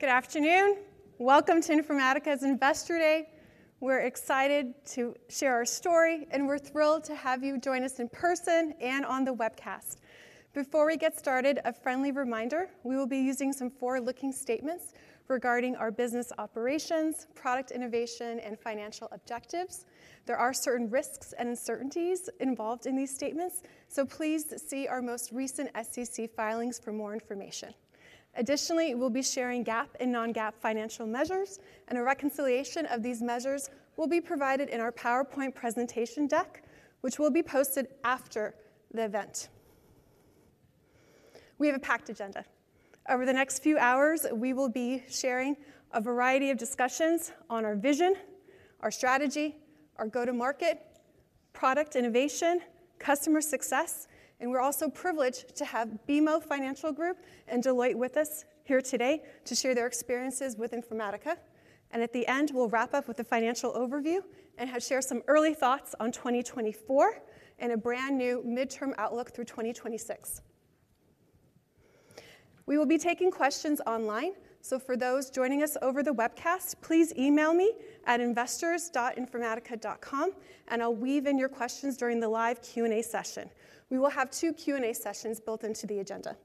Good afternoon. Welcome to Informatica's Investor Day. We're excited to share our story, and we're thrilled to have you join us in person and on the webcast. Before we get started, a friendly reminder, we will be using some forward-looking statements regarding our business operations, product innovation, and financial objectives. There are certain risks and uncertainties involved in these statements, so please see our most recent SEC filings for more information. Additionally, we'll be sharing GAAP and non-GAAP financial measures, and a reconciliation of these measures will be provided in our PowerPoint presentation deck, which will be posted after the event. We have a packed agenda. Over the next few hours, we will be sharing a variety of discussions on our vision, our strategy, our go-to-market, product innovation, customer success, and we're also privileged to have BMO Financial Group and Deloitte with us here today to share their experiences with Informatica. At the end, we'll wrap up with a financial overview and share some early thoughts on 2024 and a brand-new midterm outlook through 2026. We will be taking questions online, so for those joining us over the webcast, please email me at investors.informatica.com, and I'll weave in your questions during the live Q&A session. We will have two Q&A sessions built into the agenda.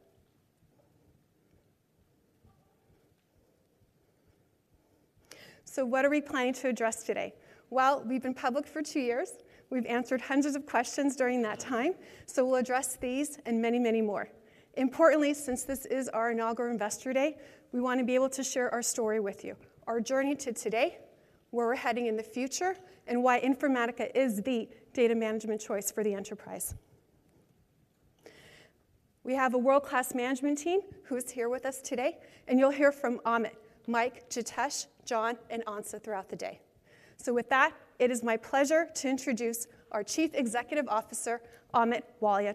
What are we planning to address today? Well, we've been public for two years. We've answered hundreds of questions during that time, so we'll address these and many, many more. Importantly, since this is our inaugural Investor Day, we want to be able to share our story with you, our journey to today, where we're heading in the future, and why Informatica is the data management choice for the enterprise. We have a world-class management team who is here with us today, and you'll hear from Amit, Mike, Jitesh, John, and Ansa throughout the day. So with that, it is my pleasure to introduce our Chief Executive Officer, Amit Walia.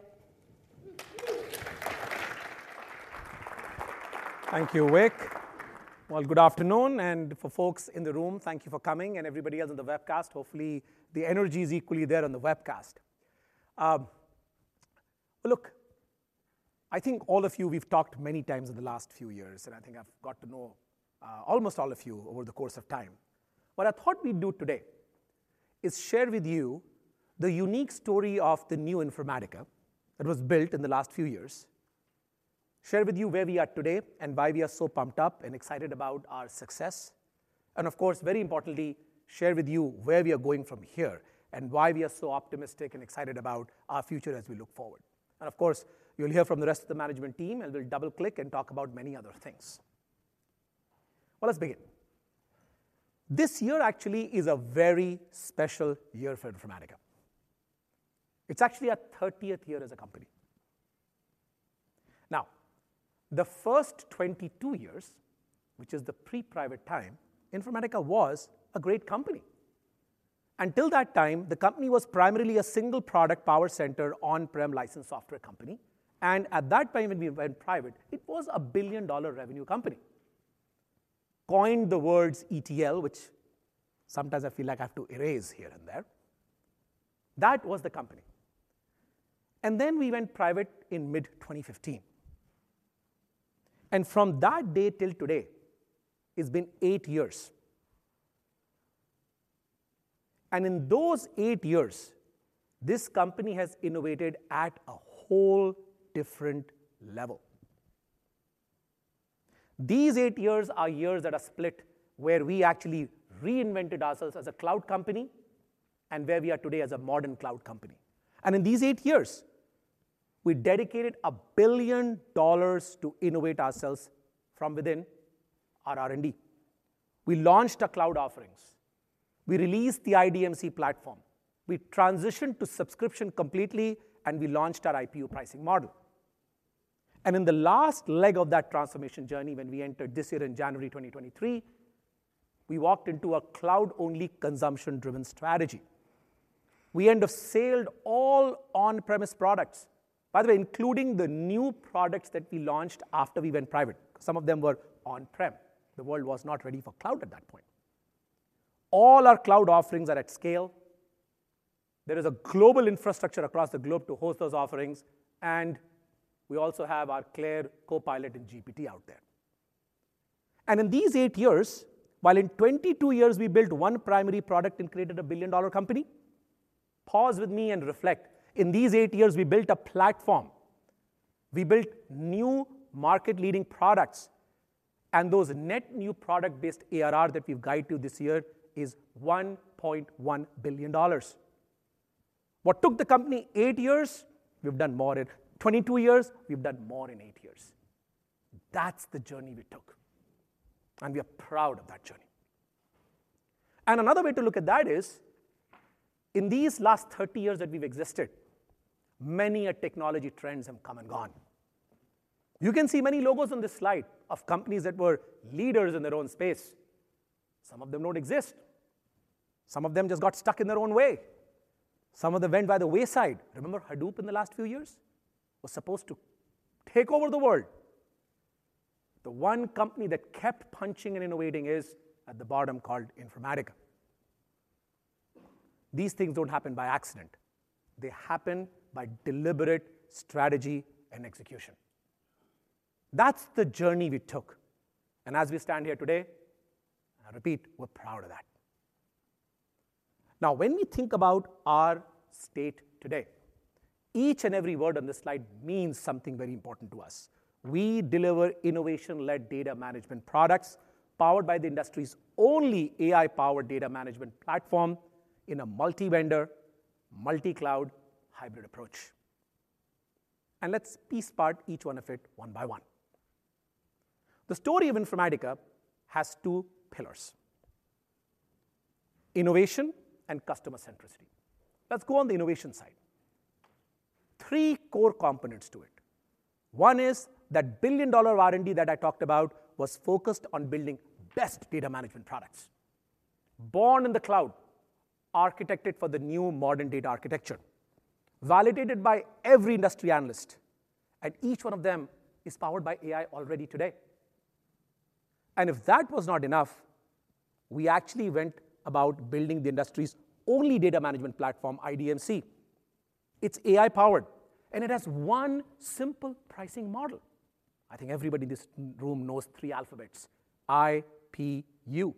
Thank you, Vic. Well, good afternoon, and for folks in the room, thank you for coming, and everybody else on the webcast, hopefully, the energy is equally there on the webcast. Look, I think all of you, we've talked many times in the last few years, and I think I've got to know almost all of you over the course of time. What I thought we'd do today is share with you the unique story of the new Informatica that was built in the last few years, share with you where we are today, and why we are so pumped up and excited about our success. And of course, very importantly, share with you where we are going from here and why we are so optimistic and excited about our future as we look forward. Of course, you'll hear from the rest of the management team, and we'll double-click and talk about many other things. Well, let's begin. This year actually is a very special year for Informatica. It's actually our 30th year as a company. Now, the first 22 years, which is the pre-private time, Informatica was a great company. Until that time, the company was primarily a single product PowerCenter, on-prem licensed software company, and at that time, when we went private, it was a billion-dollar revenue company. Coined the words ETL, which sometimes I feel like I have to erase here and there. That was the company. And then we went private in mid-2015, and from that day till today, it's been eight years. And in those eight years, this company has innovated at a whole different level. These eight years are years that are split, where we actually reinvented ourselves as a cloud company and where we are today as a modern cloud company. In these eight years, we dedicated $1 billion to innovate ourselves from within our R&D. We launched our cloud offerings. We released the IDMC platform. We transitioned to subscription completely, and we launched our IPU pricing model. In the last leg of that transformation journey, when we entered this year, in January 2023, we walked into a cloud-only, consumption-driven strategy. We ended sales of all on-premise products, by the way, including the new products that we launched after we went private. Some of them were on-prem. The world was not ready for cloud at that point. All our cloud offerings are at scale. There is a global infrastructure across the globe to host those offerings, and we also have our CLAIRE Copilot and GPT out there. In these eight years, while in 22 years, we built one primary product and created a billion-dollar company. Pause with me and reflect. In these eight years, we built a platform, we built new market-leading products, and those net new product-based ARR that we've guided to this year is $1.1 billion. What took the company eight years, we've done more in 22 years, we've done more in eight years. That's the journey we took, and we are proud of that journey. Another way to look at that is, in these last 30 years that we've existed, many a technology trends have come and gone. You can see many logos on this slide of companies that were leaders in their own space. Some of them don't exist. Some of them just got stuck in their own way. Some of them went by the wayside. Remember Hadoop in the last few years? Was supposed to take over the world. The one company that kept punching and innovating is at the bottom, called Informatica. These things don't happen by accident. They happen by deliberate strategy and execution. That's the journey we took, and as we stand here today, I repeat, we're proud of that. Now, when we think about our state today, each and every word on this slide means something very important to us. We deliver innovation-led data management products, powered by the industry's only AI-powered data management platform in a multi-vendor, multi-cloud, hybrid approach. And let's pick apart each one of it one by one. The story of Informatica has two pillars: Innovation and Customer Centricity. Let's go on the Innovation side. Three core components to it. One is that billion-dollar R&D that I talked about was focused on building best data management products, born in the cloud, architected for the new modern data architecture, validated by every industry analyst, and each one of them is powered by AI already today. And if that was not enough, we actually went about building the industry's only data management platform, IDMC. It's AI-powered, and it has one simple pricing model. I think everybody in this room knows three alphabets: IPU.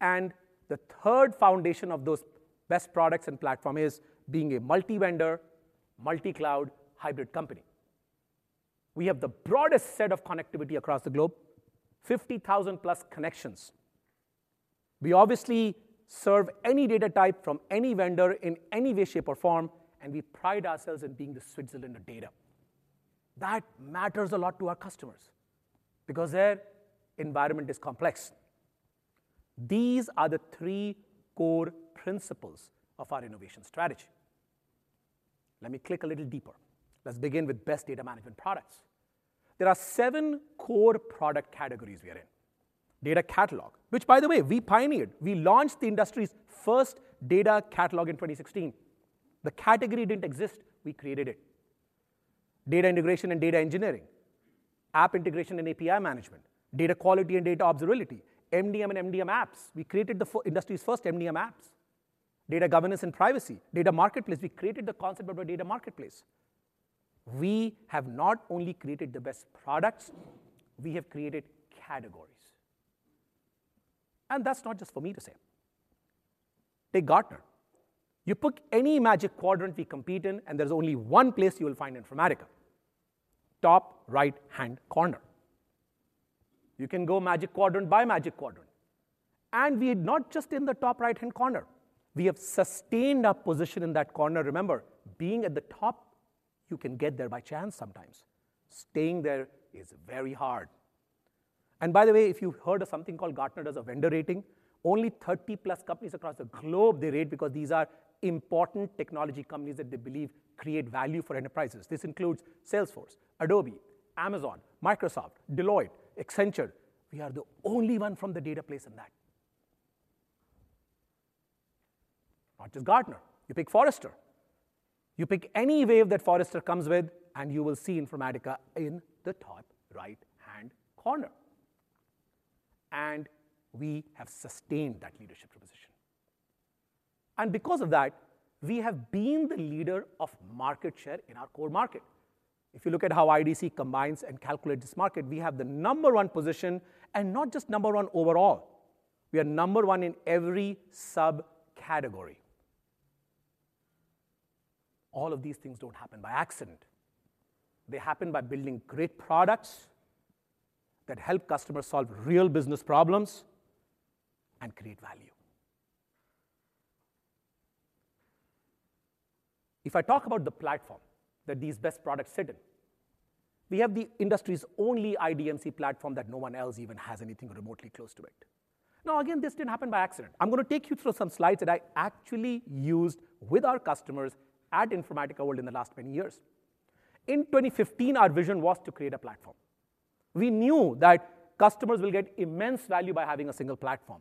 And the third foundation of those best products and platform is being a multi-vendor, multi-cloud, hybrid company. We have the broadest set of connectivity across the globe, 50,000+ connections. We obviously serve any data type from any vendor in any way, shape, or form, and we pride ourselves in being the Switzerland of data. That matters a lot to our customers because their environment is complex. These are the three core principles of our innovation strategy. Let me click a little deeper. Let's begin with best data management products. There are seven core product categories we are in. Data catalog, which, by the way, we pioneered. We launched the industry's first data catalog in 2016. The category didn't exist, we created it. Data integration and Data Engineering, App Integration and API management, Data Quality and Data Observability, MDM and MDM apps. We created the industry's first MDM apps. Data governance and privacy, data marketplace. We created the concept of a data marketplace. We have not only created the best products, we have created categories. That's not just for me to say. Take Gartner. You pick any Magic Quadrant we compete in, and there's only one place you will find Informatica: top right-hand corner. You can go Magic Quadrant by Magic Quadrant, and we're not just in the top right-hand corner, we have sustained our position in that corner. Remember, being at the top, you can get there by chance sometimes. Staying there is very hard. By the way, if you've heard of something called Gartner does a vendor rating, only 30+ companies across the globe they rate because these are important technology companies that they believe create value for enterprises. This includes Salesforce, Adobe, Amazon, Microsoft, Deloitte, Accenture. We are the only one from the data space in that. Not just Gartner, you pick Forrester. You pick any Wave that Forrester comes with, and you will see Informatica in the top right-hand corner, and we have sustained that leadership position. Because of that, we have been the leader of market share in our core market. If you look at how IDC combines and calculates this market, we have the number one position, and not just number one overall, we are number one in every subcategory. All of these things don't happen by accident. They happen by building great products that help customers solve real business problems and create value. If I talk about the platform that these best products sit in, we have the industry's only IDMC platform that no one else even has anything remotely close to it. Now, again, this didn't happen by accident. I'm gonna take you through some slides that I actually used with our customers at Informatica World in the last many years. In 2015, our vision was to create a platform. We knew that customers will get immense value by having a single platform.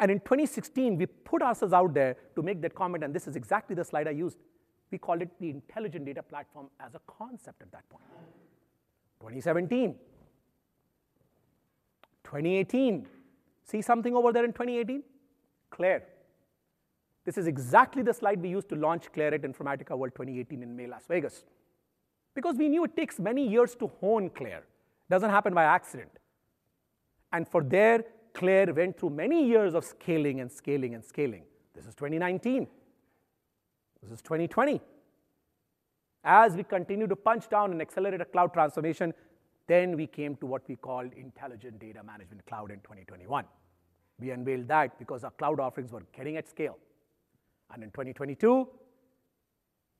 In 2016, we put ourselves out there to make that comment, and this is exactly the slide I used. We called it the Intelligent Data Platform as a concept at that point. 2017. 2018. See something over there in 2018? CLAIRE. This is exactly the slide we used to launch CLAIRE at Informatica World 2018 in May, Las Vegas. Because we knew it takes many years to hone CLAIRE, doesn't happen by accident. From there, CLAIRE went through many years of scaling and scaling and scaling. This is 2019. This is 2020. As we continued to double down and accelerate our cloud transformation, we came to what we call Intelligent Data Management Cloud in 2021. We unveiled that because our cloud offerings were getting at scale. In 2022,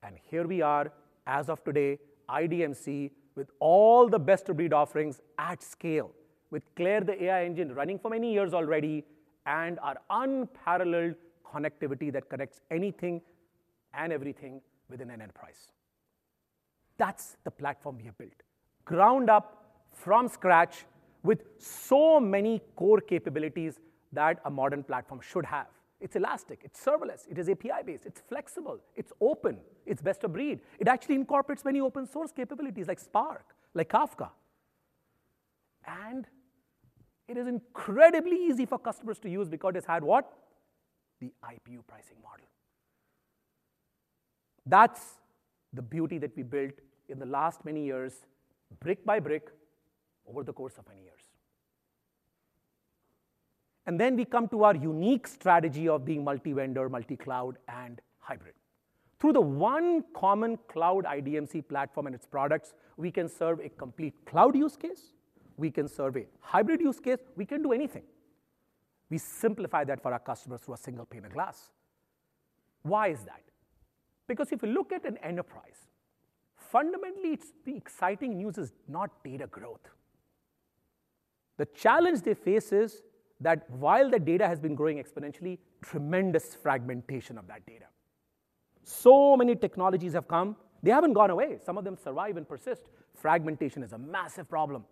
and here we are as of today, IDMC, with all the best-of-breed offerings at scale, with CLAIRE, the AI engine, running for many years already, and our unparalleled connectivity that connects anything and everything within an enterprise. That's the platform we have built, ground up from scratch, with so many core capabilities that a modern platform should have. It's elastic, it's serverless, it is API-based, it's flexible, it's open, it's best of breed. It actually incorporates many open-source capabilities like Spark, like Kafka. It is incredibly easy for customers to use because it's had what? The IPU pricing model. That's the beauty that we built in the last many years, brick by brick, over the course of many years. And then we come to our unique strategy of being multi-vendor, multi-cloud, and hybrid. Through the one common cloud IDMC platform and its products, we can serve a complete cloud use case, we can serve a hybrid use case, we can do anything. We simplify that for our customers through a single pane of glass. Why is that? Because if you look at an enterprise, fundamentally, it's the exciting news is not data growth. The challenge they face is that while the data has been growing exponentially, tremendous fragmentation of that data. So many technologies have come. They haven't gone away, some of them survive and persist. Fragmentation is a massive problem.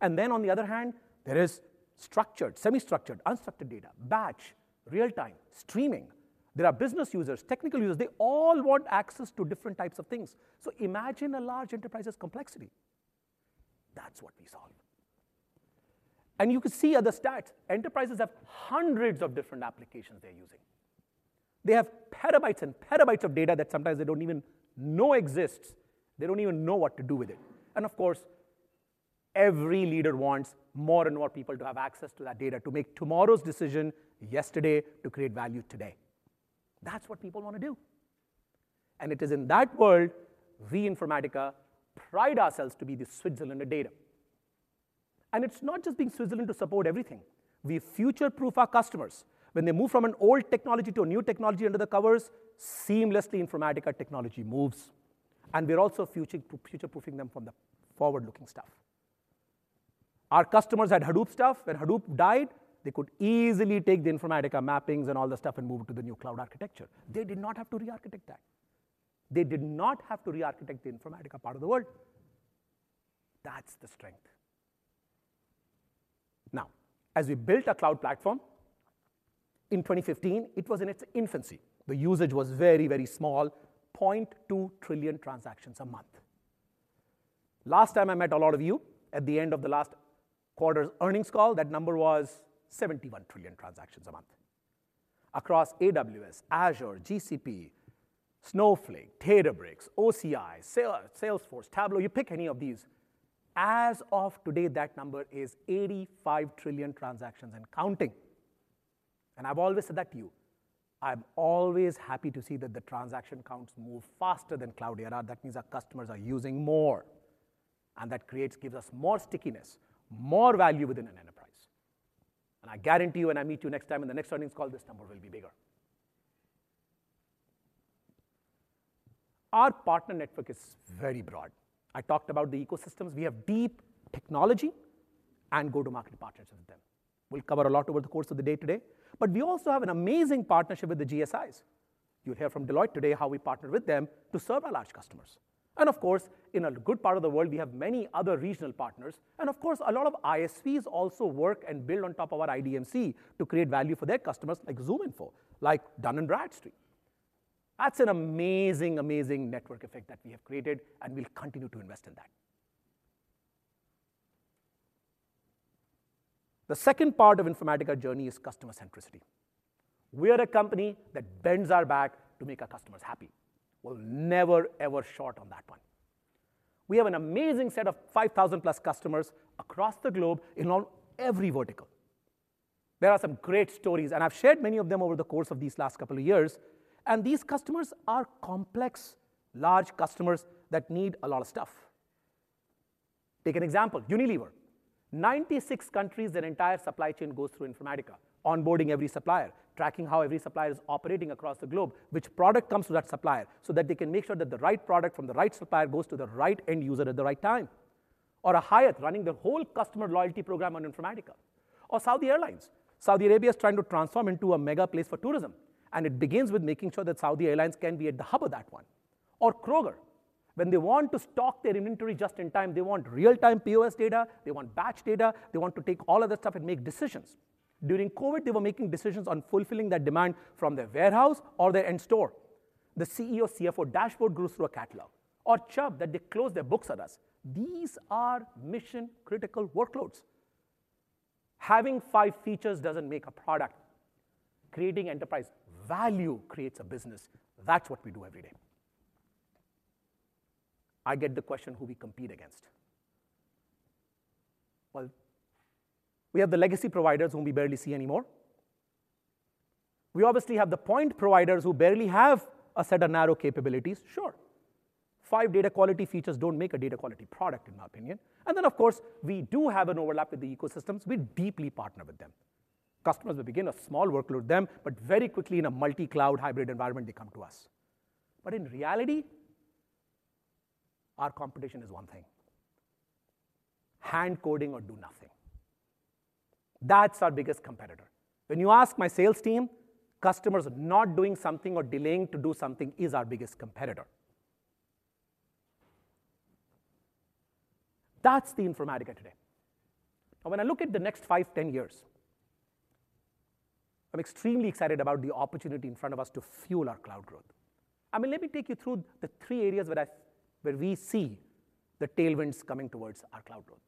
And then, on the other hand, there is structured, semi-structured, unstructured data, batch, real-time, streaming. There are business users, technical users. They all want access to different types of things. So imagine a large enterprise's complexity. That's what we solve. And you can see other stats. Enterprises have hundreds of different applications they're using. They have PB and PB of data that sometimes they don't even know exists. They don't even know what to do with it. Of course, every leader wants more and more people to have access to that data, to make tomorrow's decision yesterday, to create value today. That's what people want to do. It is in that world, we, Informatica, pride ourselves to be the Switzerland of data. It's not just being Switzerland to support everything. We future-proof our customers. When they move from an old technology to a new technology under the covers, seamlessly, Informatica technology moves, and we're also future-proofing them from the forward-looking stuff. Our customers had Hadoop stuff. When Hadoop died, they could easily take the Informatica mappings and all the stuff and move it to the new cloud architecture. They did not have to rearchitect that. They did not have to rearchitect the Informatica part of the world. That's the strength. Now, as we built our cloud platform, in 2015, it was in its infancy. The usage was very, very small, 0.2 trillion transactions a month. Last time I met a lot of you, at the end of the last quarter's earnings call, that number was 71 trillion transactions a month. Across AWS, Azure, GCP, Snowflake, Databricks, OCI, Salesforce, Tableau, you pick any of these. As of today, that number is 85 trillion transactions and counting. And I've always said that to you, I'm always happy to see that the transaction counts move faster than cloud ARR. That means our customers are using more, and that creates, gives us more stickiness, more value within an enterprise. And I guarantee you, when I meet you next time in the next earnings call, this number will be bigger. Our partner network is very broad. I talked about the ecosystems. We have deep technology and go-to-market partnerships with them. We'll cover a lot over the course of the day today, but we also have an amazing partnership with the GSIs. You'll hear from Deloitte today how we partner with them to serve our large customers. And of course, in a good part of the world, we have many other regional partners, and of course, a lot of ISVs also work and build on top of our IDMC to create value for their customers, like ZoomInfo, like Dun & Bradstreet. That's an amazing, amazing network effect that we have created, and we'll continue to invest in that. The second part of Informatica journey is customer centricity. We are a company that bends our back to make our customers happy. We're never, ever short on that one. We have an amazing set of 5,000-plus customers across the globe in all, every vertical. There are some great stories, and I've shared many of them over the course of these last couple of years, and these customers are complex, large customers that need a lot of stuff. Take an example, Unilever. 96 countries, their entire supply chain goes through Informatica, onboarding every supplier, tracking how every supplier is operating across the globe, which product comes to that supplier, so that they can make sure that the right product from the right supplier goes to the right end user at the right time. Or a Hyatt, running their whole customer loyalty program on Informatica. Or Saudi Airlines. Saudi Arabia is trying to transform into a mega place for tourism, and it begins with making sure that Saudi Airlines can be at the hub of that one. Or Kroger, when they want to stock their inventory just in time, they want real-time POS data, they want batch data, they want to take all of this stuff and make decisions. During COVID, they were making decisions on fulfilling that demand from their warehouse or their in-store. The CEO, CFO dashboard goes through a catalog. Or Chubb, that they close their books at us. These are mission-critical workloads. Having five features doesn't make a product. Creating enterprise value creates a business. That's what we do every day. I get the question, who we compete against? Well, we have the legacy providers whom we barely see anymore. We obviously have the point providers who barely have a set of narrow capabilities, sure. 5 data quality features don't make a data quality product, in my opinion. Then, of course, we do have an overlap with the ecosystems. We deeply partner with them. Customers will begin a small workload them, but very quickly, in a multi-cloud hybrid environment, they come to us. But in reality, our competition is one thing: hand coding or do nothing. That's our biggest competitor. When you ask my sales team, customers not doing something or delaying to do something is our biggest competitor. That's the Informatica today. And when I look at the next five, 10 years. I'm extremely excited about the opportunity in front of us to fuel our cloud growth. I mean, let me take you through the three areas where we see the tailwinds coming towards our cloud growth.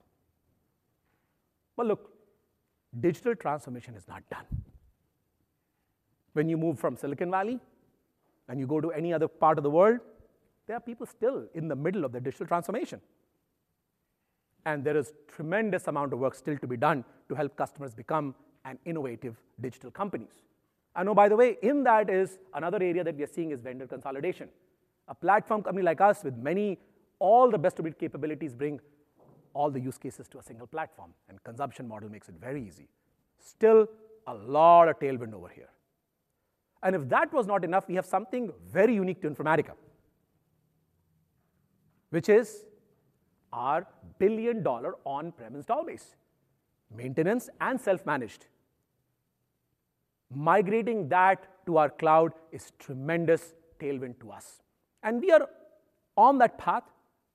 Well, look, digital transformation is not done. When you move from Silicon Valley and you go to any other part of the world, there are people still in the middle of their digital transformation, and there is tremendous amount of work still to be done to help customers become an innovative digital companies. I know, by the way, in that is another area that we are seeing is vendor consolidation. A platform company like us, with many, all the best-of-breed capabilities, bring all the use cases to a single platform, and consumption model makes it very easy. Still, a lot of tailwind over here. And if that was not enough, we have something very unique to Informatica, which is our billion-dollar on-prem install base, maintenance and self-managed. Migrating that to our cloud is tremendous tailwind to us, and we are on that path.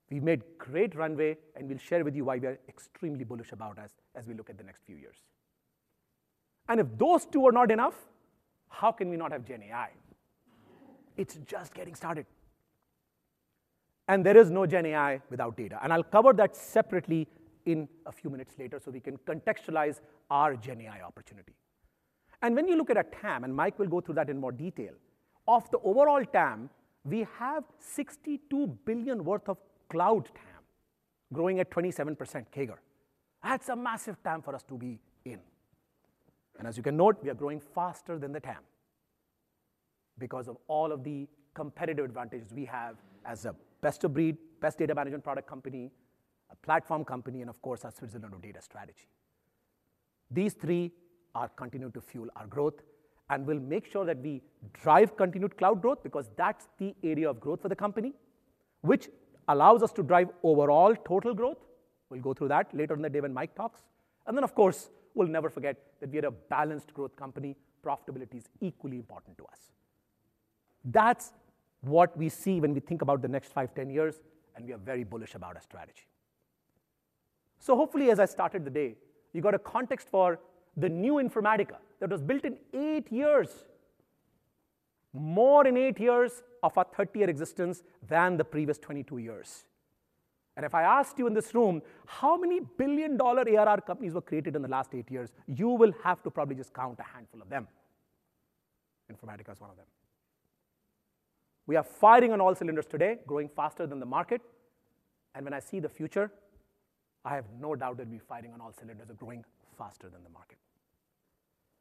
We've made great runway, and we'll share with you why we are extremely bullish about us as we look at the next few years. If those two are not enough, how can we not have GenAI? It's just getting started. There is no GenAI without data, and I'll cover that separately in a few minutes later, so we can contextualize our GenAI opportunity. When you look at a TAM, and Mike will go through that in more detail, of the overall TAM, we have $62 billion worth of cloud TAM, growing at 27% CAGR. That's a massive TAM for us to be in. As you can note, we are growing faster than the TAM because of all of the competitive advantages we have as a best-of-breed, best data management product company, a platform company, and of course, our strategic data strategy. These three are continuing to fuel our growth, and we'll make sure that we drive continued cloud growth because that's the area of growth for the company, which allows us to drive overall total growth. We'll go through that later in the day when Mike talks. And then, of course, we'll never forget that we are a balanced growth company. Profitability is equally important to us. That's what we see when we think about the next five, 10 years, and we are very bullish about our strategy. So hopefully, as I started the day, you got a context for the new Informatica that was built in eight years, more in eight years of our 30-year existence than the previous 22 years. And if I asked you in this room, how many billion-dollar ARR companies were created in the last eight years? You will have to probably just count a handful of them. Informatica is one of them. We are firing on all cylinders today, growing faster than the market, and when I see the future, I have no doubt that we're firing on all cylinders and growing faster than the market.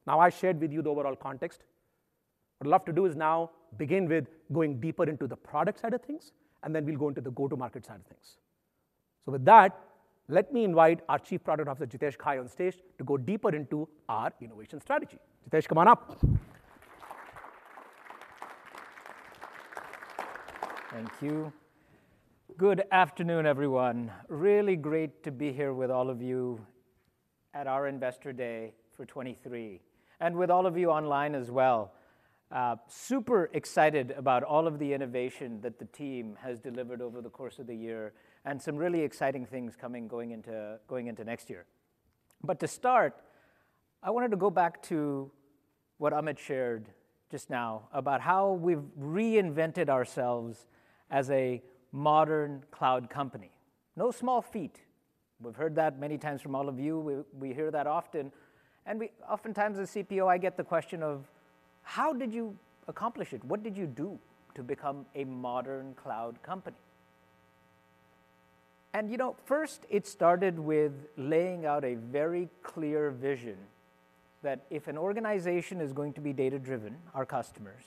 Now, I shared with you the overall context. What I'd love to do is now begin with going deeper into the product side of things, and then we'll go into the go-to-market side of things. So with that, let me invite our Chief Product Officer, Jitesh Ghai, on stage to go deeper into our innovation strategy. Jitesh, come on up. Thank you. Good afternoon, everyone. Really great to be here with all of you at our Investor Day for 2023, and with all of you online as well. Super excited about all of the innovation that the team has delivered over the course of the year, and some really exciting things coming, going into next year. But to start, I wanted to go back to what Amit shared just now about how we've reinvented ourselves as a modern cloud company. No small feat. We've heard that many times from all of you. We hear that often, and we oftentimes, as CPO, I get the question of: How did you accomplish it? What did you do to become a modern cloud company? You know, first, it started with laying out a very clear vision that if an organization is going to be data-driven, our customers,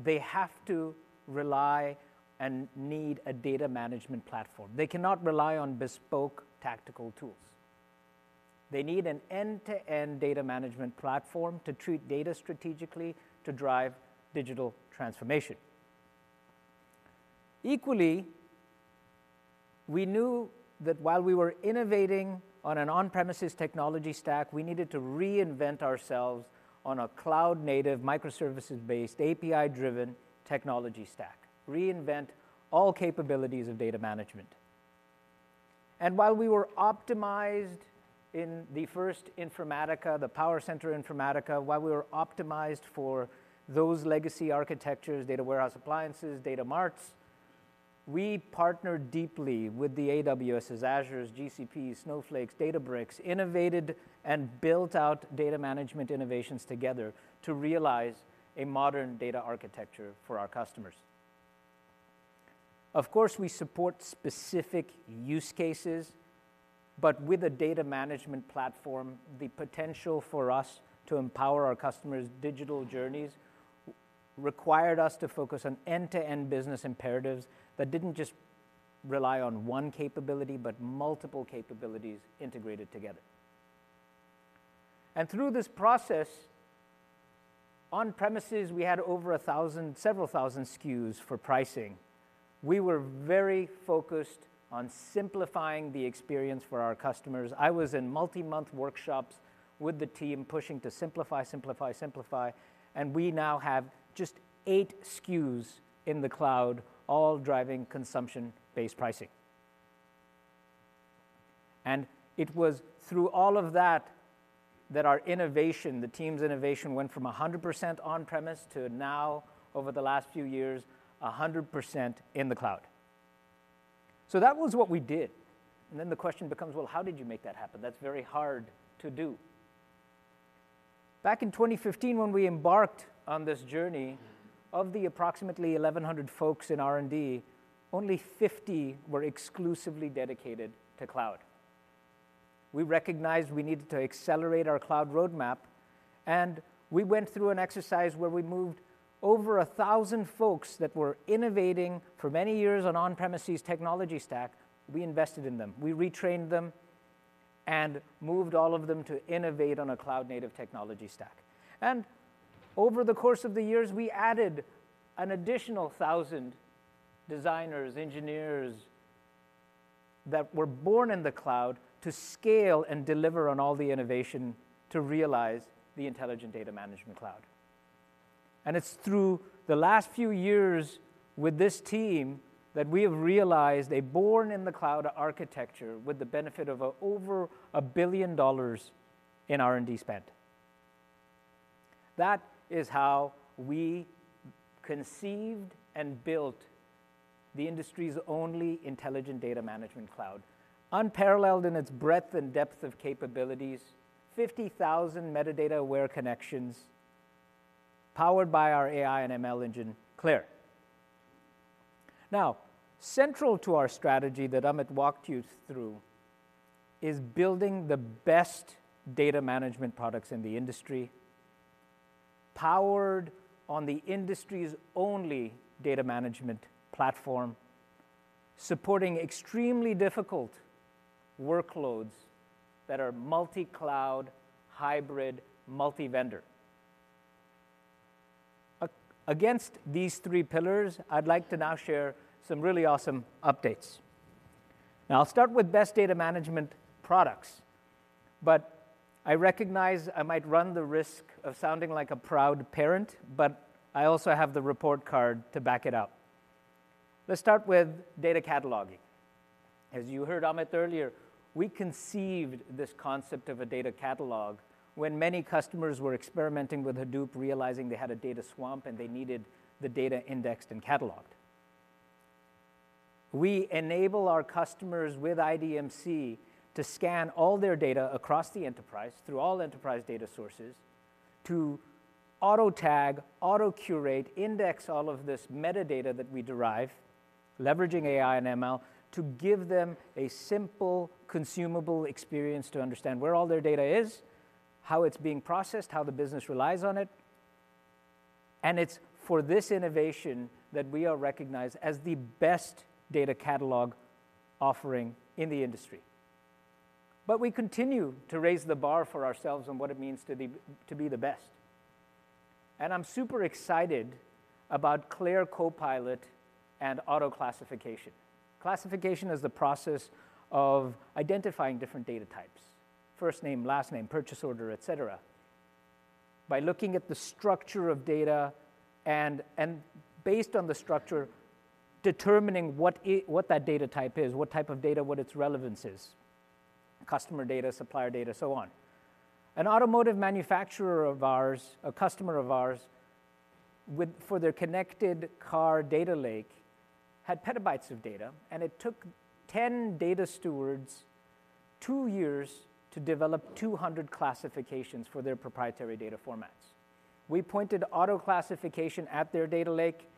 they have to rely and need a data management platform. They cannot rely on bespoke tactical tools. They need an end-to-end data management platform to treat data strategically to drive digital transformation. Equally, we knew that while we were innovating on an on-premises technology stack, we needed to reinvent ourselves on a cloud-native, microservices-based, API-driven technology stack, reinvent all capabilities of data management. And while we were optimized in the first Informatica, the PowerCenter Informatica, while we were optimized for those legacy architectures, data warehouse appliances, data marts, we partnered deeply with the AWS's, Azures, GCPs, Snowflakes, Databricks, innovated and built out data management innovations together to realize a modern data architecture for our customers. Of course, we support specific use cases, but with a data management platform, the potential for us to empower our customers' digital journeys required us to focus on end-to-end business imperatives that didn't just rely on one capability, but multiple capabilities integrated together. And through this process, on premises, we had over 1,000 - several thousand SKUs for pricing. We were very focused on simplifying the experience for our customers. I was in multi-month workshops with the team, pushing to simplify, simplify, simplify, and we now have just eight SKUs in the cloud, all driving consumption-based pricing. And it was through all of that that our innovation, the team's innovation, went from 100% on-premise to now, over the last few years, 100% in the cloud. So that was what we did, and then the question becomes: well, how did you make that happen? That's very hard to do. Back in 2015 when we embarked on this journey, of the approximately 1,100 folks in R&D, only 50 were exclusively dedicated to cloud. We recognized we needed to accelerate our cloud roadmap, and we went through an exercise where we moved over 1,000 folks that were innovating for many years on an on-premises technology stack, we invested in them. We retrained them and moved all of them to innovate on a cloud-native technology stack. And over the course of the years, we added an additional 1,000 designers, engineers, that were born in the cloud to scale and deliver on all the innovation to realize the Intelligent Data Management Cloud. And it's through the last few years with this team that we have realized a born-in-the-cloud architecture with the benefit of over $1 billion in R&D spend. That is how we conceived and built the industry's only Intelligent Data Management Cloud, unparalleled in its breadth and depth of capabilities, 50,000 metadata-aware connections, powered by our AI and ML engine, CLAIRE. Now, central to our strategy that Amit walked you through is building the best data management products in the industry, powered on the industry's only data management platform, supporting extremely difficult workloads that are multi-cloud, hybrid, multi-vendor. Against these three pillars, I'd like to now share some really awesome updates. Now, I'll start with best data management products, but I recognize I might run the risk of sounding like a proud parent, but I also have the report card to back it up. Let's start with Data Cataloging. As you heard Amit earlier, we conceived this concept of a data catalog when many customers were experimenting with Hadoop, realizing they had a data swamp, and they needed the data indexed and cataloged. We enable our customers with IDMC to scan all their data across the enterprise, through all enterprise data sources, to auto-tag, auto-curate, index all of this metadata that we derive, leveraging AI and ML, to give them a simple, consumable experience to understand where all their data is, how it's being processed, how the business relies on it. And it's for this innovation that we are recognized as the best data catalog offering in the industry. But we continue to raise the bar for ourselves on what it means to be the best, and I'm super excited about CLAIRE Copilot and auto-classification. Classification is the process of identifying different data types, first name, last name, purchase order, et cetera, by looking at the structure of data and based on the structure, determining what that data type is, what type of data, what its relevance is, customer data, supplier data, so on. An automotive manufacturer of ours, a customer of ours, for their connected car data lake, had PB of data, and it took 10 data stewards two years to develop 200 classifications for their proprietary data formats. We pointed auto-classification at their data lake.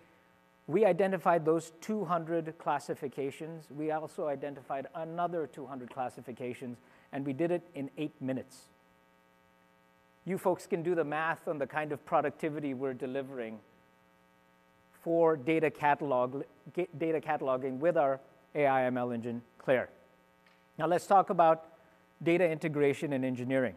We identified those 200 classifications. We also identified another 200 classifications, and we did it in eight minutes. You folks can do the math on the kind of productivity we're delivering for Data Cataloging with our AI ML engine, CLAIRE. Now, let's talk about data integration and engineering.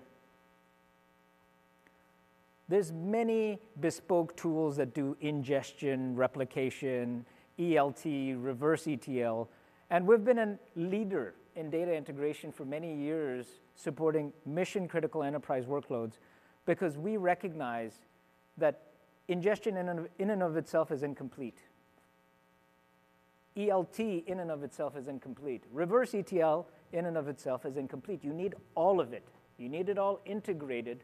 There's many bespoke tools that do ingestion, replication, ELT, reverse ETL, and we've been a leader in data integration for many years, supporting mission-critical enterprise workloads, because we recognize that ingestion in and of, in and of itself is incomplete. ELT in and of itself is incomplete. Reverse ETL in and of itself is incomplete. You need all of it. You need it all integrated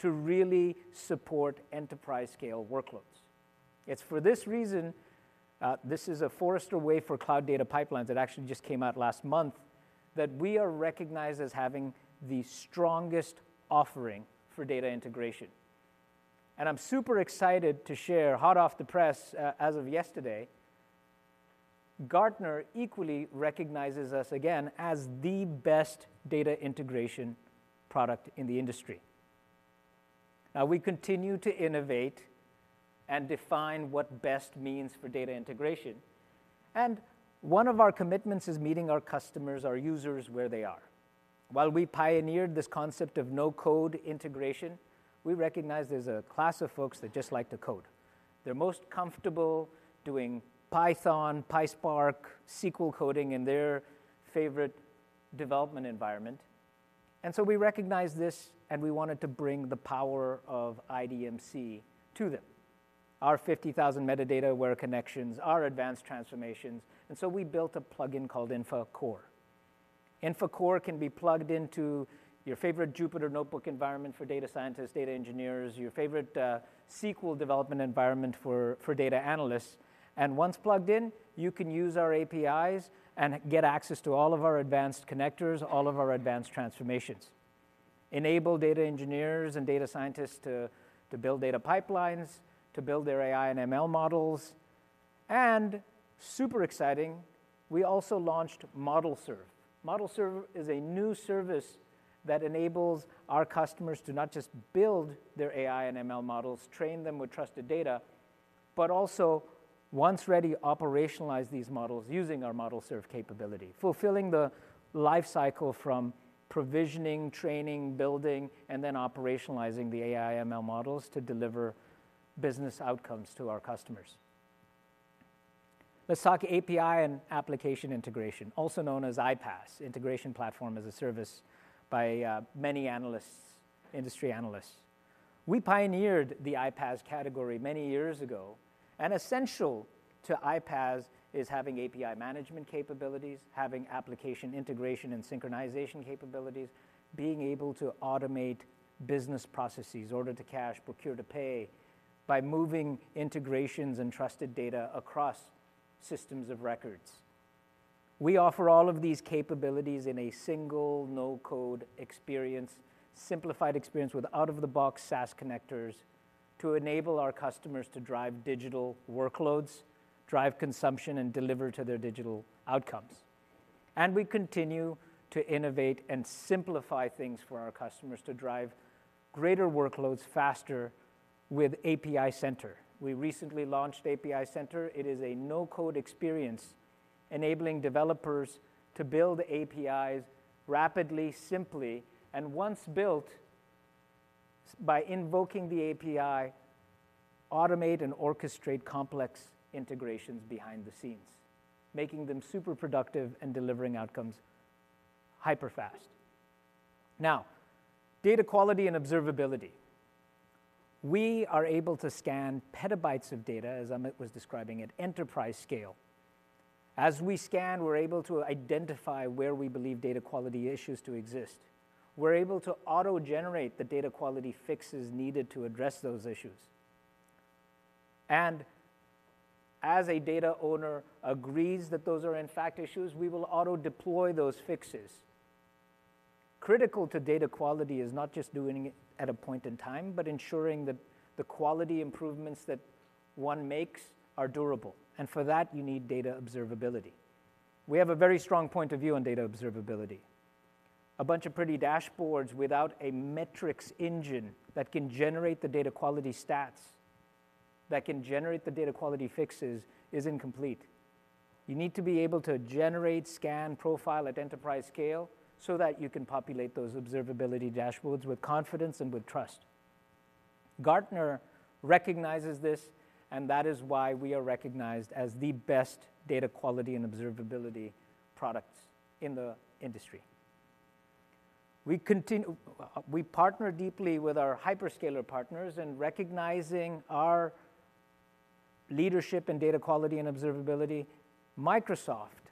to really support enterprise-scale workloads. It's for this reason, this is a Forrester Wave for cloud data pipelines that actually just came out last month, that we are recognized as having the strongest offering for data integration. And I'm super excited to share, hot off the press, as of yesterday, Gartner equally recognizes us again as the best data integration product in the industry. Now, we continue to innovate and define what best means for data integration, and one of our commitments is meeting our customers, our users, where they are. While we pioneered this concept of no-code integration, we recognize there's a class of folks that just like to code. They're most comfortable doing Python, PySpark, SQL coding in their favorite development environment. And so we recognize this, and we wanted to bring the power of IDMC to them. Our 50,000 metadata aware connections, our advanced transformations, and so we built a plugin called INFACore. INFACore can be plugged into your favorite Jupyter Notebook environment for data scientists, data engineers, your favorite SQL development environment for data analysts. And once plugged in, you can use our APIs and get access to all of our advanced connectors, all of our advanced transformations. Enable data engineers and data scientists to build data pipelines, to build their AI and ML models. And super exciting, we also launched ModelServe. ModelServe is a new service that enables our customers to not just build their AI and ML models, train them with trusted data, but also, once ready, operationalize these models using our ModelServe capability, fulfilling the life cycle from provisioning, training, building, and then operationalizing the AI ML models to deliver business outcomes to our customers. Let's talk API and application integration, also known as iPaaS, integration platform as a service, by many analysts, industry analysts. We pioneered the iPaaS category many years ago, and essential to iPaaS is having API management capabilities, having application integration and synchronization capabilities, being able to automate business processes, order to cash, procure to pay, by moving integrations and trusted data across systems of records. We offer all of these capabilities in a single, no-code experience, simplified experience, with out-of-the-box SaaS connectors to enable our customers to drive digital workloads, drive consumption, and deliver to their digital outcomes. And we continue to innovate and simplify things for our customers to drive greater workloads faster with API Center. We recently launched API Center. It is a no-code experience, enabling developers to build APIs rapidly, simply, and once built, by invoking the API, automate and orchestrate complex integrations behind the scenes, making them super productive and delivering outcomes hyper fast. Now, data quality and observability. We are able to scan PB of data, as Amit was describing it, enterprise scale. As we scan, we're able to identify where we believe data quality issues to exist. We're able to auto-generate the data quality fixes needed to address those issues. As a data owner agrees that those are in fact issues, we will auto-deploy those fixes. Critical to data quality is not just doing it at a point in time, but ensuring that the quality improvements that one makes are durable, and for that, you need data observability. We have a very strong point of view on data observability. A bunch of pretty dashboards without a metrics engine that can generate the data quality stats, that can generate the data quality fixes, is incomplete. You need to be able to generate, scan, profile at enterprise scale so that you can populate those observability dashboards with confidence and with trust. Gartner recognizes this, and that is why we are recognized as the best data quality and observability products in the industry. We partner deeply with our hyperscaler partners, in recognizing our leadership in data quality and observability. Microsoft,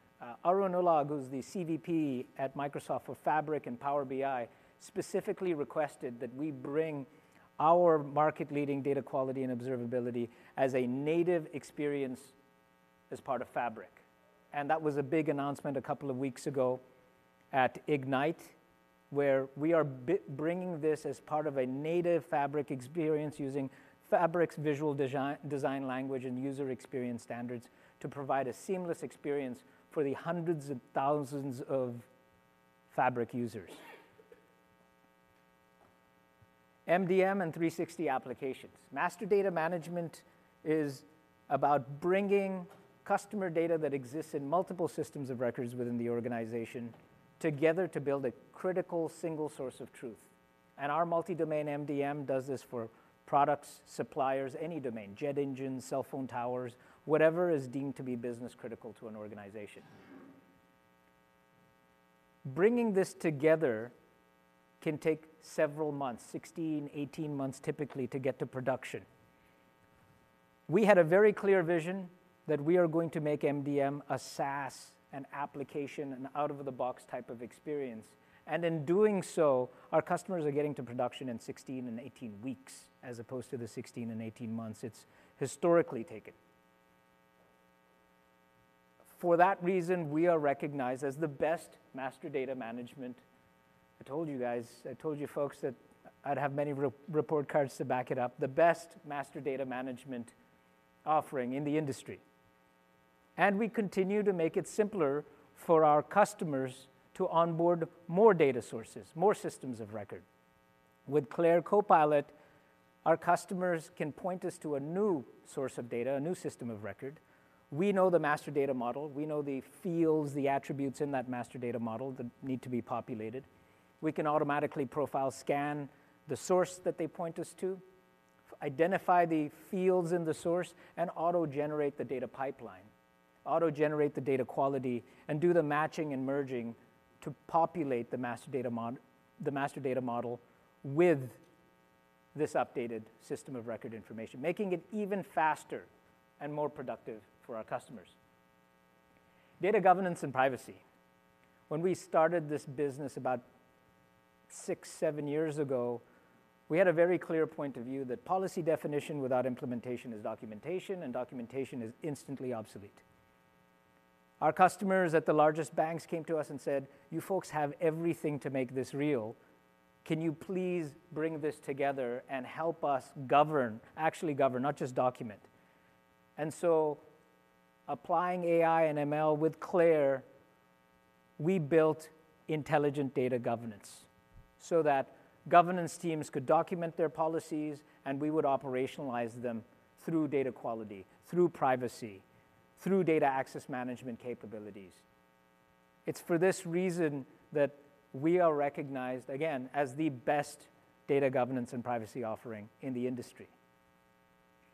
Arun Ulag, who's the CVP at Microsoft for Fabric and Power BI, specifically requested that we bring our market-leading data quality and observability as a native experience as part of Fabric. And that was a big announcement a couple of weeks ago at Ignite, where we are bringing this as part of a native Fabric experience, using Fabric's visual design language and user experience standards to provide a seamless experience for the hundreds of thousands of Fabric users. MDM and 360 applications. Master Data Management is about bringing customer data that exists in multiple systems of records within the organization together to build a critical single source of truth. And our multi-domain MDM does this for products, suppliers, any domain, jet engines, cell phone towers, whatever is deemed to be business critical to an organization. Bringing this together can take several months, 16-18 months, typically, to get to production. We had a very clear vision that we are going to make MDM a SaaS, an application, an out-of-the-box type of experience, and in doing so, our customers are getting to production in 16-18 weeks, as opposed to the 16-18 months it's historically taken. For that reason, we are recognized as the best master data management. I told you guys, I told you folks that I'd have many report cards to back it up, the best master data management offering in the industry. And we continue to make it simpler for our customers to onboard more data sources, more systems of record. With CLAIRE Copilot, our customers can point us to a new source of data, a new system of record. We know the master data model, we know the fields, the attributes in that master data model that need to be populated. We can automatically profile scan the source that they point us to, identify the fields in the source, and auto-generate the data pipeline, auto-generate the data quality, and do the matching and merging to populate the master data model, the master data model with this updated system of record information, making it even faster and more productive for our customers. Data governance and privacy. When we started this business about six, seven years ago, we had a very clear point of view that policy definition without implementation is documentation, and documentation is instantly obsolete. Our customers at the largest banks came to us and said, "You folks have everything to make this real. Can you please bring this together and help us govern, actually govern, not just document?" And so applying AI and ML with CLAIRE, we built intelligent data governance so that governance teams could document their policies, and we would operationalize them through data quality, through privacy, through data access management capabilities. It's for this reason that we are recognized, again, as the best data governance and privacy offering in the industry.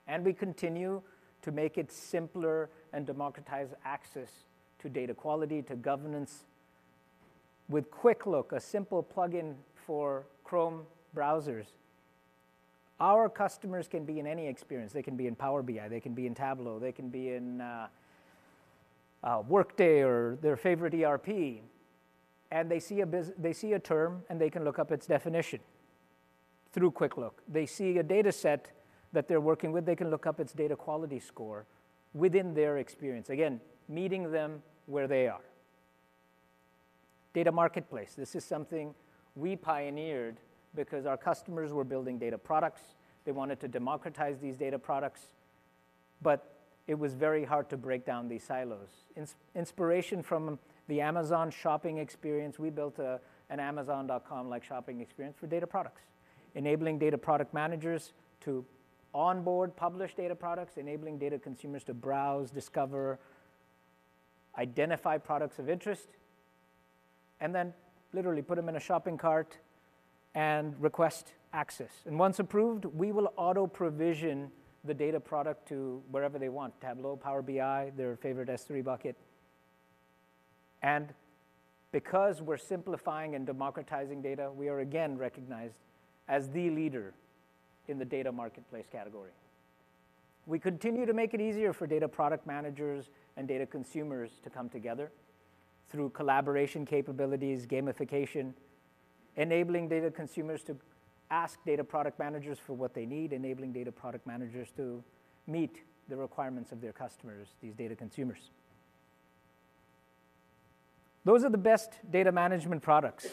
And we continue to make it simpler and democratize access to data quality, to governance. With Quick Look, a simple plugin for Chrome browsers, our customers can be in any experience. They can be in Power BI, they can be in Tableau, they can be in Workday or their favorite ERP, and they see a term, and they can look up its definition through Quick Look. They see a data set that they're working with, they can look up its data quality score within their experience, again, meeting them where they are. Data marketplace, this is something we pioneered because our customers were building data products. They wanted to democratize these data products, but it was very hard to break down these silos. Inspiration from the Amazon shopping experience, we built a, an Amazon.com-like shopping experience for data products, enabling data product managers to onboard, publish data products, enabling data consumers to browse, discover, identify products of interest, and then literally put them in a shopping cart and request access. And once approved, we will auto-provision the data product to wherever they want, Tableau, Power BI, their favorite S3 bucket. And because we're simplifying and democratizing data, we are again recognized as the leader in the data marketplace category. We continue to make it easier for data product managers and data consumers to come together through collaboration capabilities, gamification, enabling data consumers to ask data product managers for what they need, enabling data product managers to meet the requirements of their customers, these data consumers. Those are the best data management products.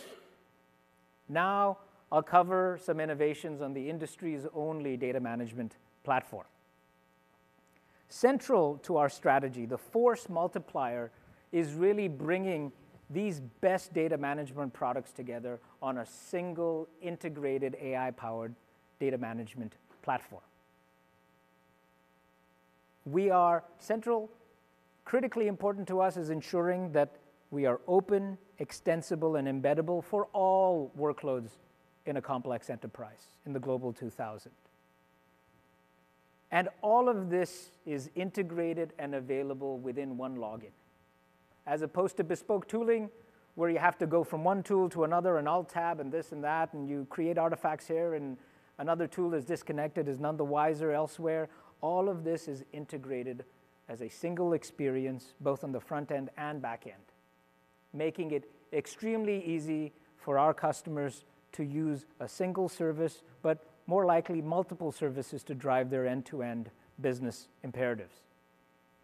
Now, I'll cover some innovations on the industry's only data management platform. Central to our strategy, the force multiplier is really bringing these best data management products together on a single, integrated, AI-powered data management platform. Critically important to us is ensuring that we are open, extensible, and embeddable for all workloads in a complex enterprise, in the Global 2000. All of this is integrated and available within one login. As opposed to bespoke tooling, where you have to go from one tool to another, and Alt+Tab, and this and that, and you create artifacts here, and another tool is disconnected, is none the wiser elsewhere. All of this is integrated as a single experience, both on the front end and back end, making it extremely easy for our customers to use a single service, but more likely, multiple services to drive their end-to-end business imperatives.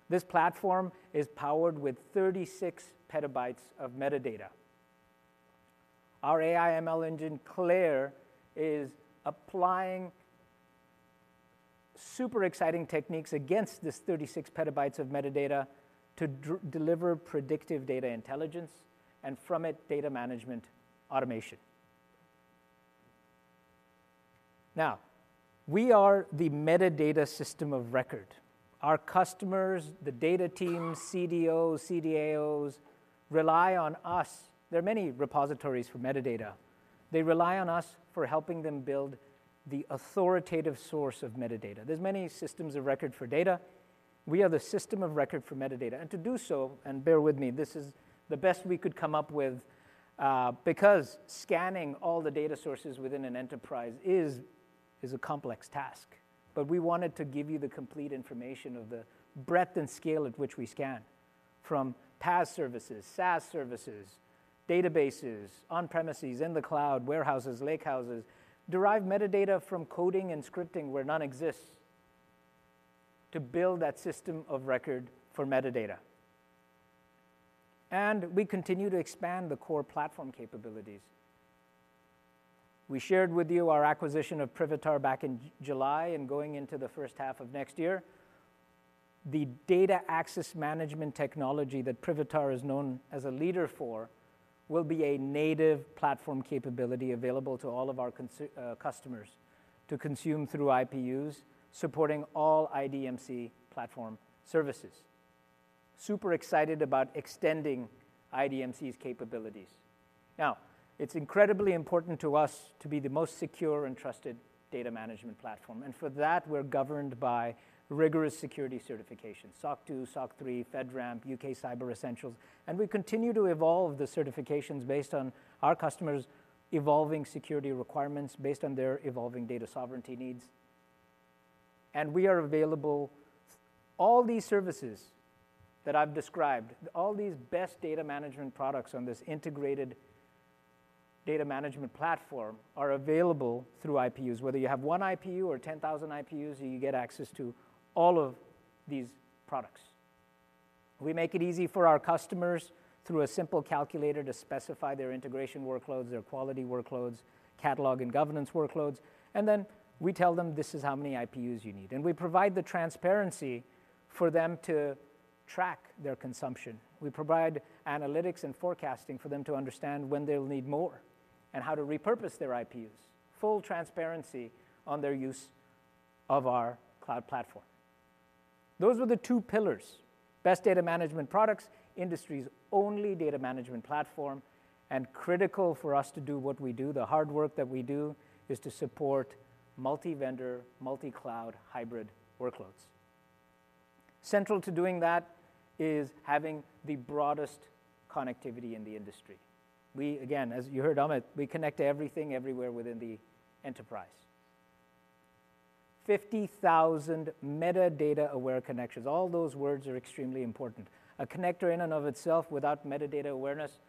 This platform is powered with 36 PB of metadata. Our AI ML engine, CLAIRE, is applying super exciting techniques against this 36 PB of metadata to deliver predictive data intelligence, and from it, data management automation. Now, we are the metadata system of record. Our customers, the data teams, CDOs, CDAOs, rely on us. There are many repositories for metadata. They rely on us for helping them build the authoritative source of metadata. There's many systems of record for data. We are the system of record for metadata. And to do so, and bear with me, this is the best we could come up with, because scanning all the data sources within an enterprise is a complex task. But we wanted to give you the complete information of the breadth and scale at which we scan, from PaaS services, SaaS services, databases, on-premises, in the cloud, warehouses, lakehouses, derive metadata from coding and scripting where none exists, to build that system of record for metadata. And we continue to expand the core platform capabilities. We shared with you our acquisition of Privitar back in July and going into the first half of next year. The data access management technology that Privitar is known as a leader for will be a native platform capability available to all of our customers to consume through IPUs, supporting all IDMC platform services. Super excited about extending IDMC's capabilities. Now, it's incredibly important to us to be the most secure and trusted data management platform, and for that, we're governed by rigorous security certifications, SOC 2, SOC 3, FedRAMP, UK Cyber Essentials, and we continue to evolve the certifications based on our customers' evolving security requirements, based on their evolving data sovereignty needs. All these services that I've described, all these best data management products on this integrated data management platform, are available through IPUs. Whether you have one IPU or ten thousand IPUs, you get access to all of these products. We make it easy for our customers through a simple calculator to specify their integration workloads, their quality workloads, catalog and governance workloads, and then we tell them, "This is how many IPUs you need." And we provide the transparency for them to track their consumption. We provide analytics and forecasting for them to understand when they'll need more and how to repurpose their IPUs. Full transparency on their use of our cloud platform. Those were the two pillars, best data management products, industry's only data management platform, and critical for us to do what we do, the hard work that we do, is to support multi-vendor, multi-cloud, hybrid workloads. Central to doing that is having the broadest connectivity in the industry. We, again, as you heard, Amit, we connect everything everywhere within the enterprise. 50,000 metadata-aware connections, all those words are extremely important. A connector in and of itself without metadata awareness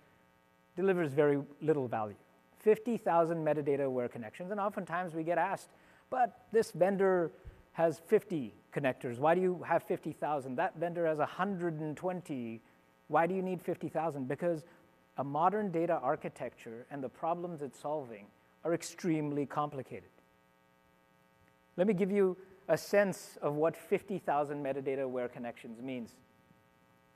delivers very little value. 50,000 metadata-aware connections, and oftentimes we get asked, "But this vendor has 50 connectors. Why do you have 50,000? That vendor has 120, why do you need 50,000?" Because a modern data architecture and the problems it's solving are extremely complicated. Let me give you a sense of what 50,000 metadata-aware connections means.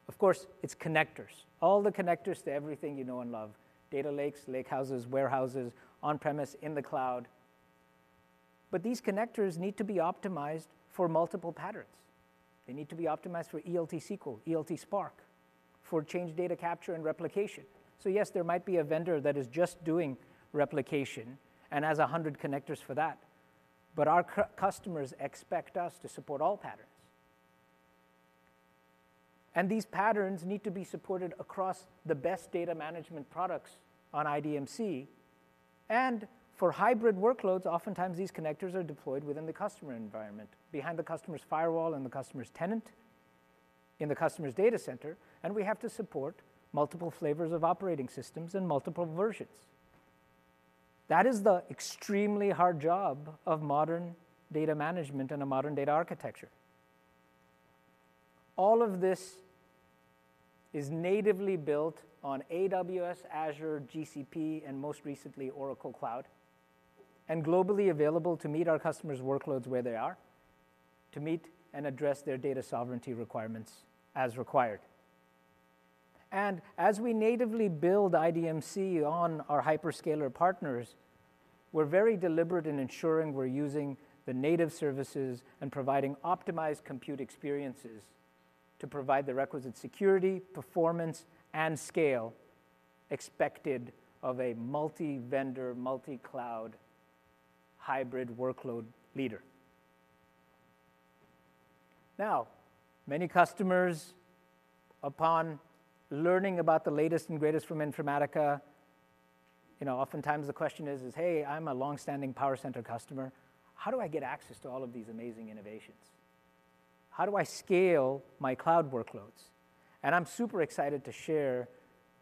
Of course, it's connectors. All the connectors to everything you know and love, data lakes, lake houses, warehouses, on-premises, in the cloud. But these connectors need to be optimized for multiple patterns. They need to be optimized for ELT SQL, ELT Spark, for change data capture and replication. So yes, there might be a vendor that is just doing replication and has 100 connectors for that, but our customers expect us to support all patterns. These patterns need to be supported across the best data management products on IDMC, and for hybrid workloads, oftentimes these connectors are deployed within the customer environment, behind the customer's firewall and the customer's tenant, in the customer's data center, and we have to support multiple flavors of operating systems and multiple versions. That is the extremely hard job of modern data management and a modern data architecture. All of this is natively built on AWS, Azure, GCP, and most recently, Oracle Cloud, and globally available to meet our customers' workloads where they are, to meet and address their data sovereignty requirements as required. As we natively build IDMC on our hyperscaler partners, we're very deliberate in ensuring we're using the native services and providing optimized compute experiences to provide the requisite security, performance, and scale expected of a multi-vendor, multi-cloud, hybrid workload leader. Now, many customers, upon learning about the latest and greatest from Informatica, you know, oftentimes the question is, is, "Hey, I'm a long-standing PowerCenter customer. How do I get access to all of these amazing innovations? How do I scale my cloud workloads?" And I'm super excited to share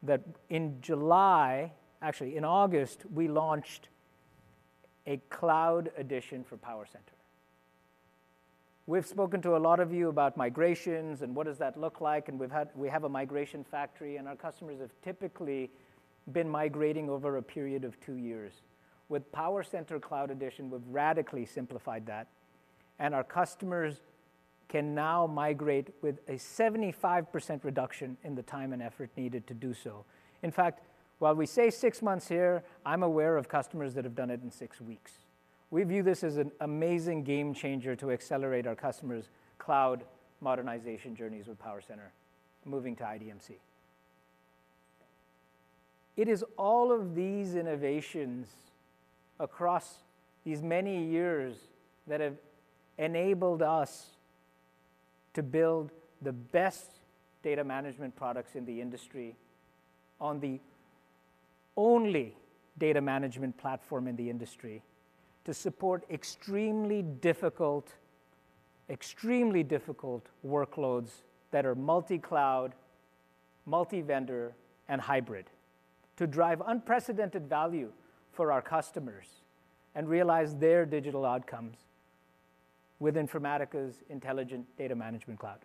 that in July, actually, in August, we launched a cloud edition for PowerCenter. We've spoken to a lot of you about migrations and what does that look like, and we have a Migration Factory, and our customers have typically been migrating over a period of two years. With PowerCenter Cloud Edition, we've radically simplified that, and our customers can now migrate with a 75% reduction in the time and effort needed to do so. In fact, while we say six months here, I'm aware of customers that have done it in six weeks. We view this as an amazing game changer to accelerate our customers' cloud modernization journeys with PowerCenter, moving to IDMC. It is all of these innovations across these many years that have enabled us to build the best data management products in the industry, on the only data management platform in the industry, to support extremely difficult, extremely difficult workloads that are multi-cloud, multi-vendor, and hybrid, to drive unprecedented value for our customers and realize their digital outcomes with Informatica's Intelligent Data Management Cloud.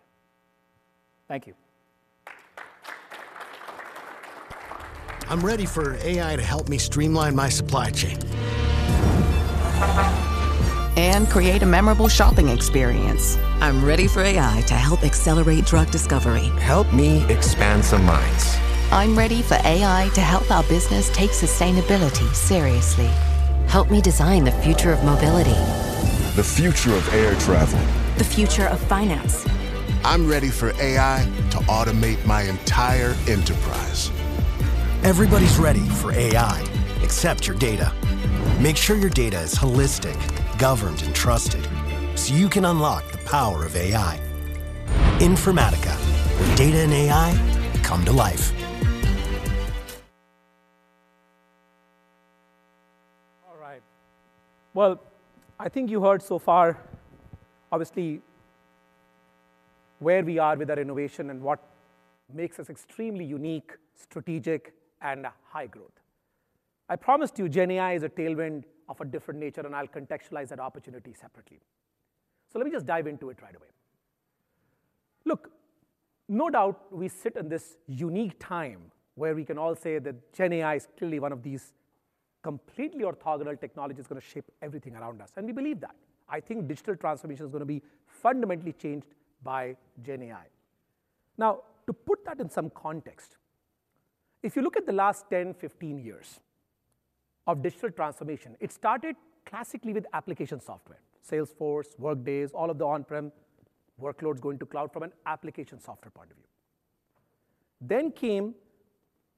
Thank you. I'm ready for AI to help me streamline my supply chain. And create a memorable shopping experience. I'm ready for AI to help accelerate drug discovery. Help me expand some minds. I'm ready for AI to help our business take sustainability seriously. Help me design the future of mobility. The future of air travel. The future of finance. I'm ready for AI to automate my entire enterprise. Everybody's ready for AI, except your data. Make sure your data is holistic, governed, and trusted, so you can unlock the power of AI. Informatica: Where data and AI come to life. All right. Well, I think you heard so far, obviously, where we are with our innovation and what makes us extremely unique, strategic, and high growth. I promised you GenAI is a tailwind of a different nature, and I'll contextualize that opportunity separately. So let me just dive into it right away. Look, no doubt, we sit in this unique time where we can all say that GenAI is clearly one of these completely orthogonal technologies that's gonna shape everything around us, and we believe that. I think digital transformation is gonna be fundamentally changed by GenAI. Now, to put that in some context, if you look at the last 10, 15 years of digital transformation, it started classically with application software: Salesforce, Workday, all of the on-prem workloads going to cloud from an application software point of view. Then came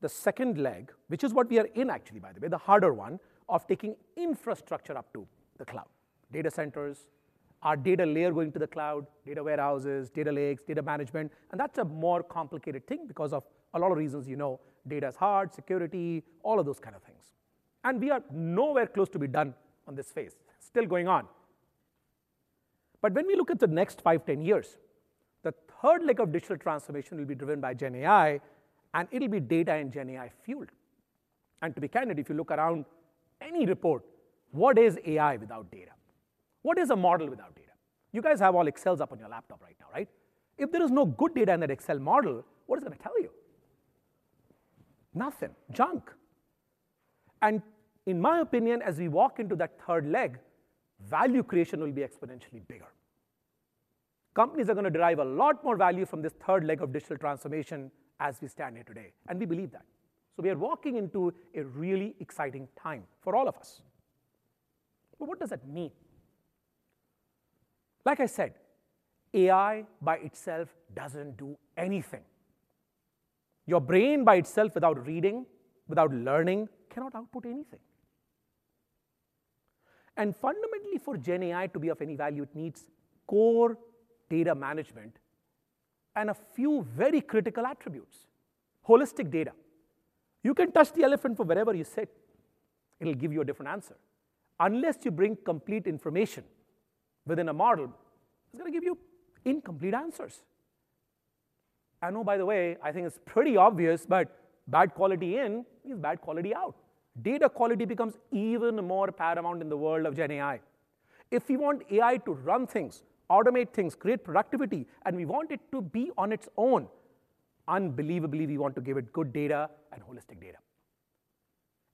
the second leg, which is what we are in actually, by the way, the harder one, of taking infrastructure up to the cloud. Data centers, our data layer going to the cloud, data warehouses, data lakes, data management, and that's a more complicated thing because of a lot of reasons, you know, data is hard, security, all of those kind of things. And we are nowhere close to be done on this phase. Still going on. But when we look at the next five, 10 years, the third leg of digital transformation will be driven by GenAI, and it'll be data and GenAI fueled. And to be candid, if you look around any report, what is AI without data? What is a model without data? You guys have all Excels up on your laptop right now, right? If there is no good data in that Excel model, what is it gonna tell you? Nothing. Junk! And in my opinion, as we walk into that third leg, value creation will be exponentially bigger. Companies are gonna derive a lot more value from this third leg of digital transformation as we stand here today, and we believe that. So we are walking into a really exciting time for all of us. But what does that mean? Like I said, AI by itself doesn't do anything. Your brain by itself, without reading, without learning, cannot output anything. And fundamentally, for GenAI to be of any value, it needs core data management and a few very critical attributes. Holistic data. You can touch the elephant from wherever you sit, it'll give you a different answer. Unless you bring complete information within a model, it's gonna give you incomplete answers. I know, by the way, I think it's pretty obvious, but bad quality in means bad quality out. Data quality becomes even more paramount in the world of GenAI. If we want AI to run things, automate things, create productivity, and we want it to be on its own, unbelievably, we want to give it good data and holistic data.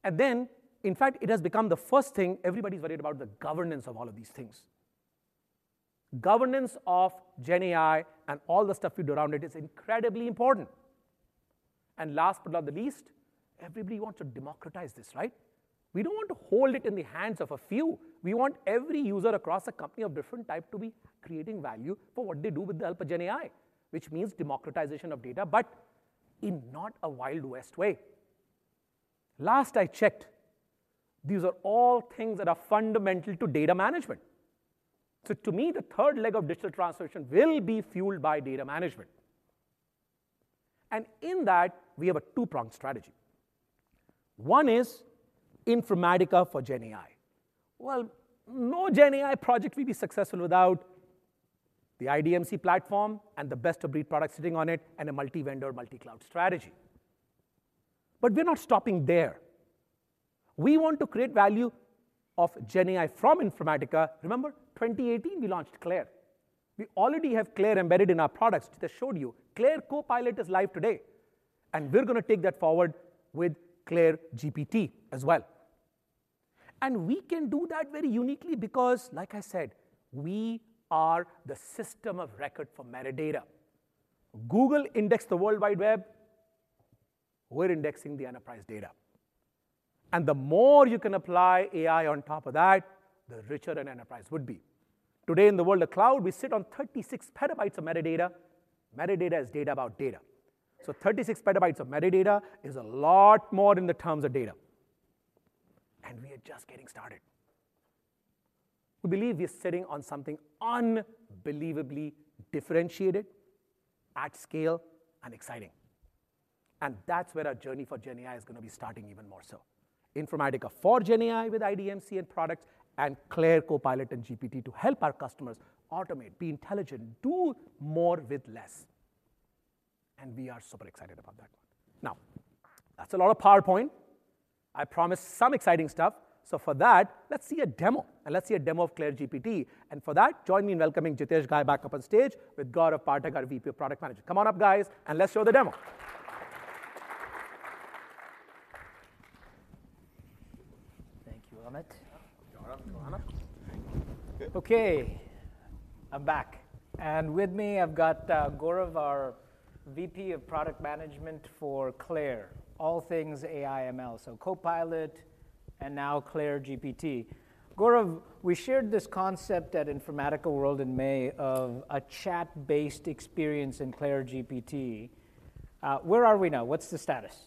And then, in fact, it has become the first thing, everybody's worried about the governance of all of these things. Governance of GenAI and all the stuff we do around it is incredibly important. And last but not the least, everybody wants to democratize this, right? We don't want to hold it in the hands of a few. We want every user across a company of different type to be creating value for what they do with the help of GenAI, which means democratization of data, but in not a Wild West way. Last I checked, these are all things that are fundamental to data management. So to me, the third leg of digital transformation will be fueled by data management, and in that, we have a two-pronged strategy. One is Informatica for GenAI. Well, no GenAI project will be successful without the IDMC platform and the best-of-breed products sitting on it, and a multi-vendor, multi-cloud strategy. But we're not stopping there. We want to create value of GenAI from Informatica. Remember, 2018, we launched CLAIRE. We already have CLAIRE embedded in our products, that I showed you. CLAIRE Copilot is live today, and we're gonna take that forward with CLAIRE GPT as well. We can do that very uniquely because, like I said, we are the system of record for metadata. Google indexed the World Wide Web, we're indexing the enterprise data. The more you can apply AI on top of that, the richer an enterprise would be. Today, in the world of cloud, we sit on 36 PB of metadata. Metadata is data about data. So 36 PB of metadata is a lot more in the terms of data, and we are just getting started. We believe we're sitting on something unbelievably differentiated, at scale, and exciting. That's where our journey for GenAI is gonna be starting even more so. Informatica for GenAI with IDMC and products, and CLAIRE Copilot and GPT to help our customers automate, be intelligent, do more with less, and we are super excited about that. Now, that's a lot of PowerPoint. I promised some exciting stuff, so for that, let's see a demo, and let's see a demo of CLAIRE GPT. And for that, join me in welcoming Jitesh Ghai back up on stage, with Gaurav Pathak, our VP of Product Management. Come on up, guys, and let's show the demo. Thank you, Amit. Gaurav, go on up. Okay.I'm back. With me, I've got, Gaurav, our VP of Product Management for CLAIRE, all things AI ML, so Copilot and now CLAIRE GPT. Gaurav, we shared this concept at Informatica World in May of a chat-based experience in CLAIRE GPT. Where are we now? What's the status?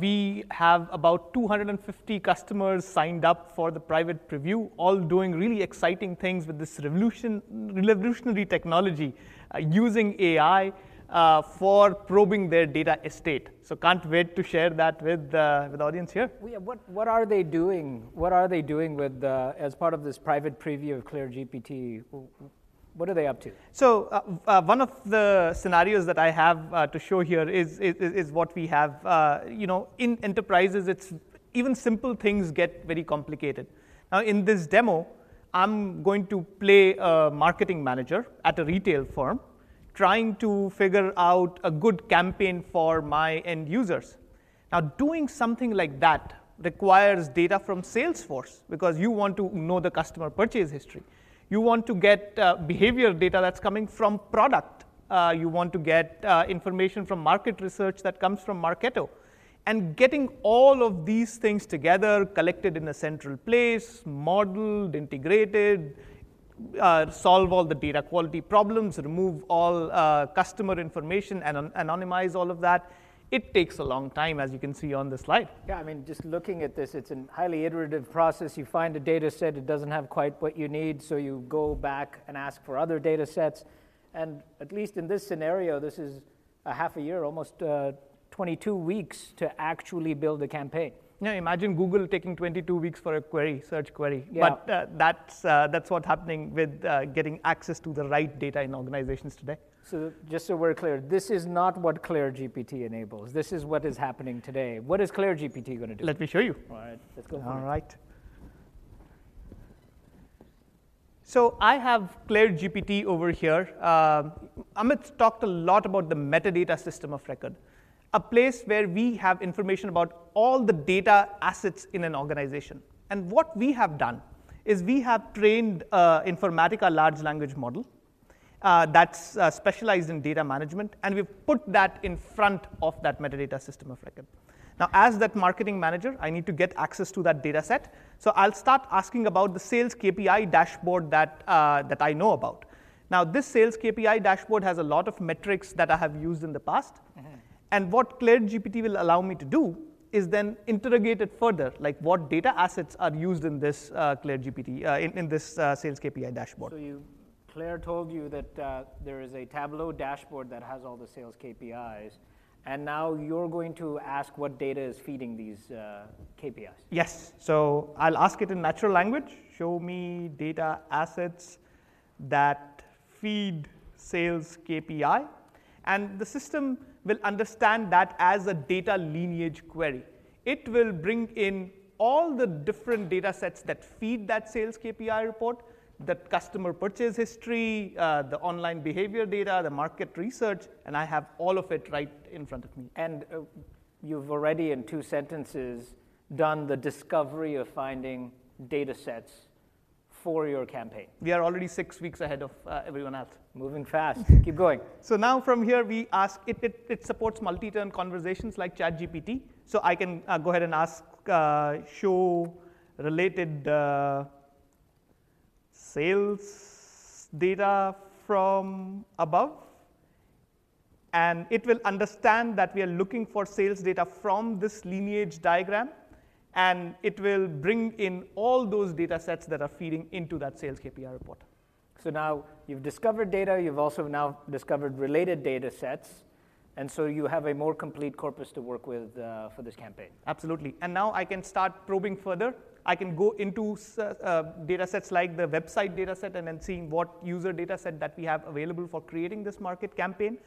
We have about 250 customers signed up for the private preview, all doing really exciting things with this revolutionary technology, using AI for probing their data estate. So can't wait to share that with the audience here. Yeah, what are they doing? What are they doing with the, as part of this private preview of CLAIRE GPT? What are they up to? So, one of the scenarios that I have to show here is what we have, you know, in enterprises it's even simple things get very complicated. Now, in this demo, I'm going to play a marketing manager at a retail firm, trying to figure out a good campaign for my end users. Now, doing something like that requires data from Salesforce, because you want to know the customer purchase history. You want to get behavioral data that's coming from product. You want to get information from market research that comes from Marketo. And getting all of these things together, collected in a central place, modeled, integrated, solve all the data quality problems, remove all customer information, and anonymize all of that, it takes a long time, as you can see on the slide. Yeah, I mean, just looking at this, it's a highly iterative process. You find a dataset, it doesn't have quite what you need, so you go back and ask for other datasets. And at least in this scenario, this is half a year, almost, 22 weeks to actually build a campaign. Now, imagine Google taking 22 weeks for a query, search query- Yeah. but, that's, that's what's happening with getting access to the right data in organizations today. Just so we're clear, this is not what CLAIRE GPT enables. This is what is happening today. What is CLAIRE GPT gonna do? Let me show you. All right. Let's go. All right. So I have CLAIRE GPT over here. Amit talked a lot about the metadata system of record, a place where we have information about all the data assets in an organization. And what we have done is we have trained Informatica large language model that's specialized in data management, and we've put that in front of that metadata system of record. Now, as that marketing manager, I need to get access to that dataset, so I'll start asking about the sales KPI dashboard that I know about. Now, this sales KPI dashboard has a lot of metrics that I have used in the past. Mm-hmm. What CLAIRE GPT will allow me to do is then interrogate it further, like what data assets are used in this CLAIRE GPT in this sales KPI dashboard. So you CLAIRE told you that, there is a Tableau dashboard that has all the sales KPIs, and now you're going to ask what data is feeding these KPIs? Yes. So I'll ask it in natural language: "Show me data assets that feed sales KPI," and the system will understand that as a data lineage query. It will bring in all the different datasets that feed that sales KPI report, the customer purchase history, the online behavior data, the market research, and I have all of it right in front of me. You've already, in two sentences, done the discovery of finding datasets for your campaign. We are already six weeks ahead of everyone else. Moving fast. Keep going. So now from here, we ask it. It supports multi-turn conversations like ChatGPT. So I can go ahead and ask, "Show related sales data from above," and it will understand that we are looking for sales data from this lineage diagram, and it will bring in all those datasets that are feeding into that sales KPI report. So now you've discovered data, you've also now discovered related datasets, and so you have a more complete corpus to work with for this campaign. Absolutely. And now I can start probing further. I can go into datasets like the website dataset and then seeing what user dataset that we have available for creating this market campaign.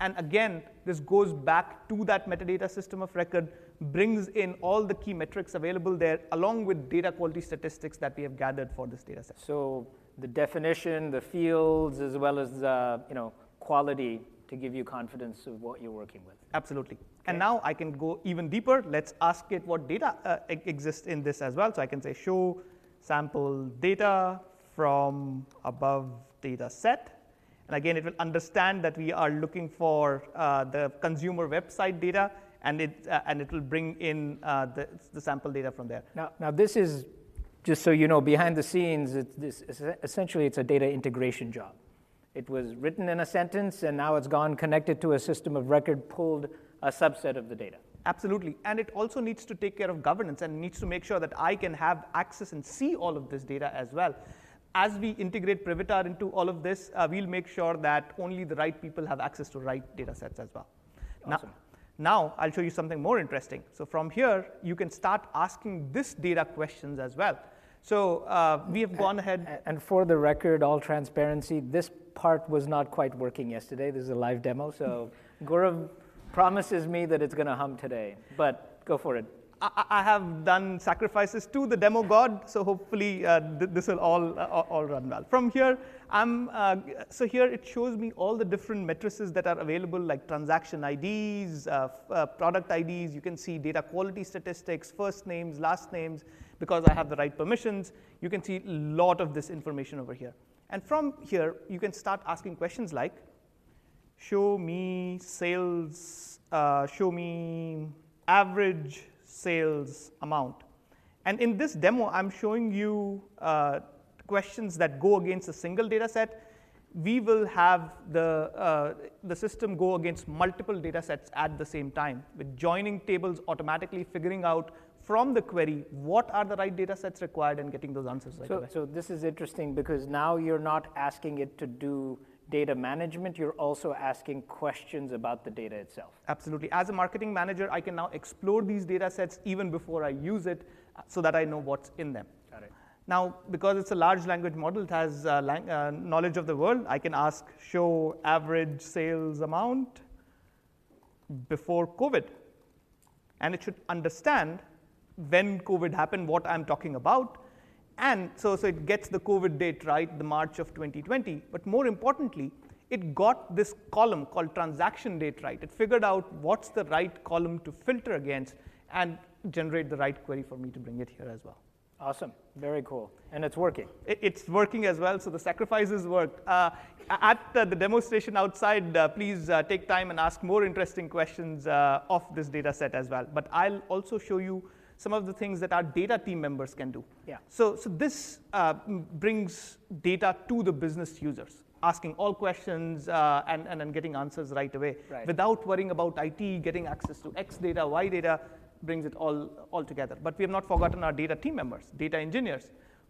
And again, this goes back to that metadata system of record, brings in all the key metrics available there, along with data quality statistics that we have gathered for this dataset. So the definition, the fields, as well as the, you know, quality to give you confidence of what you're working with. Absolutely. Okay. Now I can go even deeper. Let's ask it what data exists in this as well. So I can say, "Show sample data from above dataset," and again, it will understand that we are looking for the consumer website data, and it will bring in the sample data from there. Now, this is, just so you know, behind the scenes, it's this, essentially, it's a data integration job. It was written in a sentence, and now it's gone, connected to a system of record, pulled a subset of the data. Absolutely. And it also needs to take care of governance and needs to make sure that I can have access and see all of this data as well. As we integrate Privitar into all of this, we'll make sure that only the right people have access to the right datasets as well. Awesome. Now, now, I'll show you something more interesting. So from here, you can start asking this data questions as well. So, we have gone ahead- And for the record, all transparency, this part was not quite working yesterday. This is a live demo, so Gaurav promises me that it's gonna hum today, but go for it. I have done sacrifices to the demo god, so hopefully, this will all run well. From here, so here it shows me all the different metrics that are available, like transaction IDs, product IDs. You can see data quality statistics, first names, last names. Because I have the right permissions, you can see a lot of this information over here. And from here, you can start asking questions like show me sales, show me average sales amount. And in this demo, I'm showing you questions that go against a single dataset. We will have the system go against multiple datasets at the same time, with joining tables automatically figuring out from the query what are the right datasets required, and getting those answers right away. So, this is interesting, because now you're not asking it to do data management, you're also asking questions about the data itself. Absolutely. As a marketing manager, I can now explore these datasets even before I use it, so that I know what's in them. Got it. Now, because it's a large language model, it has knowledge of the world. I can ask, "Show average sales amount before COVID," and it should understand when COVID happened, what I'm talking about, and it gets the COVID date right, the March of 2020. But more importantly, it got this column called Transaction Date right. It figured out what's the right column to filter against and generate the right query for me to bring it here as well. Awesome. Very cool, and it's working. It's working as well, so the sacrifices worked. At the demonstration outside, please take time and ask more interesting questions of this dataset as well. But I'll also show you some of the things that our data team members can do. Yeah. So, this brings data to the business users, asking all questions, and then getting answers right away. Right without worrying about IT, getting access to X data, Y data, brings it all altogether. But we have not forgotten our data team members, data engineers.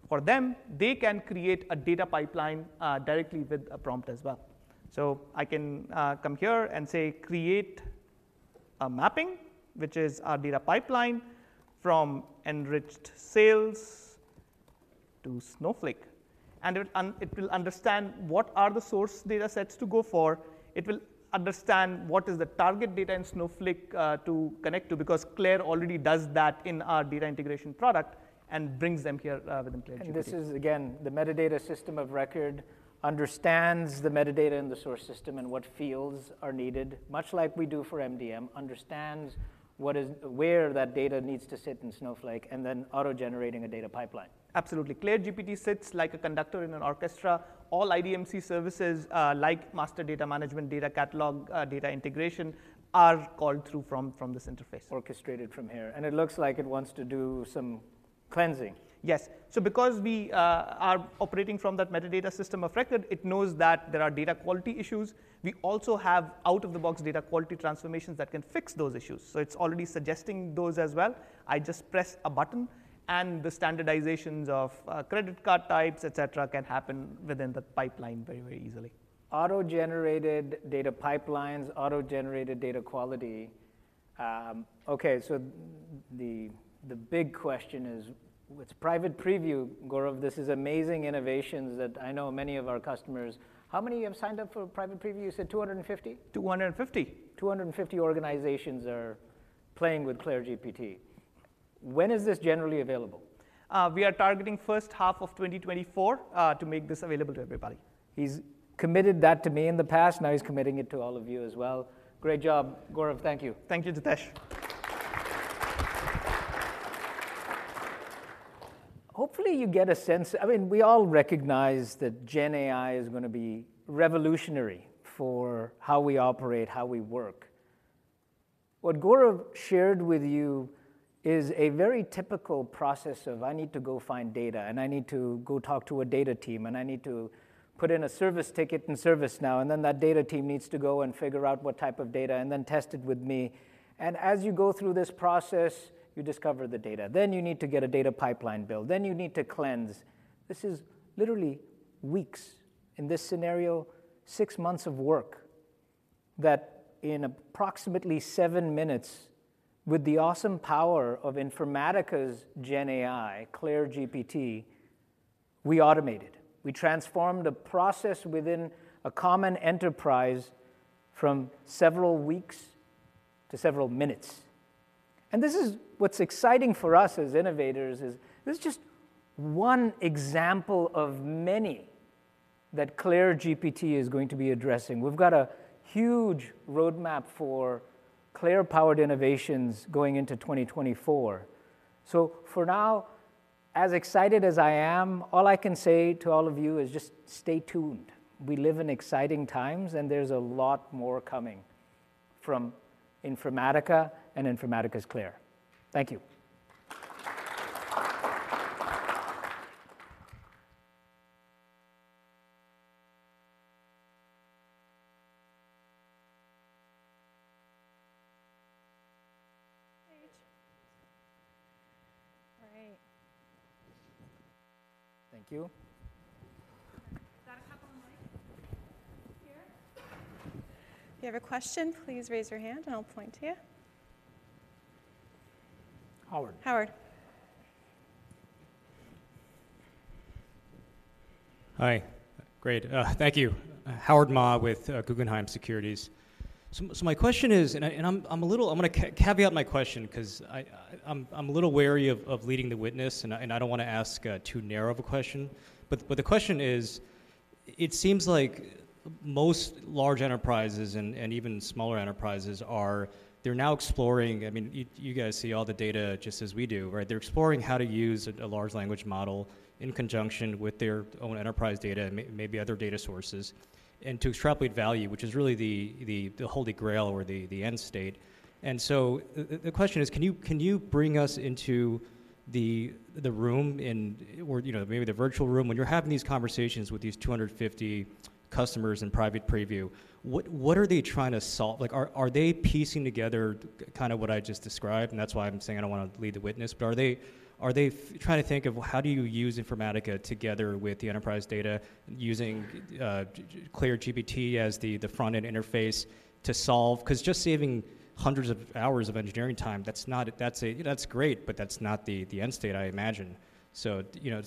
For them, they can create a data pipeline directly with a prompt as well. So I can come here and say, "Create a mapping," which is our data pipeline, "from enriched sales to Snowflake," and it will understand what are the source datasets to go for. It will understand what is the target data in Snowflake to connect to, because CLAIRE already does that in our data integration product and brings them here within CLAIRE GPT. This is, again, the metadata system of record understands the metadata and the source system and what fields are needed, much like we do for MDM. Understands where that data needs to sit in Snowflake, and then auto-generating a data pipeline. Absolutely. CLAIRE GPT sits like a conductor in an orchestra. All IDMC services, like Master Data Management, data catalog, data integration, are called through from this interface. Orchestrated from here, and it looks like it wants to do some cleansing. Yes. So because we are operating from that metadata system of record, it knows that there are data quality issues. We also have out-of-the-box data quality transformations that can fix those issues, so it's already suggesting those as well. I just press a button, and the standardizations of credit card types, et cetera, can happen within the pipeline very, very easily. Auto-generated data pipelines, auto-generated data quality. Okay, so the big question is, with private preview, Gaurav, this is amazing innovations that I know many of our customers— How many have signed up for private preview? You said 250? 250. 250 organizations are playing with CLAIRE GPT. When is this generally available? We are targeting first half of 2024 to make this available to everybody. He's committed that to me in the past, now he's committing it to all of you as well. Great job, Gaurav. Thank you. Thank you, Jitesh. Hopefully, you get a sense, I mean, we all recognize that GenAI is gonna be revolutionary for how we operate, how we work. What Gaurav shared with you is a very typical process of, "I need to go find data, and I need to go talk to a data team, and I need to put in a service ticket in ServiceNow, and then that data team needs to go and figure out what type of data, and then test it with me." And as you go through this process, you discover the data. Then you need to get a data pipeline built, then you need to cleanse. This is literally weeks, in this scenario, six months of work, that in approximately seven minutes, with the awesome power of Informatica's GenAI, CLAIRE GPT, we automated. We transformed a process within a common enterprise from several weeks to several minutes. And this is what's exciting for us as innovators, is this is just one example of many that CLAIRE GPT is going to be addressing. We've got a huge roadmap for CLAIRE-powered innovations going into 2024. So for now, as excited as I am, all I can say to all of you is just stay tuned. We live in exciting times, and there's a lot more coming from Informatica and Informatica's CLAIRE. Thank you. Great. Thank you. Got a couple of mics here. If you have a question, please raise your hand, and I'll point to you. Howard. Howard. Hi, great. Thank you. Howard Ma, with Guggenheim Securities. So my question is, and I'm and I'm a little—I'm gonna caveat my question, 'cause I'm a little wary of leading the witness, and I don't wanna ask too narrow of a question. But the question is... It seems like most large enterprises and even smaller enterprises are, they're now exploring, I mean, you guys see all the data just as we do, right? They're exploring how to use a large language model in conjunction with their own enterprise data and maybe other data sources, and to extrapolate value, which is really the holy grail or the end state. And so the question is, can you bring us into the room, or, you know, maybe the virtual room, when you're having these conversations with these 250 customers in private preview, what are they trying to solve? Like, are they piecing together kind of what I just described, and that's why I'm saying I don't want to lead the witness. But are they trying to think of, well, how do you use Informatica together with the enterprise data using CLAIRE GPT as the front-end interface to solve? 'Cause just saving hundreds of hours of engineering time, that's not, that's great, but that's not the end state, I imagine. So, you know,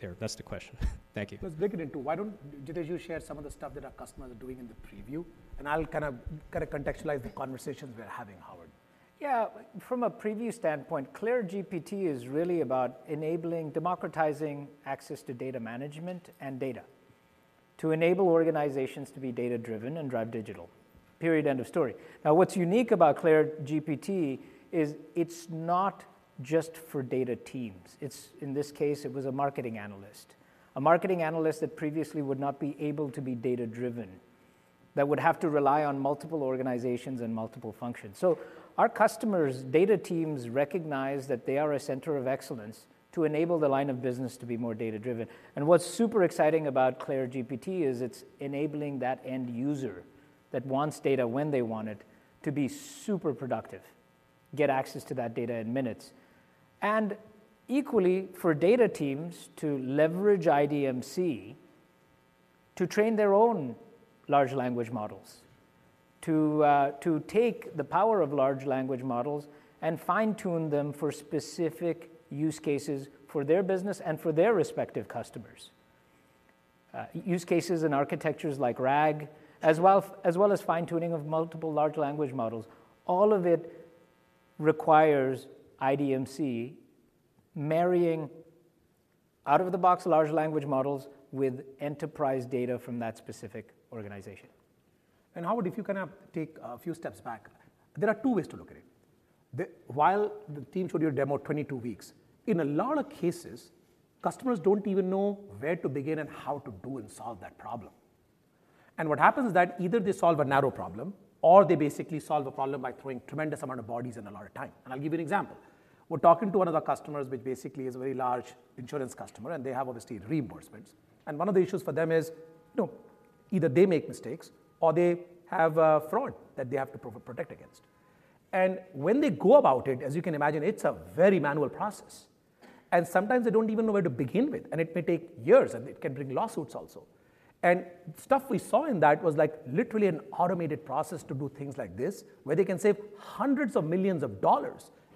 there, that's the question. Thank you. Let's break it into. Why don't, Jitesh, you share some of the stuff that our customers are doing in the preview, and I'll kind of, kind of contextualize the conversations we are having, Howard. Yeah. From a preview standpoint, CLAIRE GPT is really about enabling, democratizing access to data management and data, to enable organizations to be data-driven and drive digital. Period, end of story. Now, what's unique about CLAIRE GPT is it's not just for data teams. It's, in this case, it was a marketing analyst. A marketing analyst that previously would not be able to be data-driven, that would have to rely on multiple organizations and multiple functions. So our customers' data teams recognize that they are a center of excellence to enable the line of business to be more data-driven. And what's super exciting about CLAIRE GPT is it's enabling that end user, that wants data when they want it, to be super productive, get access to that data in minutes. Equally, for data teams to leverage IDMC to train their own large language models, to take the power of large language models and fine-tune them for specific use cases for their business and for their respective customers. Use cases and architectures like RAG, as well, as well as fine-tuning of multiple large language models. All of it requires IDMC marrying out-of-the-box large language models with enterprise data from that specific organization. Howard, if you can take a few steps back, there are two ways to look at it. While the team showed you a demo 22 weeks, in a lot of cases, customers don't even know where to begin and how to do and solve that problem. And what happens is that either they solve a narrow problem, or they basically solve a problem by throwing tremendous amount of bodies and a lot of time. And I'll give you an example. We're talking to one of our customers, which basically is a very large insurance customer, and they have obviously reimbursements. And one of the issues for them is, you know, either they make mistakes or they have fraud that they have to protect against. When they go about it, as you can imagine, it's a very manual process, and sometimes they don't even know where to begin with, and it may take years, and it can bring lawsuits also. Stuff we saw in that was, like, literally an automated process to do things like this, where they can save $ hundreds of millions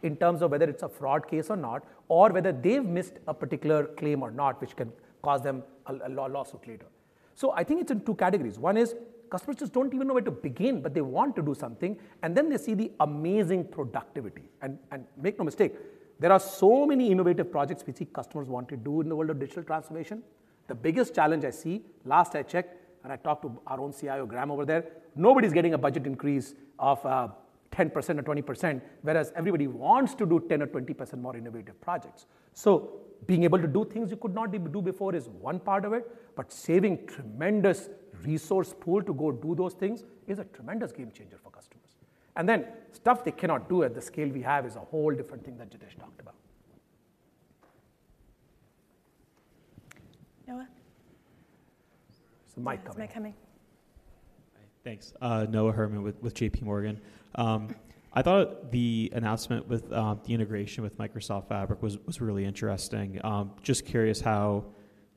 in terms of whether it's a fraud case or not, or whether they've missed a particular claim or not, which can cause them a lawsuit later. So I think it's in two categories. One is, customers just don't even know where to begin, but they want to do something, and then they see the amazing productivity. And make no mistake, there are so many innovative projects we see customers want to do in the world of digital transformation. The biggest challenge I see, last I checked, and I talked to our own CIO, Graeme, over there, nobody's getting a budget increase of 10% or 20%, whereas everybody wants to do 10% or 20% more innovative projects. So being able to do things you could not do before is one part of it, but saving tremendous resource pool to go do those things is a tremendous game changer for customers. And then, stuff they cannot do at the scale we have is a whole different thing that Jitesh talked about. Noah? There's a mic coming. There's a mic coming. Hi. Thanks. Noah Herman with J.P. Morgan. I thought the announcement with the integration with Microsoft Fabric was really interesting. Just curious how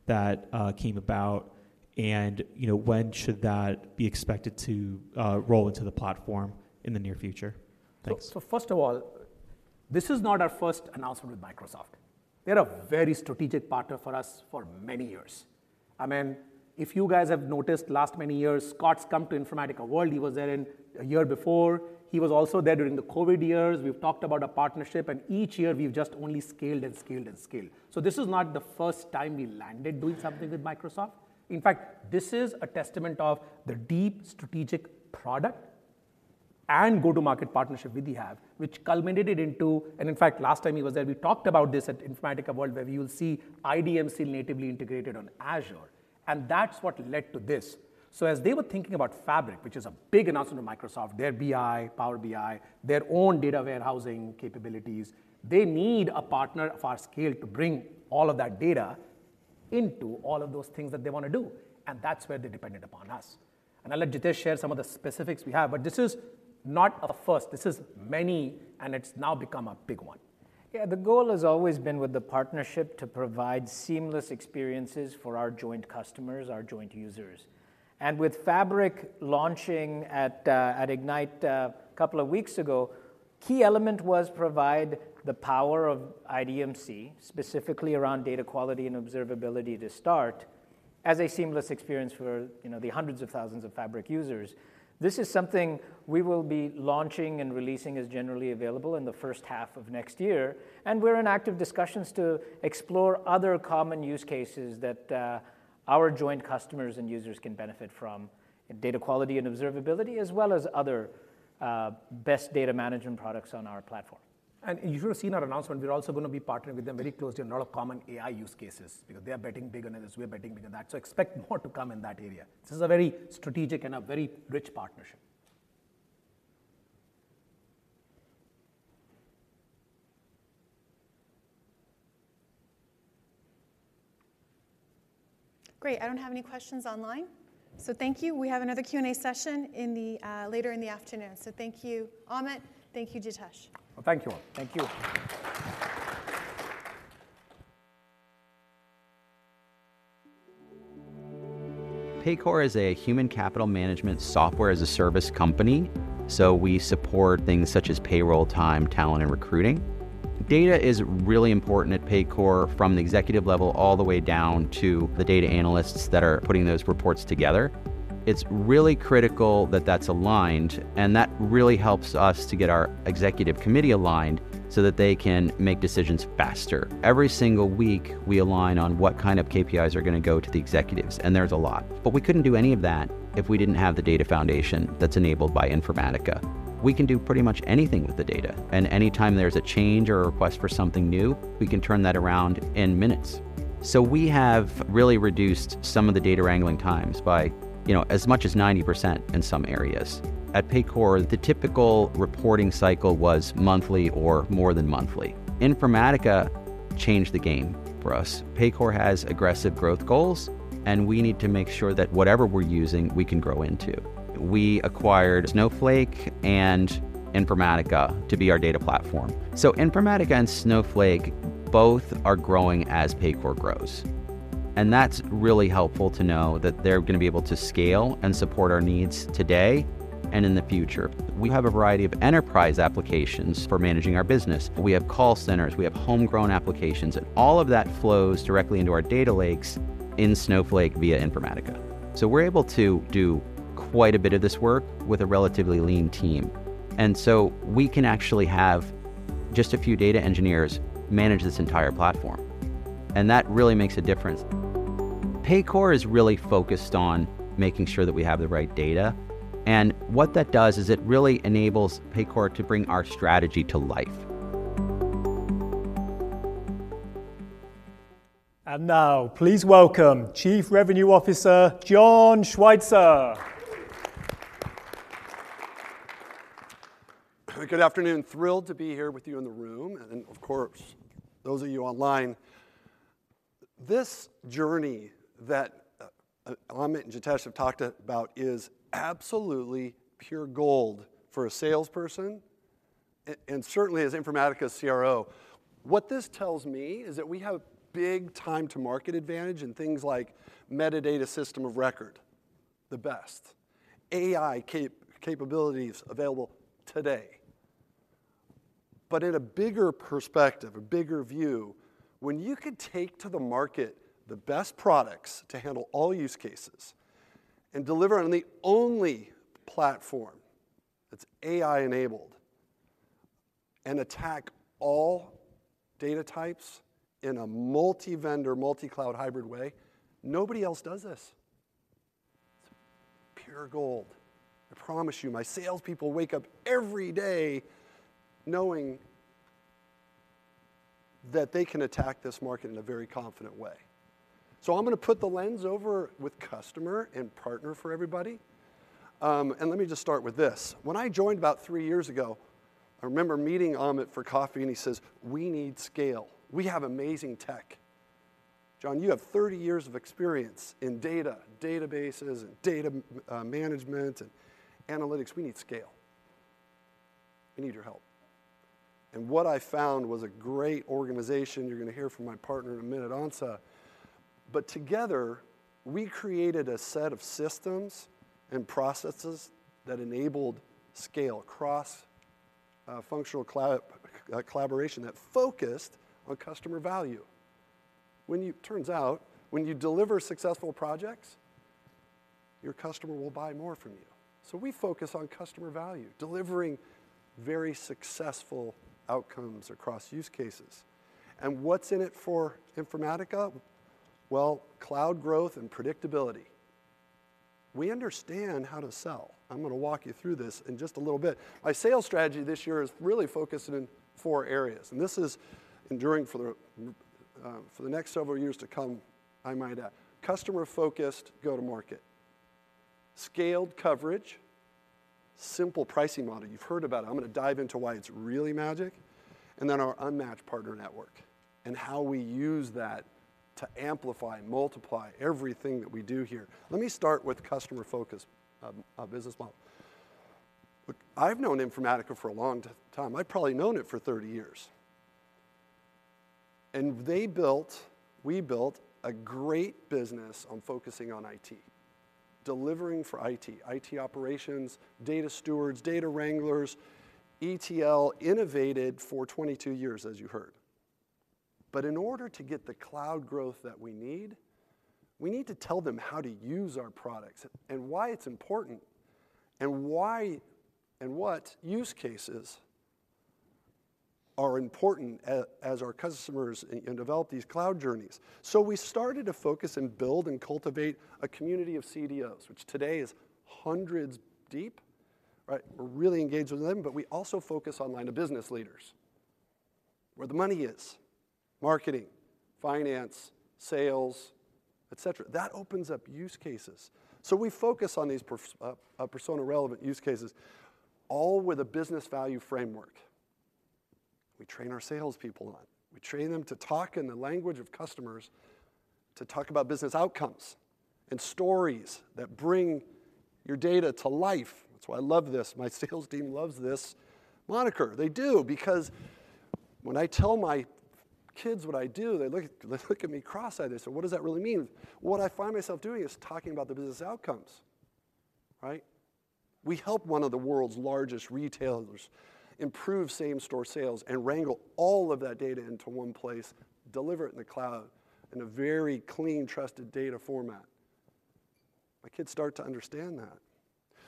that came about, and, you know, when should that be expected to roll into the platform in the near future? Thanks. So, first of all, this is not our first announcement with Microsoft. They're a very strategic partner for us for many years. I mean, if you guys have noticed, last many years, Scott's come to Informatica World. He was there in a year before. He was also there during the COVID years. We've talked about a partnership, and each year, we've just only scaled and scaled and scaled. So this is not the first time we landed doing something with Microsoft. In fact, this is a testament of the deep strategic product and go-to-market partnership we do have, which culminated into... And in fact, last time he was there, we talked about this at Informatica World, where you'll see IDMC natively integrated on Azure, and that's what led to this. So as they were thinking about Fabric, which is a big announcement of Microsoft, their BI, Power BI, their own data warehousing capabilities, they need a partner of our scale to bring all of that data into all of those things that they want to do, and that's where they depended upon us. I'll let Jitesh share some of the specifics we have, but this is not our first, this is many, and it's now become a big one. Yeah, the goal has always been with the partnership to provide seamless experiences for our joint customers, our joint users. And with Fabric launching at, at Ignite, couple of weeks ago, key element was provide the power of IDMC, specifically around data quality and observability to start, as a seamless experience for, you know, the hundreds of thousands of Fabric users. This is something we will be launching and releasing as generally available in the first half of next year, and we're in active discussions to explore other common use cases that, our joint customers and users can benefit from, in data quality and observability, as well as other best data management products on our platform. And you should have seen our announcement, we're also gonna be partnering with them very closely on a lot of common AI use cases, because they are betting big on this, we are betting big on that, so expect more to come in that area. This is a very strategic and a very rich partnership. Great, I don't have any questions online, so thank you. We have another Q&A session in the later in the afternoon. So thank you, Amit. Thank you, Jitesh. Thank you all. Thank you. Paycor is a human capital management software as a service company, so we support things such as payroll, time, talent, and recruiting. Data is really important at Paycor, from the executive level all the way down to the data analysts that are putting those reports together. It's really critical that that's aligned, and that really helps us to get our executive committee aligned so that they can make decisions faster. Every single week, we align on what kind of KPIs are gonna go to the executives, and there's a lot. But we couldn't do any of that if we didn't have the data foundation that's enabled by Informatica. We can do pretty much anything with the data, and anytime there's a change or a request for something new, we can turn that around in minutes. So we have really reduced some of the data wrangling times by, you know, as much as 90% in some areas. At Paycor, the typical reporting cycle was monthly or more than monthly. Informatica changed the game for us. Paycor has aggressive growth goals, and we need to make sure that whatever we're using, we can grow into. We acquired Snowflake and Informatica to be our data platform. So Informatica and Snowflake both are growing as Paycor grows, and that's really helpful to know that they're gonna be able to scale and support our needs today and in the future. We have a variety of enterprise applications for managing our business. We have call centers, we have homegrown applications, and all of that flows directly into our data lakes in Snowflake via Informatica. So we're able to do quite a bit of this work with a relatively lean team, and so we can actually have just a few data engineers manage this entire platform, and that really makes a difference. Paycor is really focused on making sure that we have the right data, and what that does is it really enables Paycor to bring our strategy to life. Now, please welcome Chief Revenue Officer, John Schweitzer. Good afternoon. Thrilled to be here with you in the room, and of course, those of you online. This journey that Amit and Jitesh have talked about is absolutely pure gold for a salesperson, and certainly as Informatica's CRO. What this tells me is that we have big time to market advantage in things like metadata system of record, the best AI capabilities available today. But in a bigger perspective, a bigger view, when you could take to the market the best products to handle all use cases and deliver on the only platform that's AI-enabled, and attack all data types in a multi-vendor, multi-cloud, hybrid way, nobody else does this. Pure gold. I promise you, my salespeople wake up every day knowing that they can attack this market in a very confident way. So I'm gonna put the lens over with customer and partner for everybody. And let me just start with this: when I joined about three years ago, I remember meeting Amit for coffee, and he says, "We need scale. We have amazing tech. John, you have 30 years of experience in data, databases, and data management, and analytics. We need scale. We need your help." And what I found was a great organization. You're gonna hear from my partner in a minute, Ansa. But together, we created a set of systems and processes that enabled scale, cross-functional collaboration, that focused on customer value. Turns out, when you deliver successful projects, your customer will buy more from you. So we focus on customer value, delivering very successful outcomes across use cases. And what's in it for Informatica? Well, cloud growth and predictability. We understand how to sell. I'm gonna walk you through this in just a little bit. Our sales strategy this year is really focused in four areas, and this is enduring for the, for the next several years to come, I might add. Customer-focused go-to-market, scaled coverage, simple pricing model. You've heard about it. I'm gonna dive into why it's really magic. And then our unmatched partner network, and how we use that to amplify and multiply everything that we do here. Let me start with customer focus, business model. Look, I've known Informatica for a long time. I've probably known it for 30 years, and they built, we built a great business on focusing on IT, delivering for IT, IT operations, data stewards, data wranglers. ETL innovated for 22 years, as you heard. But in order to get the cloud growth that we need, we need to tell them how to use our products and why it's important, and why and what use cases are important as our customers in develop these cloud journeys. So we started to focus, and build, and cultivate a community of CDOs, which today is hundreds deep, right? We're really engaged with them, but we also focus on line of business leaders, where the money is, marketing, finance, sales, et cetera. That opens up use cases. So we focus on these persona relevant use cases, all with a business value framework. We train our salespeople on it. We train them to talk in the language of customers, to talk about business outcomes and stories that bring your data to life. That's why I love this. My sales team loves this moniker. They do, because when I tell my kids what I do, they look at me cross-eyed. They say, "What does that really mean?" What I find myself doing is talking about the business outcomes, right? We help one of the world's largest retailers improve same-store sales and wrangle all of that data into one place, deliver it in the cloud in a very clean, trusted data format. My kids start to understand that.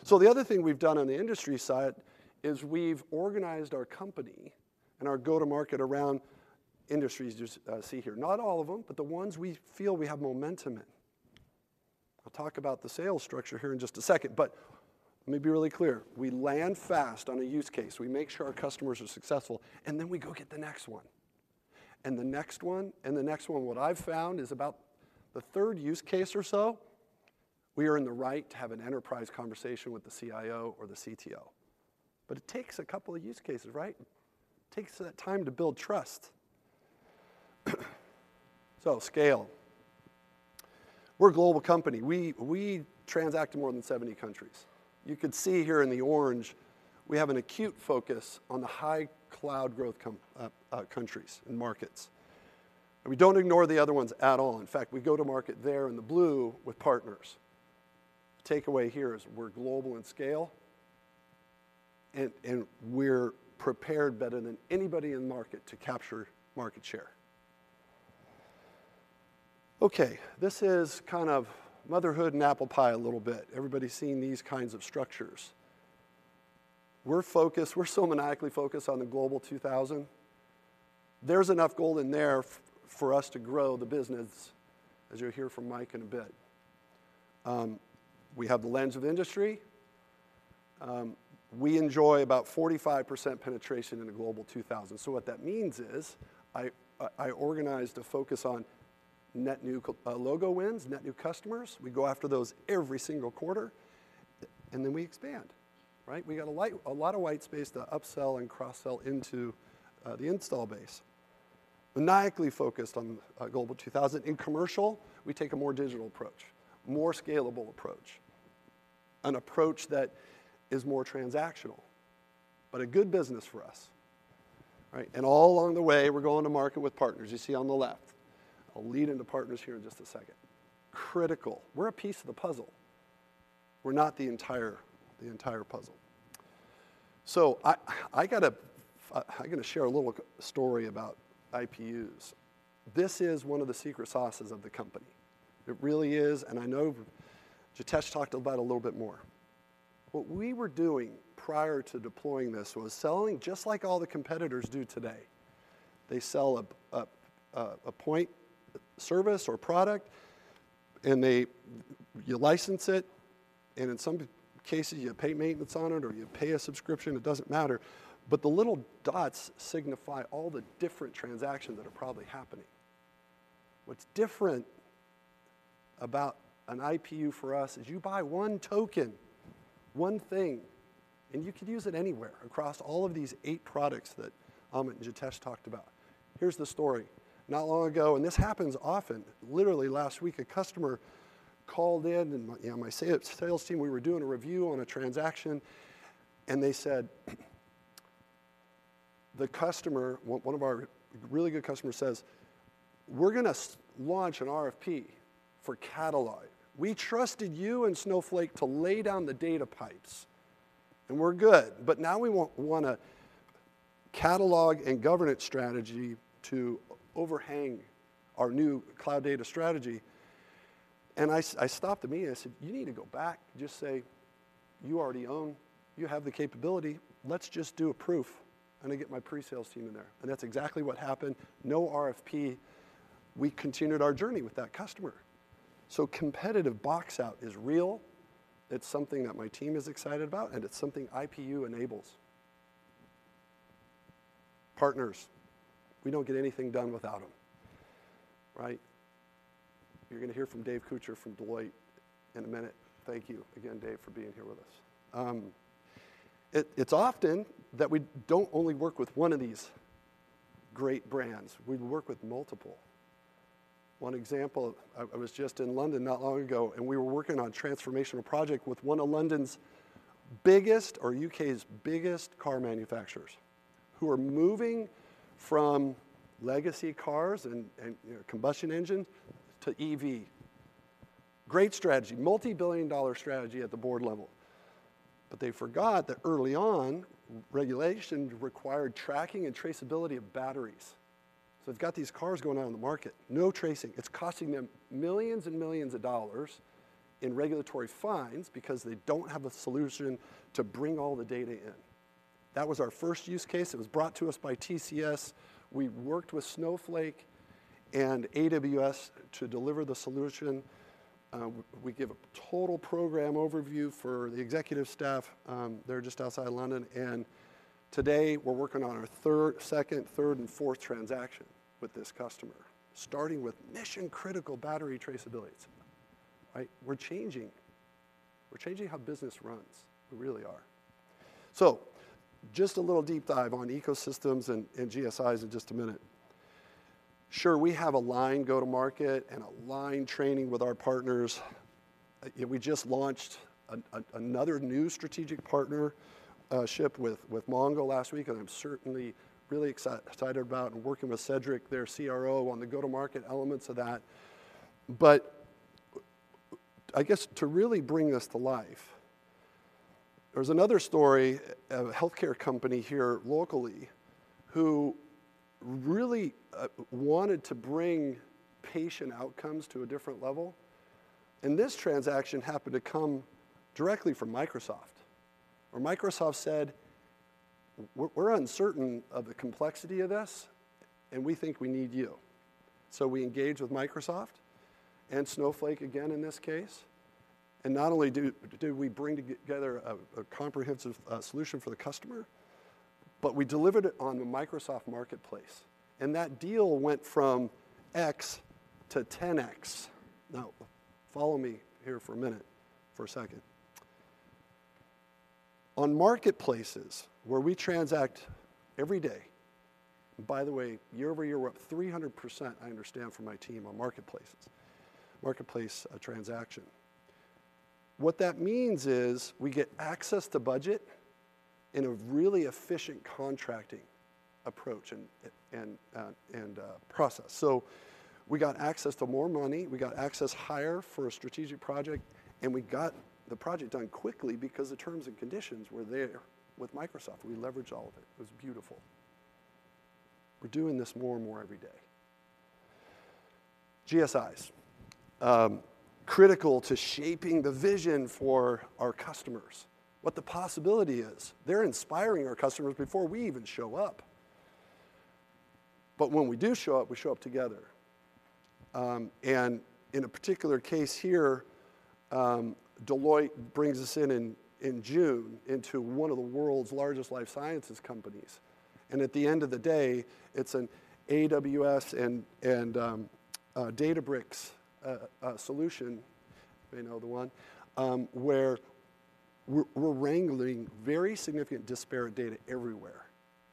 So the other thing we've done on the industry side is we've organized our company and our go-to-market around industries you see here. Not all of them, but the ones we feel we have momentum in. I'll talk about the sales structure here in just a second, but let me be really clear, we land fast on a use case. We make sure our customers are successful, and then we go get the next one, and the next one, and the next one. What I've found is about the third use case or so, we are in the right to have an enterprise conversation with the CIO or the CTO. But it takes a couple of use cases, right? It takes that time to build trust. So scale. We're a global company. We, we transact in more than 70 countries. You could see here in the orange, we have an acute focus on the high cloud growth countries and markets. And we don't ignore the other ones at all. In fact, we go to market there in the blue with partners. Takeaway here is we're global in scale, and, and we're prepared better than anybody in the market to capture market share. Okay, this is kind of motherhood and apple pie a little bit. Everybody's seen these kinds of structures. We're focused, we're still maniacally focused on the Global 2000. There's enough gold in there for us to grow the business, as you'll hear from Mike in a bit. We have the lens of industry. We enjoy about 45% penetration in the Global 2000. So what that means is, I organized a focus on net new logo wins, net new customers. We go after those every single quarter, and then we expand, right? We got a lot of white space to upsell and cross-sell into the install base. Maniacally focused on Global 2000. In commercial, we take a more digital approach, more scalable approach, an approach that is more transactional, but a good business for us, right? All along the way, we're going to market with partners, you see on the left. I'll lead into partners here in just a second. Critical. We're a piece of the puzzle. We're not the entire, the entire puzzle. So I'm gonna share a little story about IPUs. This is one of the secret sauces of the company. It really is, and I know Jitesh talked about it a little bit more. What we were doing prior to deploying this was selling just like all the competitors do today. They sell a point service or product, and they. You license it, and in some cases, you pay maintenance on it, or you pay a subscription, it doesn't matter. But the little dots signify all the different transactions that are probably happening. What's different about an IPU for us is you buy one token, one thing, and you can use it anywhere across all of these eight products that Amit and Jitesh talked about. Here's the story. Not long ago, and this happens often, literally last week, a customer called in, and my, you know, my sales team, we were doing a review on a transaction, and they said, the customer, one of our really good customers, says: "We're gonna launch an RFP for catalog. We trusted you and Snowflake to lay down the data pipes, and we're good. But now we want a catalog and governance strategy to overhang our new cloud data strategy." And I stopped the meeting, I said, "You need to go back and just say, 'You already own, you have the capability.' Let's just do a proof.'" And I get my pre-sales team in there. And that's exactly what happened. No RFP. We continued our journey with that customer. So competitive box out is real, it's something that my team is excited about, and it's something IPU enables. Partners, we don't get anything done without them, right? You're gonna hear from Dave Kucher, from Deloitte in a minute. Thank you again, Dave, for being here with us. It's often that we don't only work with one of these great brands, we work with multiple. One example, I was just in London not long ago, and we were working on a transformational project with one of London's biggest, or U.K.'s biggest, car manufacturers, who are moving from legacy cars and you know, combustion engine to EV. Great strategy, multi-billion-dollar strategy at the board level. But they forgot that early on, regulation required tracking and traceability of batteries. So they've got these cars going out on the market, no tracing. It's costing them millions and millions of dollars in regulatory fines because they don't have a solution to bring all the data in. That was our first use case. It was brought to us by TCS. We've worked with Snowflake and AWS to deliver the solution. We give a total program overview for the executive staff, they're just outside of London, and today we're working on our second, third, and fourth transaction with this customer, starting with mission-critical battery traceability. Right? We're changing. We're changing how business runs, we really are. So just a little deep dive on ecosystems and GSIs in just a minute. Sure, we have a line go-to-market and a line training with our partners. Yeah, we just launched another new strategic partnership with Mongo last week, and I'm certainly really excited about working with Cedric, their CRO, on the go-to-market elements of that. But I guess to really bring this to life, there's another story, a healthcare company here locally, who really wanted to bring patient outcomes to a different level, and this transaction happened to come directly from Microsoft, where Microsoft said, "We're uncertain of the complexity of this, and we think we need you." So we engaged with Microsoft and Snowflake again in this case, and not only did we bring together a comprehensive solution for the customer, but we delivered it on the Microsoft marketplace, and that deal went from x to 10x. Now, follow me here for a minute, for a second. On marketplaces, where we transact every day. By the way, year over year, we're up 300%, I understand from my team, on marketplaces, marketplace transaction. What that means is we get access to budget in a really efficient contracting approach and process. So we got access to more money, we got access higher for a strategic project, and we got the project done quickly because the terms and conditions were there with Microsoft. We leveraged all of it. It was beautiful. We're doing this more and more every day. GSIs, critical to shaping the vision for our customers, what the possibility is. They're inspiring our customers before we even show up. But when we do show up, we show up together. In a particular case here, Deloitte brings us in in June into one of the world's largest life sciences companies, and at the end of the day, it's an AWS and Databricks solution, you know the one, where we're wrangling very significant disparate data everywhere.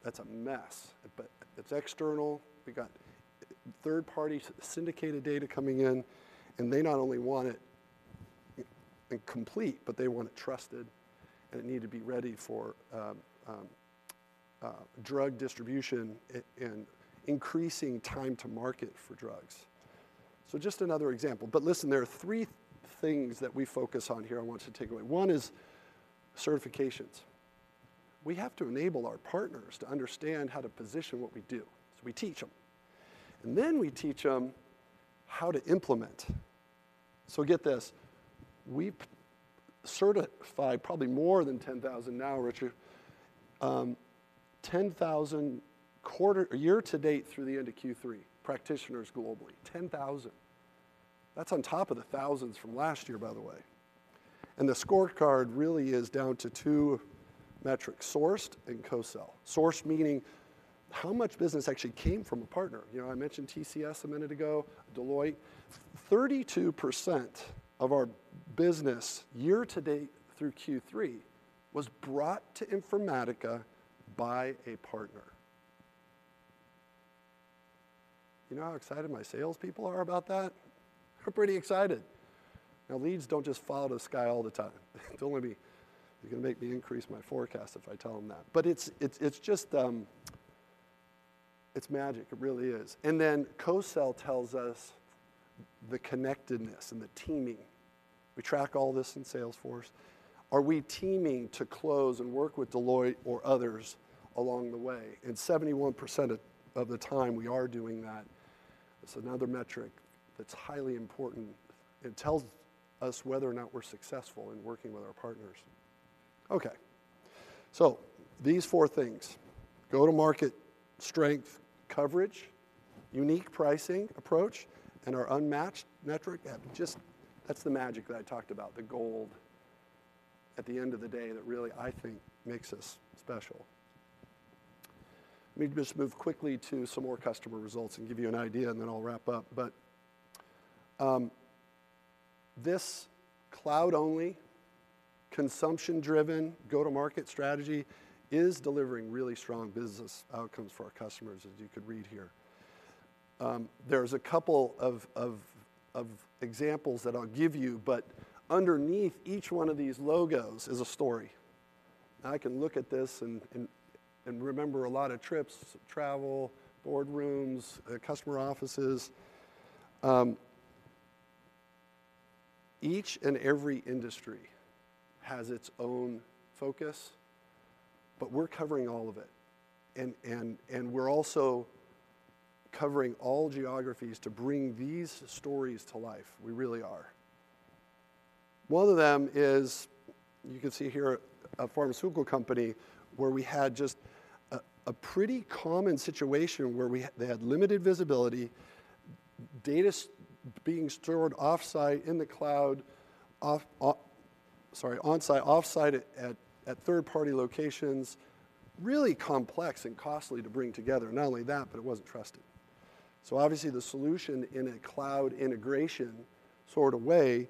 That's a mess, but it's external. We got third-party syndicated data coming in, and they not only want it complete, but they want it trusted, and it needed to be ready for drug distribution and increasing time to market for drugs. So just another example, but listen, there are three things that we focus on here I want you to take away. One is certifications. We have to enable our partners to understand how to position what we do, so we teach them, and then we teach them how to implement. So get this: we certify probably more than 10,000 now, Richard, 10,000 year to date through the end of Q3, practitioners globally. 10,000. That's on top of the thousands from last year, by the way. The scorecard really is down to two metrics: sourced and co-sell. Sourced meaning, how much business actually came from a partner? You know, I mentioned TCS a minute ago, Deloitte. 32% of our business year to date through Q3 was brought to Informatica by a partner. You know how excited my salespeople are about that? They're pretty excited. Now, leads don't just fall out of the sky all the time. Don't let me. They're gonna make me increase my forecast if I tell them that. But it's, it's just, it's magic. It really is. And then co-sell tells us the connectedness and the teaming. We track all this in Salesforce. Are we teaming to close and work with Deloitte or others along the way? And 71% of the time, we are doing that. It's another metric that's highly important. It tells us whether or not we're successful in working with our partners. Okay, so these four things: go-to-market strength, coverage, unique pricing approach, and our unmatched metric. Just, that's the magic that I talked about, the gold at the end of the day that really, I think, makes us special. Let me just move quickly to some more customer results and give you an idea, and then I'll wrap up. But, this cloud-only, consumption-driven, go-to-market strategy is delivering really strong business outcomes for our customers, as you can read here. There's a couple of examples that I'll give you, but underneath each one of these logos is a story. I can look at this and remember a lot of trips, travel, boardrooms, customer offices. Each and every industry has its own focus, but we're covering all of it. And we're also covering all geographies to bring these stories to life. We really are. One of them is, you can see here, a pharmaceutical company where we had just a pretty common situation where we had—they had limited visibility, data being stored off-site, in the cloud, sorry, on-site, offsite at third-party locations. Really complex and costly to bring together. Not only that, but it wasn't trusted. So obviously, the solution in a cloud integration sort of way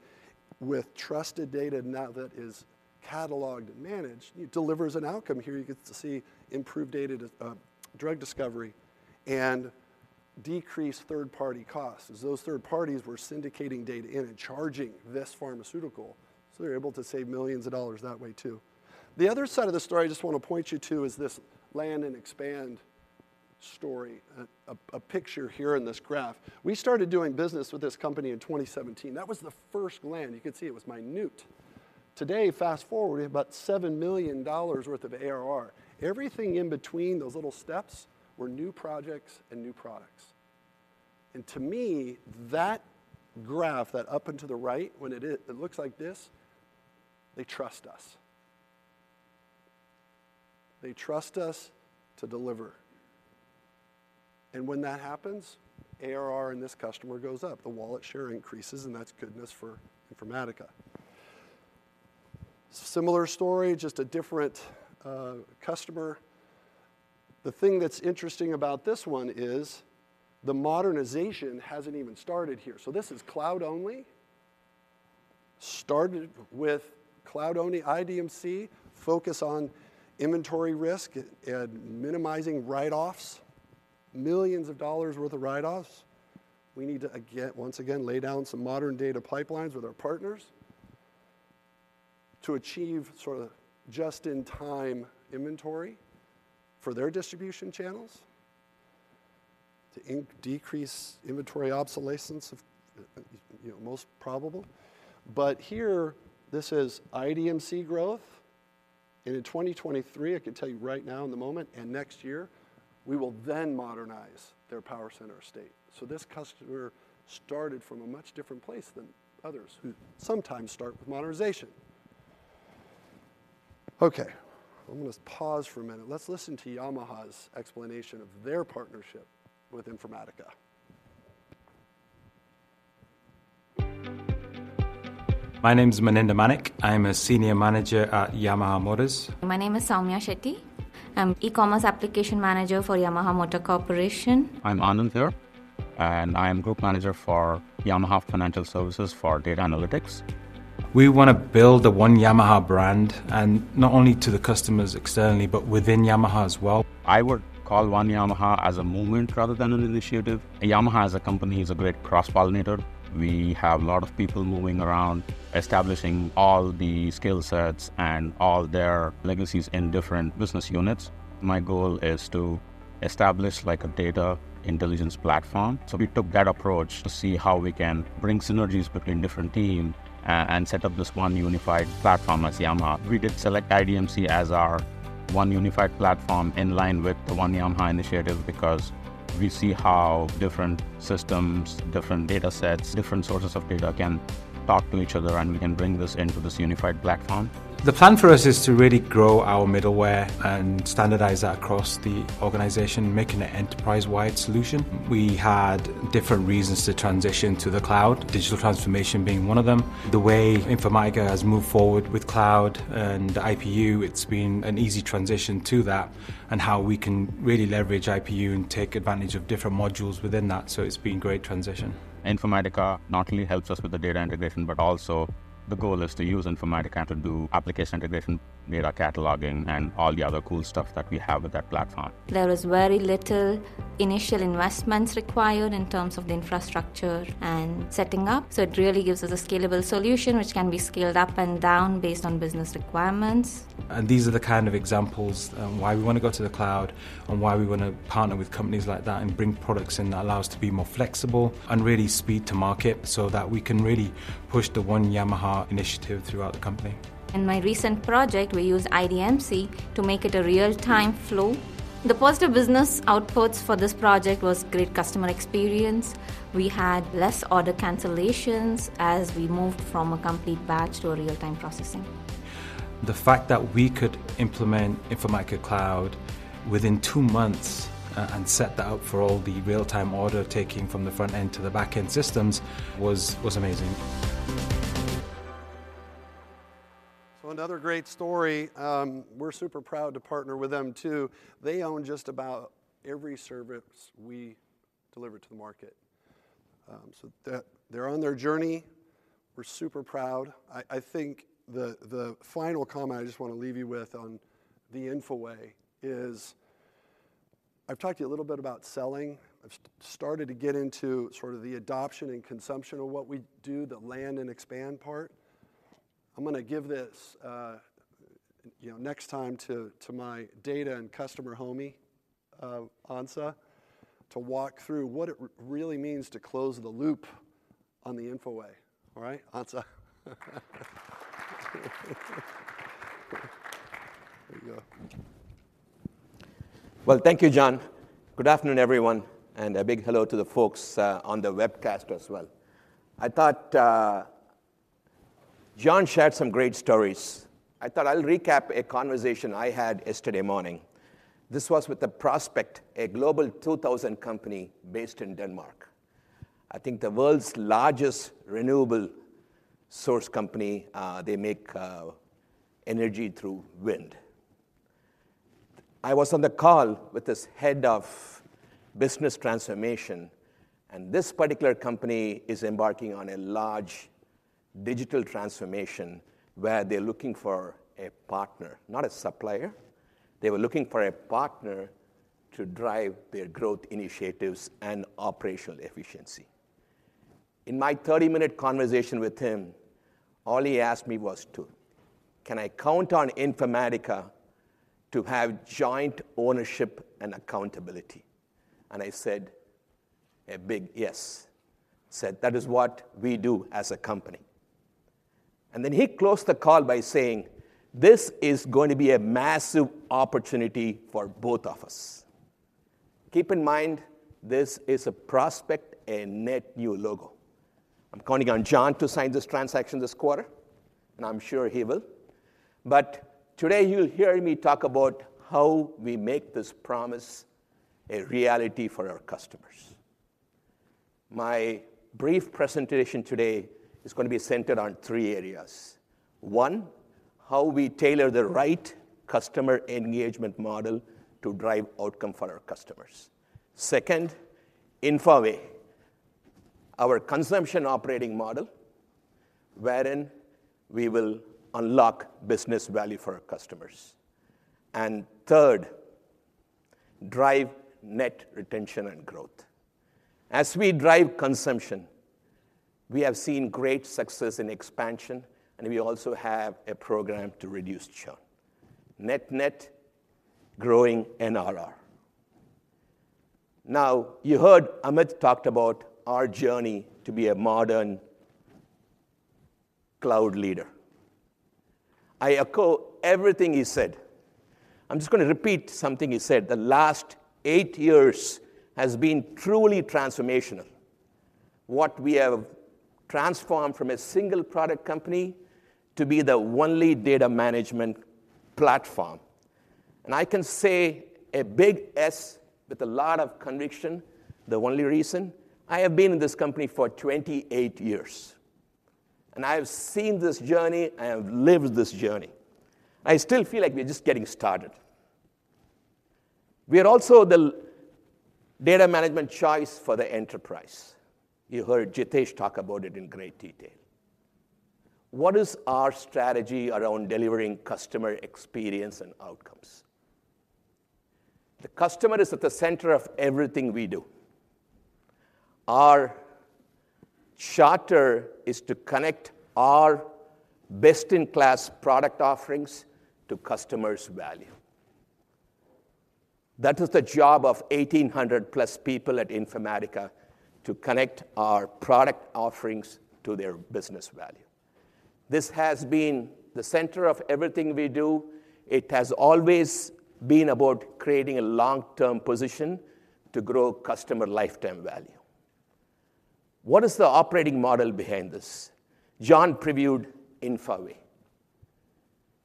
with trusted data now that is cataloged and managed, it delivers an outcome. Here, you get to see improved data drug discovery and decreased third-party costs, as those third parties were syndicating data in and charging this pharmaceutical. So they're able to save millions of dollars that way, too. The other side of the story I just want to point you to is this land and expand story, a picture here in this graph. We started doing business with this company in 2017. That was the first land. You can see it was minute. Today, fast-forward, we have about $7 million worth of ARR. Everything in between those little steps were new projects and new products. And to me, that graph, that up and to the right, when it looks like this, they trust us. They trust us to deliver. And when that happens, ARR and this customer goes up, the wallet share increases, and that's goodness for Informatica. Similar story, just a different customer. The thing that's interesting about this one is the modernization hasn't even started here. So this is cloud-only. Started with cloud-only IDMC, focus on inventory risk and minimizing write-offs, millions of dollars worth of write-offs. We need to again, once again, lay down some modern data pipelines with our partners to achieve sort of just-in-time inventory for their distribution channels, to decrease inventory obsolescence of, you know, most probable. But here, this is IDMC growth, and in 2023, I can tell you right now in the moment, and next year, we will then modernize their PowerCenter state. So this customer started from a much different place than others, who sometimes start with modernization. Okay, I'm gonna pause for a minute. Let's listen to Yamaha's explanation of their partnership with Informatica. My name is Maninder Mann. I'm a Senior Manager at Yamaha Motor Corporation. My name is Soumya Shetty. I'm E-commerce Application Manager for Yamaha Motor Corporation. I'm Anand Hir, and I am Group Manager for Yamaha Financial Services for Data Analytics. We want to build the One Yamaha brand, and not only to the customers externally, but within Yamaha as well. I would call One Yamaha as a movement rather than an initiative. Yamaha, as a company, is a great cross-pollinator. We have a lot of people moving around, establishing all the skill sets and all their legacies in different business units. My goal is to establish, like, a data intelligence platform. So we took that approach to see how we can bring synergies between different teams and set up this one unified platform as Yamaha. We did select IDMC as our one unified platform in line with the One Yamaha initiative because we see how different systems, different data sets, different sources of data can talk to each other, and we can bring this into this unified platform. The plan for us is to really grow our middleware and standardize that across the organization, making an enterprise-wide solution. We had different reasons to transition to the cloud, digital transformation being one of them. The way Informatica has moved forward with cloud and IPU, it's been an easy transition to that and how we can really leverage IPU and take advantage of different modules within that, so it's been great transition. Informatica not only helps us with the data integration, but also the goal is to use Informatica to do application integration, Data Cataloging, and all the other cool stuff that we have with that platform. There was very little initial investments required in terms of the infrastructure and setting up, so it really gives us a scalable solution, which can be scaled up and down based on business requirements. These are the kind of examples on why we want to go to the cloud and why we want to partner with companies like that and bring products in that allow us to be more flexible and really speed to market so that we can really push the One Yamaha initiative throughout the company. In my recent project, we used IDMC to make it a real-time flow. The positive business outputs for this project was great customer experience. We had less order cancellations as we moved from a complete batch to a real-time processing. The fact that we could implement Informatica Cloud within two months and set that up for all the real-time order taking from the front end to the back end systems was amazing. So another great story. We're super proud to partner with them, too. They own just about every service we deliver to the market. So that they're on their journey. We're super proud. I, I think the, the final comment I just want to leave you with on the Infoway is, I've talked to you a little bit about selling. I've started to get into sort of the adoption and consumption of what we do, the land and expand part. I'm gonna give this, you know, next time to, to my data and customer homie, Ansa, to walk through what it really means to close the loop on the Infoway. All right, Ansa. Here we go. Well, thank you, John. Good afternoon, everyone, and a big hello to the folks on the webcast as well. I thought John shared some great stories. I thought I'll recap a conversation I had yesterday morning. This was with a prospect, a global 2000 company based in Denmark. I think the world's largest renewable source company, they make energy through wind. I was on the call with this head of business transformation, and this particular company is embarking on a large digital transformation where they're looking for a partner, not a supplier. They were looking for a partner to drive their growth initiatives and operational efficiency. In my 30-minute conversation with him, all he asked me was two: "Can I count on Informatica to have joint ownership and accountability?" I said a big yes. said, "That is what we do as a company." And then he closed the call by saying, "This is going to be a massive opportunity for both of us." Keep in mind, this is a prospect, a net new logo. I'm counting on John to sign this transaction this quarter, and I'm sure he will. But today, you'll hear me talk about how we make this promise a reality for our customers. My brief presentation today is gonna be centered on three areas. One, how we tailor the right customer engagement model to drive outcome for our customers. Second, Infoway, our consumption operating model, wherein we will unlock business value for our customers. And third, drive net retention and growth. As we drive consumption, we have seen great success in expansion, and we also have a program to reduce churn. Net-net, growing NRR. Now, you heard Amit talked about our journey to be a modern cloud leader. I echo everything he said. I'm just gonna repeat something he said, the last eight years has been truly transformational. What we have transformed from a single product company to be the one leading data management platform. And I can say a big yes with a lot of conviction, the only reason, I have been in this company for 28 years, and I have seen this journey, I have lived this journey. I still feel like we're just getting started. We are also the leading data management choice for the enterprise. You heard Jitesh talk about it in great detail. What is our strategy around delivering customer experience and outcomes? The customer is at the center of everything we do. Our charter is to connect our best-in-class product offerings to customers' value. That is the job of 1,800+ people at Informatica, to connect our product offerings to their business value. This has been the center of everything we do. It has always been about creating a long-term position to grow customer lifetime value. What is the operating model behind this? John previewed Infoway.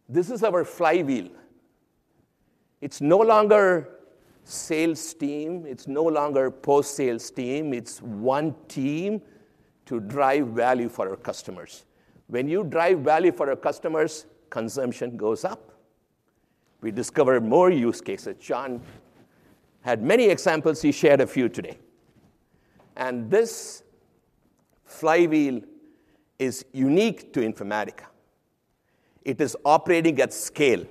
This is our flywheel. It's no longer sales team, it's no longer post-sales team, it's one team to drive value for our customers. When you drive value for our customers, consumption goes up. We discover more use cases. John had many examples. He shared a few today. This flywheel is unique to Informatica. It is operating at scale.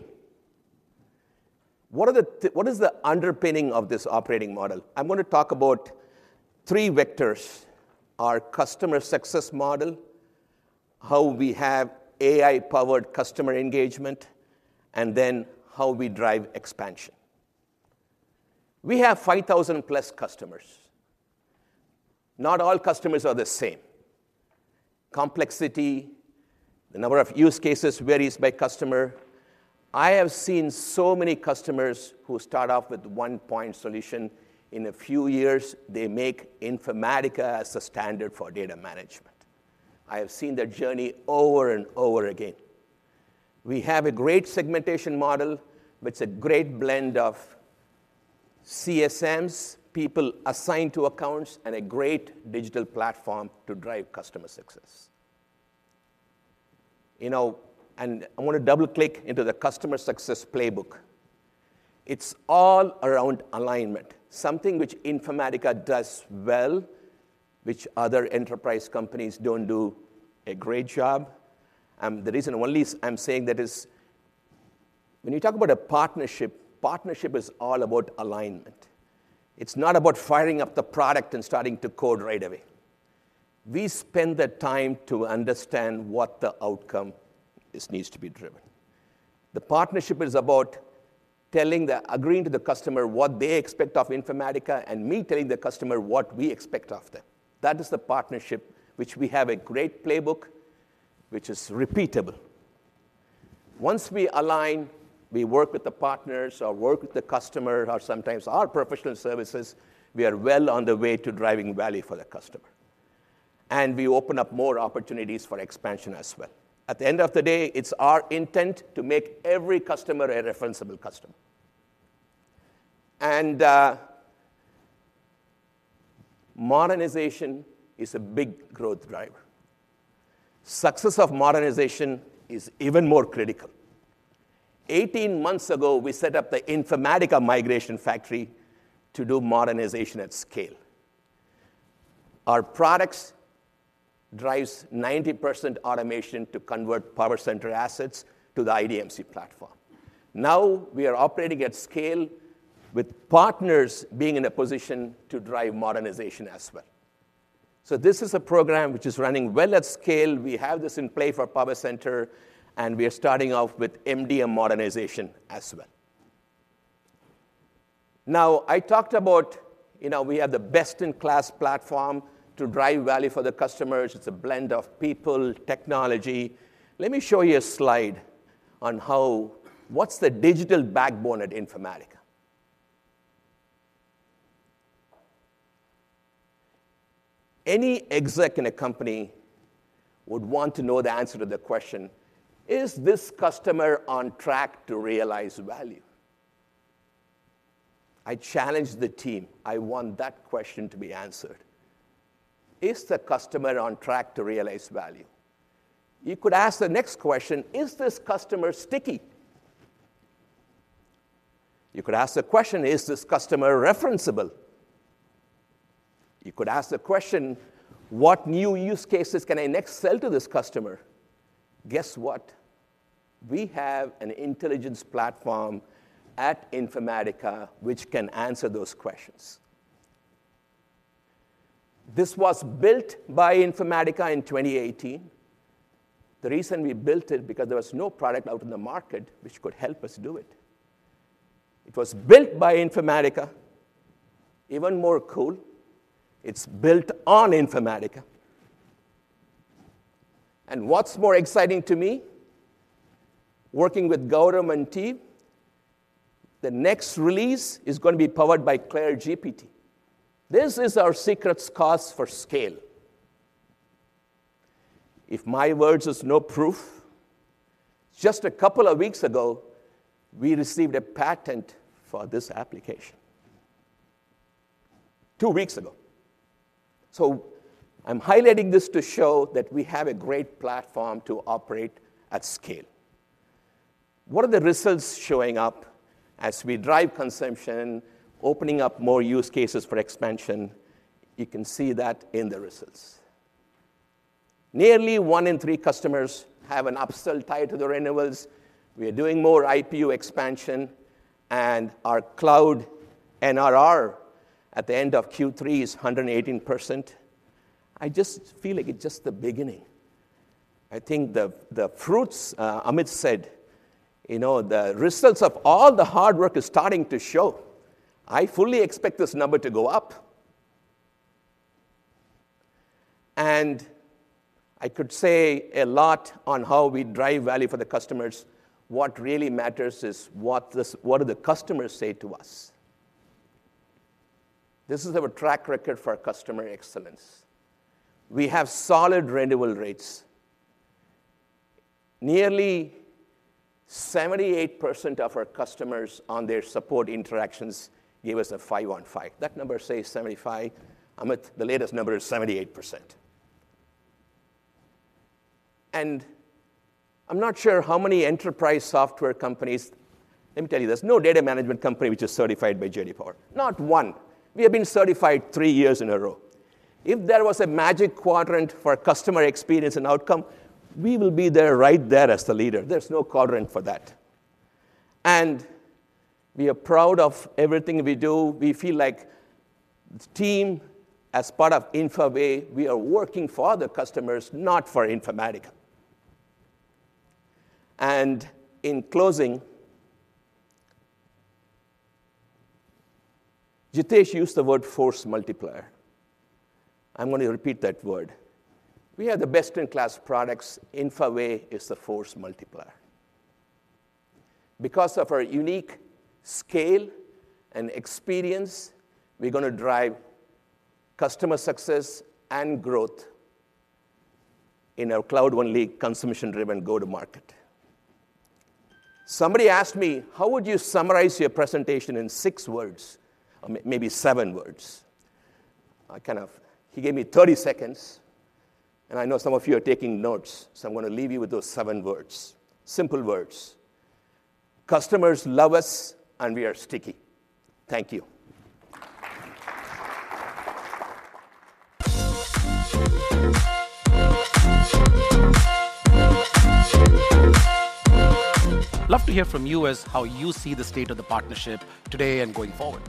What is the underpinning of this operating model? I'm gonna talk about three vectors: our customer success model, how we have AI-powered customer engagement, and then how we drive expansion. We have 5,000+ customers. Not all customers are the same. Complexity, the number of use cases varies by customer. I have seen so many customers who start off with one point solution. In a few years, they make Informatica as a standard for data management. I have seen their journey over and over again. We have a great segmentation model, which a great blend of CSMs, people assigned to accounts, and a great digital platform to drive customer success. You know, and I wanna double-click into the customer success playbook. It's all around alignment, something which Informatica does well, which other enterprise companies don't do a great job. And the reason, one reason I'm saying that is. When you talk about a partnership, partnership is all about alignment. It's not about firing up the product and starting to code right away. We spend the time to understand what the outcome is needs to be driven. The partnership is about agreeing to the customer what they expect of Informatica, and me telling the customer what we expect of them. That is the partnership which we have a great playbook, which is repeatable. Once we align, we work with the partners, or work with the customer, or sometimes our professional services, we are well on the way to driving value for the customer, and we open up more opportunities for expansion as well. At the end of the day, it's our intent to make every customer a referenceable customer. And, modernization is a big growth driver. Success of modernization is even more critical. 18 months ago, we set up the Informatica Migration Factory to do modernization at scale. Our products drives 90% automation to convert PowerCenter assets to the IDMC platform. Now, we are operating at scale with partners being in a position to drive modernization as well. So this is a program which is running well at scale. We have this in play for PowerCenter, and we are starting off with MDM modernization as well. Now, I talked about, you know, we have the best-in-class platform to drive value for the customers. It's a blend of people, technology. Let me show you a slide on how—what's the digital backbone at Informatica? Any exec in a company would want to know the answer to the question: Is this customer on track to realize value? I challenged the team. I want that question to be answered. Is the customer on track to realize value? You could ask the next question: Is this customer sticky? You could ask the question: Is this customer referenceable? You could ask the question: What new use cases can I next sell to this customer? Guess what? We have an intelligence platform at Informatica, which can answer those questions. This was built by Informatica in 2018. The reason we built it, because there was no product out in the market which could help us do it. It was built by Informatica. Even more cool, it's built on Informatica. And what's more exciting to me, working with Gautam and team, the next release is gonna be powered by CLAIRE GPT. This is our secret sauce for scale. If my words is no proof, just a couple of weeks ago, we received a patent for this application. Two weeks ago. So I'm highlighting this to show that we have a great platform to operate at scale. What are the results showing up as we drive consumption, opening up more use cases for expansion? You can see that in the results. Nearly one in three customers have an upsell tied to their renewals. We are doing more IPU expansion, and our cloud NRR at the end of Q3 is 118%. I just feel like it's just the beginning. I think the fruits, Amit said, "You know, the results of all the hard work is starting to show." I fully expect this number to go up. I could say a lot on how we drive value for the customers. What really matters is what this—what do the customers say to us? This is our track record for customer excellence. We have solid renewal rates. Nearly 78% of our customers on their support interactions gave us a five on five. That number says 75, Amit, the latest number is 78%. I'm not sure how many enterprise software companies. Let me tell you, there's no data management company which is certified by J.D. Power. Not one. We have been certified three years in a row. If there was a Magic Quadrant for customer experience and outcome, we will be there, right there as the leader. There's no quadrant for that. We are proud of everything we do. We feel like the team, as part of Informatica, we are working for the customers, not for Informatica. In closing, Jitesh used the word force multiplier. I'm going to repeat that word. We have the best-in-class products. Informatica is the force multiplier. Because of our unique scale and experience, we're gonna drive customer success and growth in our cloud-only, consumption-driven go-to-market. Somebody asked me, "How would you summarize your presentation in six words or maybe seven words?" He gave me 30 seconds, and I know some of you are taking notes, so I'm gonna leave you with those seven words. Simple words: Customers love us, and we are sticky. Thank you. Love to hear from you as how you see the state of the partnership today and going forward.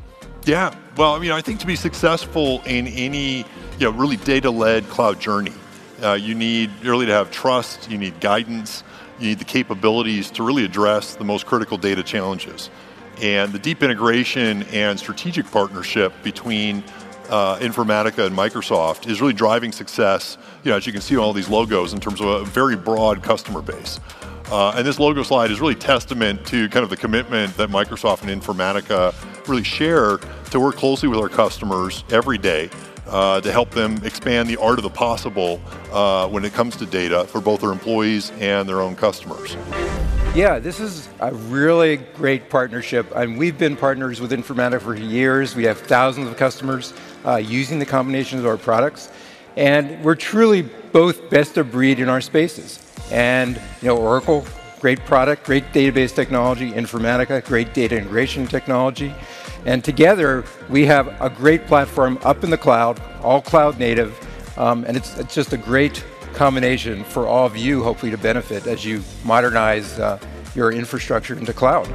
Yeah. Well, I mean, I think to be successful in any, you know, really data-led cloud journey, you need really to have trust, you need guidance, you need the capabilities to really address the most critical data challenges. And the deep integration and strategic partnership between Informatica and Microsoft is really driving success, you know, as you can see, all these logos, in terms of a very broad customer base. And this logo slide is really testament to kind of the commitment that Microsoft and Informatica really share to work closely with our customers every day, to help them expand the art of the possible, when it comes to data for both their employees and their own customers. Yeah, this is a really great partnership, and we've been partners with Informatica for years. We have thousands of customers using the combinations of our products, and we're truly both best of breed in our spaces. And, you know, Oracle, great product, great database technology, Informatica, great data integration technology, and together, we have a great platform up in the cloud, all cloud native. And it's just a great combination for all of you, hopefully, to benefit as you modernize your infrastructure in the cloud.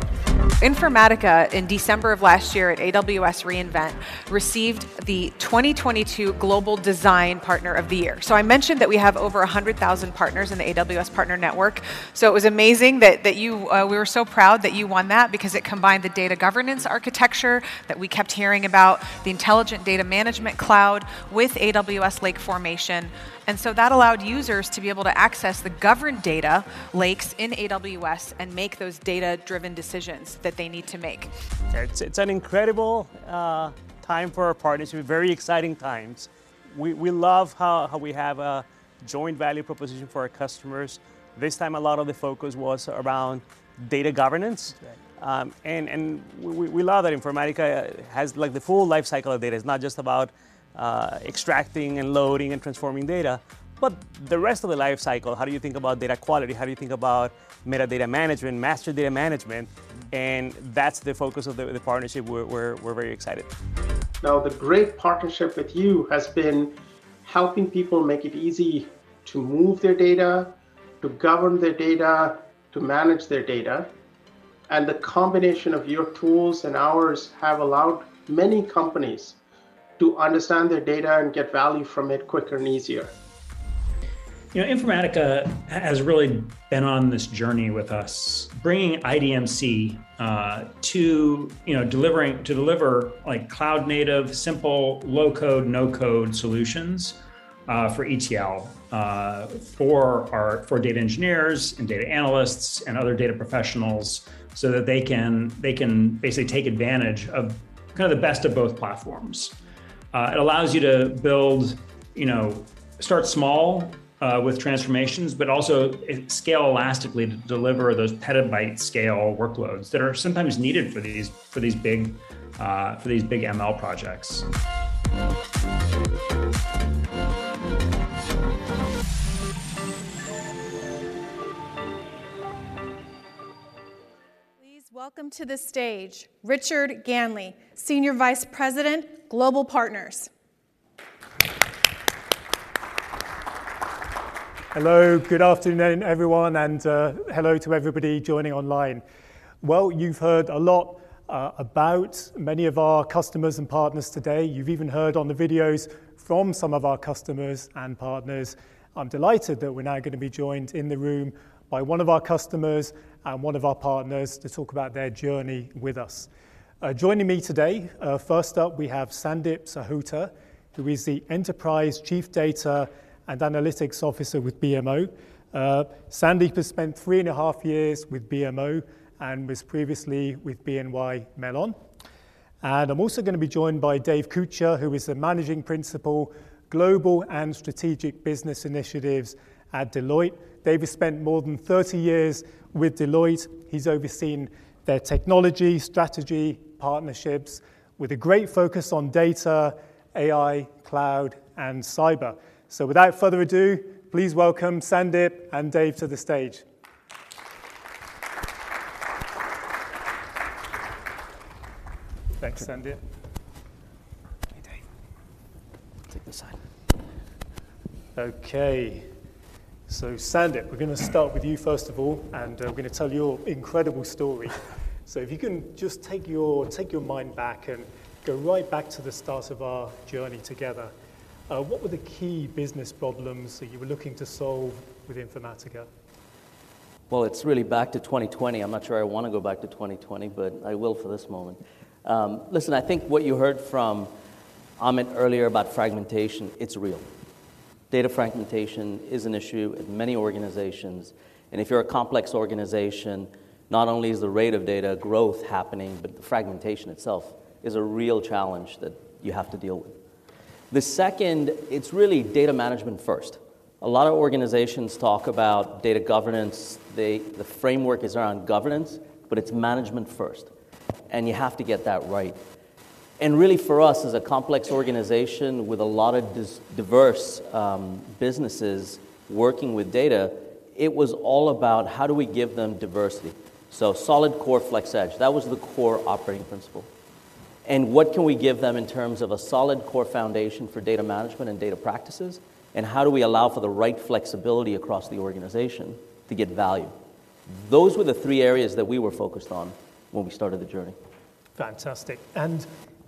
Informatica, in December of last year at AWS re:Invent, received the 2022 Global Design Partner of the Year. So I mentioned that we have over 100,000 partners in the AWS Partner Network, so it was amazing that, that you, We were so proud that you won that because it combined the data governance architecture that we kept hearing about, the Intelligent Data Management Cloud with AWS Lake Formation, and so that allowed users to be able to access the governed data lakes in AWS and make those data-driven decisions that they need to make. It's an incredible time for our partners. We have very exciting times. We love how we have a joint value proposition for our customers. This time, a lot of the focus was around data governance. Right. We love that Informatica has, like, the full life cycle of data. It's not just about extracting, and loading, and transforming data, but the rest of the life cycle. How do you think about data quality? How do you think about metadata management, master data management? That's the focus of the partnership. We're very excited. Now, the great partnership with you has been helping people make it easy to move their data, to govern their data, to manage their data, and the combination of your tools and ours have allowed many companies to understand their data and get value from it quicker and easier. You know, Informatica has really been on this journey with us, bringing IDMC to deliver, like, cloud-native, simple, low-code, no-code solutions for ETL for our data engineers, and data analysts, and other data professionals so that they can basically take advantage of kind of the best of both platforms. It allows you to build, you know, start small with transformations, but also scale elastically to deliver those PB-scale workloads that are sometimes needed for these big ML projects. Please welcome to the stage Richard Ganley, Senior Vice President, Global Partners. Hello, good afternoon, everyone, and hello to everybody joining online. Well, you've heard a lot about many of our customers and partners today. You've even heard on the videos from some of our customers and partners. I'm delighted that we're now gonna be joined in the room by one of our customers and one of our partners to talk about their journey with us. Joining me today, first up, we have Sandeep Sahota, who is the Enterprise Chief Data and Analytics Officer with BMO. Sandeep has spent 3.5 years with BMO and was previously with BNY Mellon. I'm also gonna be joined by Dave Kucher, who is a Managing Principal, Global and Strategic Business Initiatives at Deloitte. Dave has spent more than 30 years with Deloitte. He's overseen their technology, strategy, partnerships with a great focus on data, AI, cloud, and cyber. So without further ado, please welcome Sandeep and Dave to the stage. Thanks, Sandeep. Hey, Dave. Take this side. Okay, so Sandeep, we're gonna start with you, first of all, and we're gonna tell your incredible story. If you can just take your, take your mind back and go right back to the start of our journey together. What were the key business problems that you were looking to solve with Informatica? Well, it's really back to 2020. I'm not sure I wanna go back to 2020, but I will for this moment. Listen, I think what you heard from Amit earlier about fragmentation, it's real. Data fragmentation is an issue in many organizations, and if you're a complex organization, not only is the rate of data growth happening, but the fragmentation itself is a real challenge that you have to deal with. The second, it's really data management first. A lot of organizations talk about data governance. The framework is around governance, but it's management first, and you have to get that right. And really, for us, as a complex organization with a lot of diverse businesses working with data, it was all about: how do we give them diversity? So solid core, flex edge, that was the core operating principle. And what can we give them in terms of a solid core foundation for data management and data practices, and how do we allow for the right flexibility across the organization to get value? Those were the three areas that we were focused on when we started the journey. Fantastic.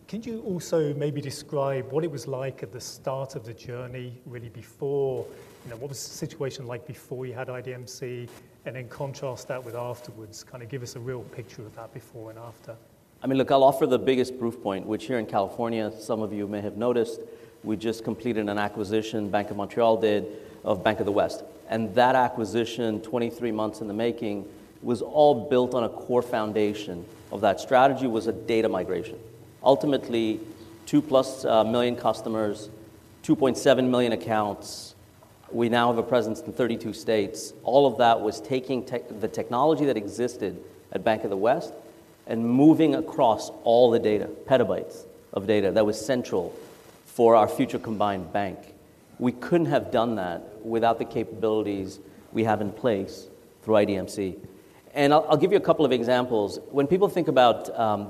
Could you also maybe describe what it was like at the start of the journey, really before, you know, what was the situation like before you had IDMC, and then contrast that with afterwards? Kinda give us a real picture of that before and after. I mean, look, I'll offer the biggest proof point, which here in California, some of you may have noticed, we just completed an acquisition, Bank of Montreal did, of Bank of the West, and that acquisition, 23 months in the making, was all built on a core foundation of that strategy, was a data migration. Ultimately, 2+ million customers, 2.7 million accounts. We now have a presence in 32 states. All of that was taking the technology that existed at Bank of the West and moving across all the data, PB of data, that was central for our future combined bank. We couldn't have done that without the capabilities we have in place through IDMC. And I'll, I'll give you a couple of examples. When people think about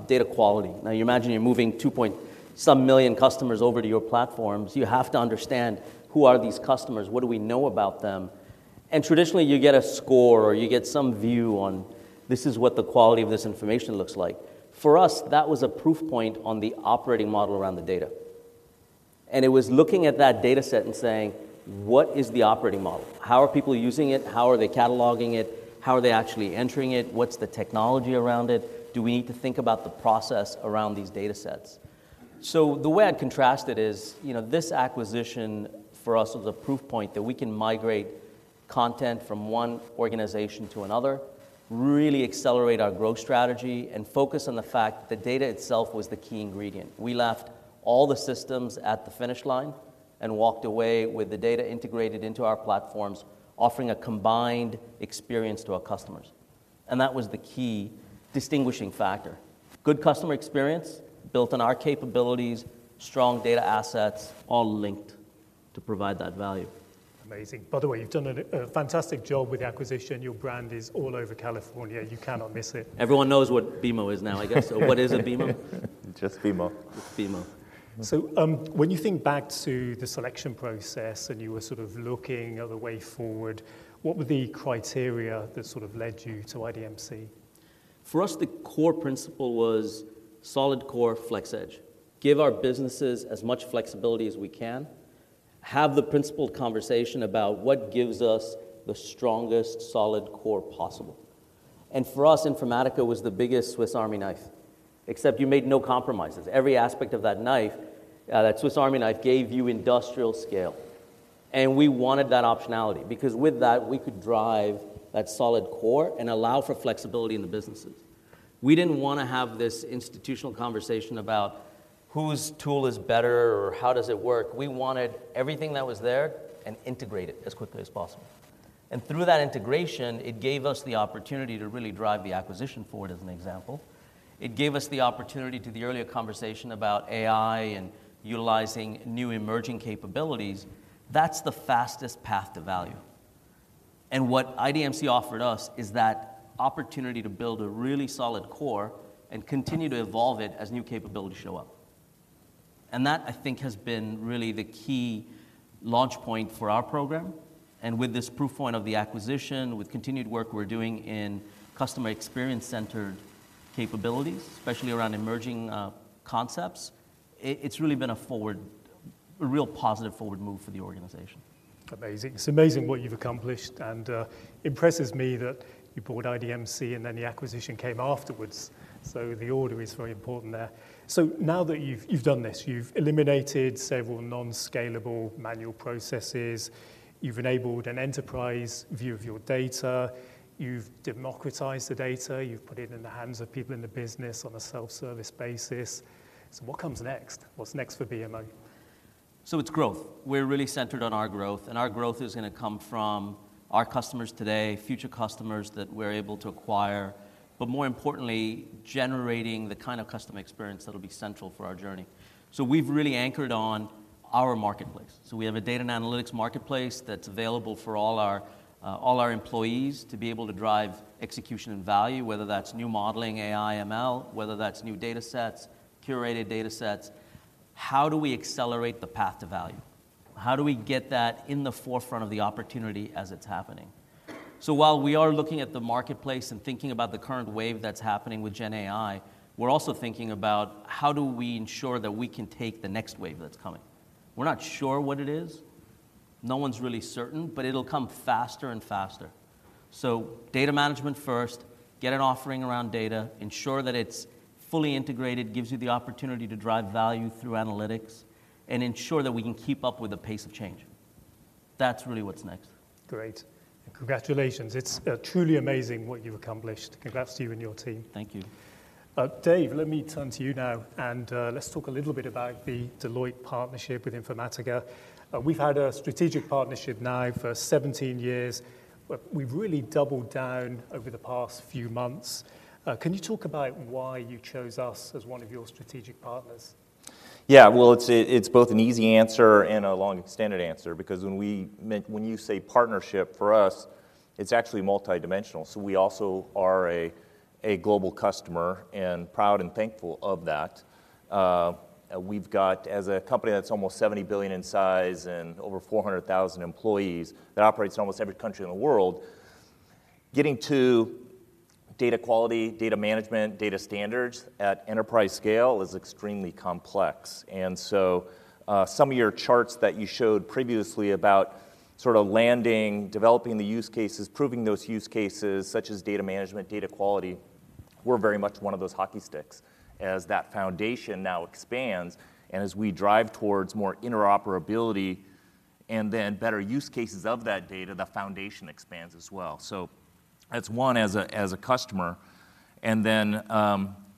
data quality, now you imagine you're moving 2.something million customers over to your platforms, you have to understand, who are these customers? What do we know about them? And traditionally, you get a score, or you get some view on, this is what the quality of this information looks like. For us, that was a proof point on the operating model around the data. And it was looking at that data set and saying: What is the operating model? How are people using it? How are they cataloging it? How are they actually entering it? What's the technology around it? Do we need to think about the process around these data sets? The way I'd contrast it is, you know, this acquisition, for us, was a proof point that we can migrate content from one organization to another, really accelerate our growth strategy, and focus on the fact the data itself was the key ingredient. We left all the systems at the finish line and walked away with the data integrated into our platforms, offering a combined experience to our customers, and that was the key distinguishing factor. Good customer experience, built on our capabilities, strong data assets, all linked to provide that value. Amazing. By the way, you've done a fantastic job with the acquisition. Your brand is all over California. You cannot miss it. Everyone knows what BMO is now, I guess. So what is a BMO? Just BMO. BMO. When you think back to the selection process, and you were sort of looking at the way forward, what were the criteria that sort of led you to IDMC? For us, the core principle was solid core, flex edge. Give our businesses as much flexibility as we can. Have the principled conversation about what gives us the strongest solid core possible. And for us, Informatica was the biggest Swiss Army knife, except you made no compromises. Every aspect of that knife, that Swiss Army knife, gave you industrial scale, and we wanted that optionality because with that, we could drive that solid core and allow for flexibility in the businesses. We didn't wanna have this institutional conversation about whose tool is better or how does it work? We wanted everything that was there and integrate it as quickly as possible. And through that integration, it gave us the opportunity to really drive the acquisition forward, as an example. It gave us the opportunity, to the earlier conversation about AI and utilizing new emerging capabilities, that's the fastest path to value. And what IDMC offered us is that opportunity to build a really solid core and continue to evolve it as new capabilities show up. And that, I think, has been really the key launch point for our program, and with this proof point of the acquisition, with continued work we're doing in customer experience-centered capabilities, especially around emerging concepts, it, it's really been a forward, a real positive forward move for the organization. Amazing. It's amazing what you've accomplished, and impresses me that you bought IDMC, and then the acquisition came afterwards, so the order is very important there. So now that you've done this, you've eliminated several non-scalable manual processes, you've enabled an enterprise view of your data, you've democratized the data, you've put it in the hands of people in the business on a self-service basis, so what comes next? What's next for BMO? So it's growth. We're really centered on our growth, and our growth is gonna come from our customers today, future customers that we're able to acquire, but more importantly, generating the kind of customer experience that'll be central for our journey. So we've really anchored on our marketplace. So we have a data and analytics marketplace that's available for all our, all our employees to be able to drive execution and value, whether that's new modeling, AI, ML, whether that's new datasets, curated datasets. How do we accelerate the path to value? How do we get that in the forefront of the opportunity as it's happening? So while we are looking at the marketplace and thinking about the current wave that's happening with GenAI, we're also thinking about, how do we ensure that we can take the next wave that's coming? We're not sure what it is. No one's really certain, but it'll come faster and faster. Data management first, get an offering around data, ensure that it's fully integrated, gives you the opportunity to drive value through analytics, and ensure that we can keep up with the pace of change. That's really what's next. Great. Congratulations. It's truly amazing what you've accomplished. Congrats to you and your team. Thank you. Dave, let me turn to you now, and let's talk a little bit about the Deloitte partnership with Informatica. We've had a strategic partnership now for 17 years, but we've really doubled down over the past few months. Can you talk about why you chose us as one of your strategic partners? Yeah, well, it's, it's both an easy answer and a long, extended answer, because when we meant—when you say partnership, for us, it's actually multidimensional. So we also are a, a global customer, and proud and thankful of that. We've got, as a company that's almost $70 billion in size and over 400,000 employees, that operates in almost every country in the world, getting to data quality, data management, data standards at enterprise scale is extremely complex. And so, some of your charts that you showed previously about sort of landing, developing the use cases, proving those use cases, such as data management, data quality, we're very much one of those hockey sticks. As that foundation now expands, and as we drive towards more interoperability and then better use cases of that data, the foundation expands as well. So that's one as a customer, and then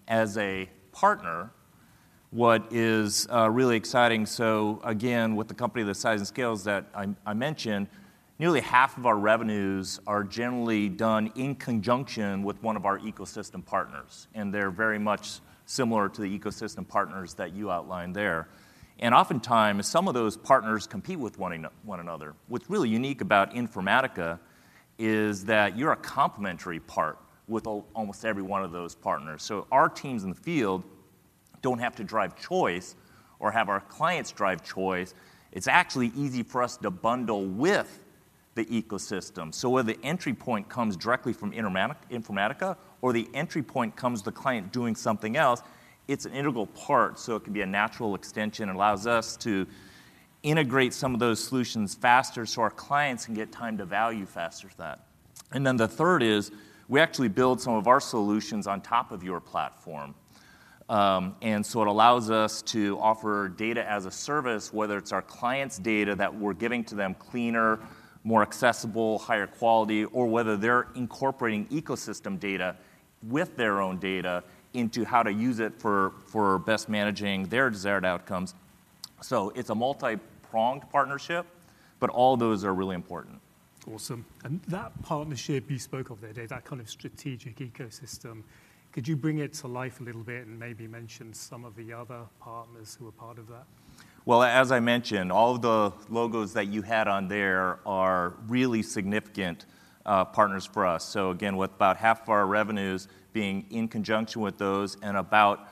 as a partner, what is really exciting. So again, with a company the size and scale as that I mentioned, nearly half of our revenues are generally done in conjunction with one of our ecosystem partners, and they're very much similar to the ecosystem partners that you outlined there. And oftentimes, some of those partners compete with one another. What's really unique about Informatica is that you're a complementary part with almost every one of those partners. So our teams in the field don't have to drive choice or have our clients drive choice. It's actually easy for us to bundle with the ecosystem. So where the entry point comes directly from Informatica, or the entry point comes the client doing something else, it's an integral part, so it can be a natural extension and allows us to integrate some of those solutions faster, so our clients can get time to value faster than that. And then the third is, we actually build some of our solutions on top of your platform. And so it allows us to offer data as a service, whether it's our client's data that we're giving to them cleaner, more accessible, higher quality, or whether they're incorporating ecosystem data with their own data into how to use it for best managing their desired outcomes. So it's a multi-pronged partnership, but all those are really important. Awesome. That partnership you spoke of there, Dave, that kind of strategic ecosystem, could you bring it to life a little bit and maybe mention some of the other partners who are part of that? Well, as I mentioned, all the logos that you had on there are really significant partners for us. So again, with about half of our revenues being in conjunction with those, and about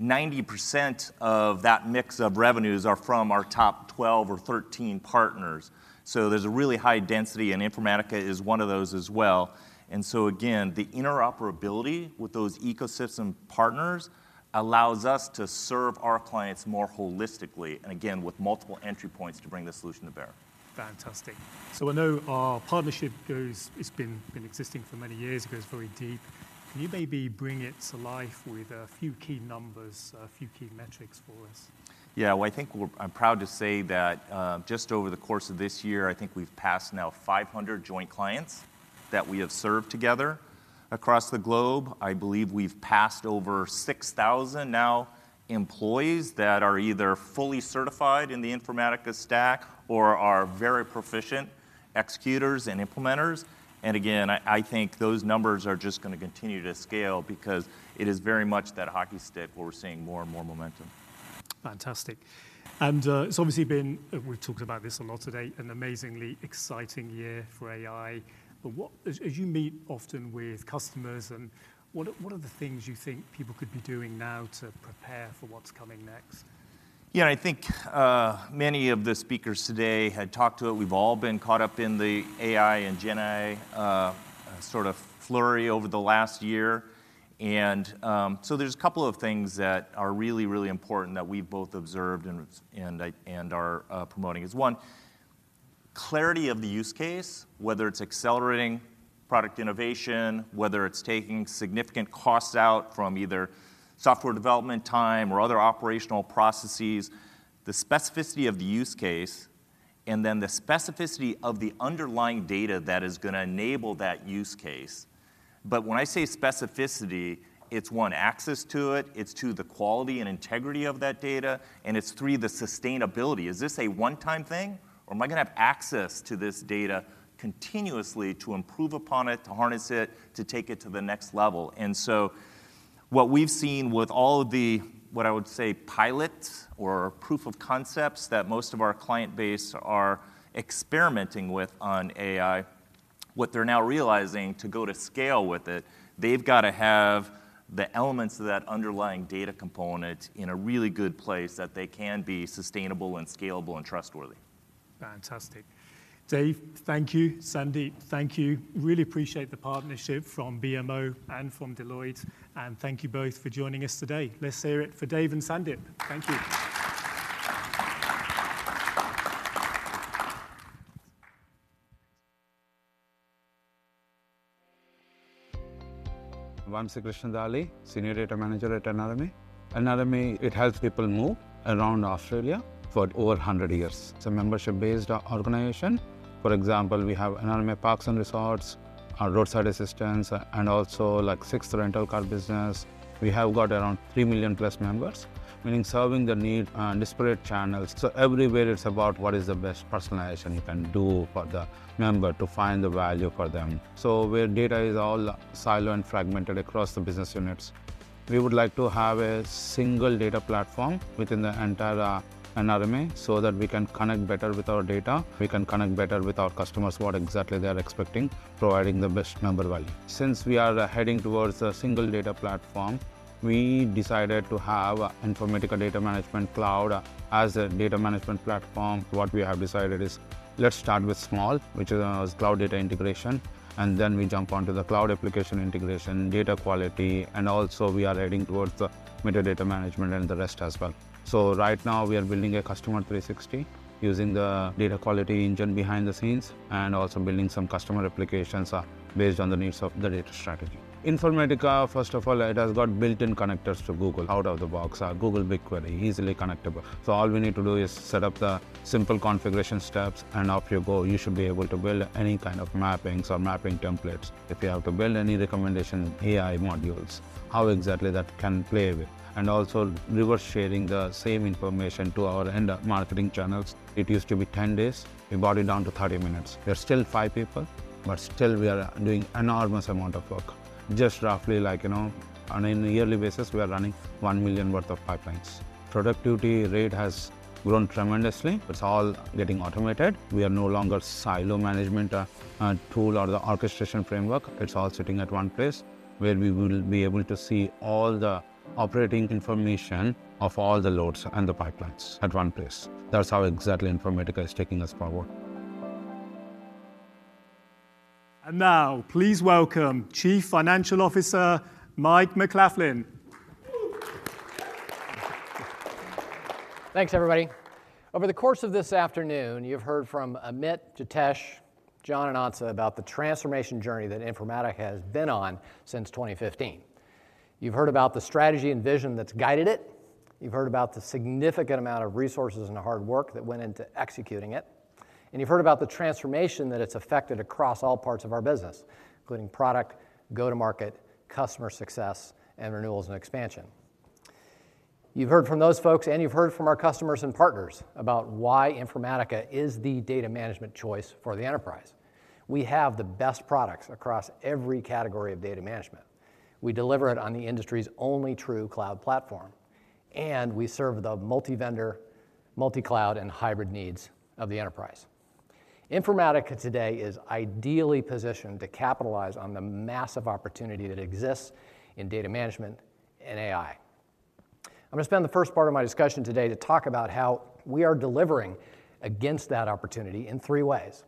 90% of that mix of revenues are from our top 12 or 13 partners. So there's a really high density, and Informatica is one of those as well. And so again, the interoperability with those ecosystem partners allows us to serve our clients more holistically, and again, with multiple entry points to bring the solution to bear. Fantastic. So I know our partnership goes, it's been, been existing for many years, it goes very deep. Can you maybe bring it to life with a few key numbers, a few key metrics for us? Yeah, well, I think I'm proud to say that just over the course of this year, I think we've passed now 500 joint clients that we have served together across the globe. I believe we've passed over 6,000 now employees that are either fully certified in the Informatica stack or are very proficient executors and implementers. And again, I think those numbers are just gonna continue to scale because it is very much that hockey stick where we're seeing more and more momentum. Fantastic. And, it's obviously been, we've talked about this a lot today, an amazingly exciting year for AI. But what, as you meet often with customers, and what are the things you think people could be doing now to prepare for what's coming next? Yeah, I think many of the speakers today had talked to it. We've all been caught up in the AI and GenAI sort of flurry over the last year. And so there's a couple of things that are really, really important that we've both observed and are promoting. One, clarity of the use case, whether it's accelerating product innovation, whether it's taking significant costs out from either software development time or other operational processes, the specificity of the use case, and then the specificity of the underlying data that is gonna enable that use case. But when I say specificity, it's one, access to it, it's two, the quality and integrity of that data, and it's three, the sustainability. Is this a one-time thing, or am I gonna have access to this data continuously to improve upon it, to harness it, to take it to the next level? And so what we've seen with all of the, what I would say, pilots or proof of concepts that most of our client base are experimenting with on AI, what they're now realizing to go to scale with it, they've got to have the elements of that underlying data component in a really good place that they can be sustainable and scalable and trustworthy. Fantastic. Dave, thank you. Sandeep, thank you. Really appreciate the partnership from BMO and from Deloitte, and thank you both for joining us today. Let's hear it for Dave and Sandeep. Thank you. I'm Vamsi Krishna Dhalli, Senior Data Manager at NRMA. NRMA, it helps people move around Australia for over 100 years. It's a membership-based organization. For example, we have NRMA Parks and Resorts, our roadside assistance, and also like six rental car business. We have got around 3 million plus members, meaning serving the need on disparate channels. So everywhere it's about what is the best personalization you can do for the member to find the value for them. So where data is all siloed and fragmented across the business units. We would like to have a single data platform within the entire NRMA, so that we can connect better with our data, we can connect better with our customers, what exactly they are expecting, providing the best number value. Since we are heading towards a single data platform, we decided to have Informatica Data Management Cloud as a data management platform. What we have decided is let's start with small, which is, Cloud Data Integration, and then we jump onto the Cloud Application Integration, data quality, and also we are heading towards the metadata management and the rest as well. So right now, we are building a Customer 360 using the data quality engine behind the scenes, and also building some customer applications, based on the needs of the data strategy. Informatica, first of all, it has got built-in connectors to Google out of the box, Google BigQuery, easily connectable. So all we need to do is set up the simple configuration steps, and off you go. You should be able to build any kind of mappings or mapping templates. If you have to build any recommendation AI modules, how exactly that can play with. And also, we were sharing the same information to our end marketing channels. It used to be 10 days, we brought it down to 30 minutes. We are still five people, but still we are doing enormous amount of work. Just roughly like, you know, on a yearly basis, we are running $1 million worth of pipelines. Productivity rate has grown tremendously. It's all getting automated. We are no longer silo management tool or the orchestration framework. It's all sitting at one place, where we will be able to see all the operating information of all the loads and the pipelines at one place. That's how exactly Informatica is taking us forward. Now, please welcome Chief Financial Officer, Mike McLaughlin. Thanks, everybody. Over the course of this afternoon, you've heard from Amit, Jitesh, John, and Ansa about the transformation journey that Informatica has been on since 2015. You've heard about the strategy and vision that's guided it. You've heard about the significant amount of resources and the hard work that went into executing it, and you've heard about the transformation that it's affected across all parts of our business, including product, go-to-market, customer success, and renewals and expansion. You've heard from those folks, and you've heard from our customers and partners about why Informatica is the data management choice for the enterprise. We have the best products across every category of data management. We deliver it on the industry's only true cloud platform, and we serve the multi-vendor, multi-cloud and hybrid needs of the enterprise. Informatica today is ideally positioned to capitalize on the massive opportunity that exists in data management and AI. I'm going to spend the first part of my discussion today to talk about how we are delivering against that opportunity in three ways.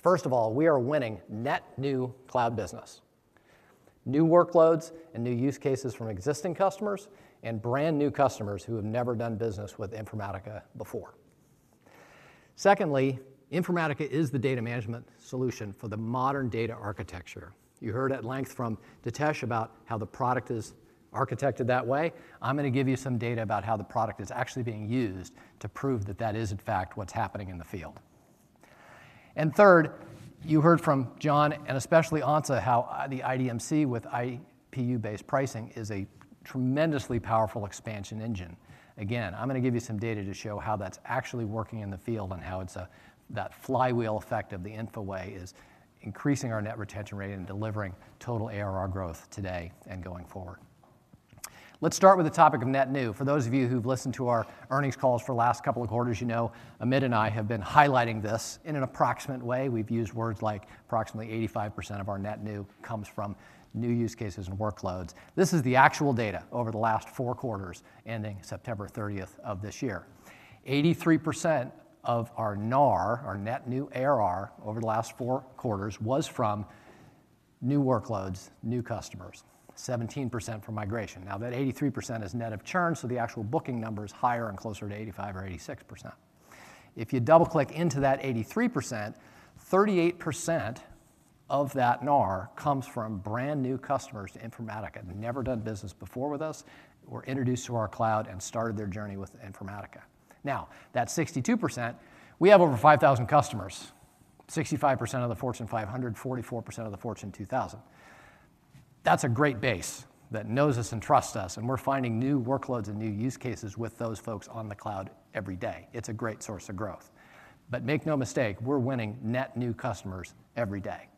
First of all, we are winning net new cloud business, new workloads and new use cases from existing customers, and brand new customers who have never done business with Informatica before. Secondly, Informatica is the data management solution for the modern data architecture. You heard at length from Jitesh about how the product is architected that way. I'm going to give you some data about how the product is actually being used to prove that that is, in fact, what's happening in the field. And third, you heard from John, and especially Ansa, how, the IDMC with IPU-based pricing is a tremendously powerful expansion engine. Again, I'm going to give you some data to show how that's actually working in the field and how it's, that flywheel effect of the Infoway is increasing our net retention rate and delivering total ARR growth today and going forward. Let's start with the topic of net new. For those of you who've listened to our earnings calls for the last couple of quarters, you know Amit and I have been highlighting this in an approximate way. We've used words like, "Approximately 85% of our net new comes from new use cases and workloads." This is the actual data over the last four quarters, ending September 30th of this year. 83% of our NAR, our net new ARR, over the last four quarters was from new workloads, new customers. 17% from migration. Now, that 83% is net of churn, so the actual booking number is higher and closer to 85% or 86%. If you double-click into that 83%, 38% of that NAR comes from brand-new customers to Informatica. They've never done business before with us, were introduced to our cloud and started their journey with Informatica. Now, that 62%, we have over 5,000 customers, 65% of the Fortune 500, 44% of the Fortune 2,000. That's a great base that knows us and trusts us, and we're finding new workloads and new use cases with those folks on the cloud every day. It's a great source of growth. But make no mistake, we're winning net new customers every day.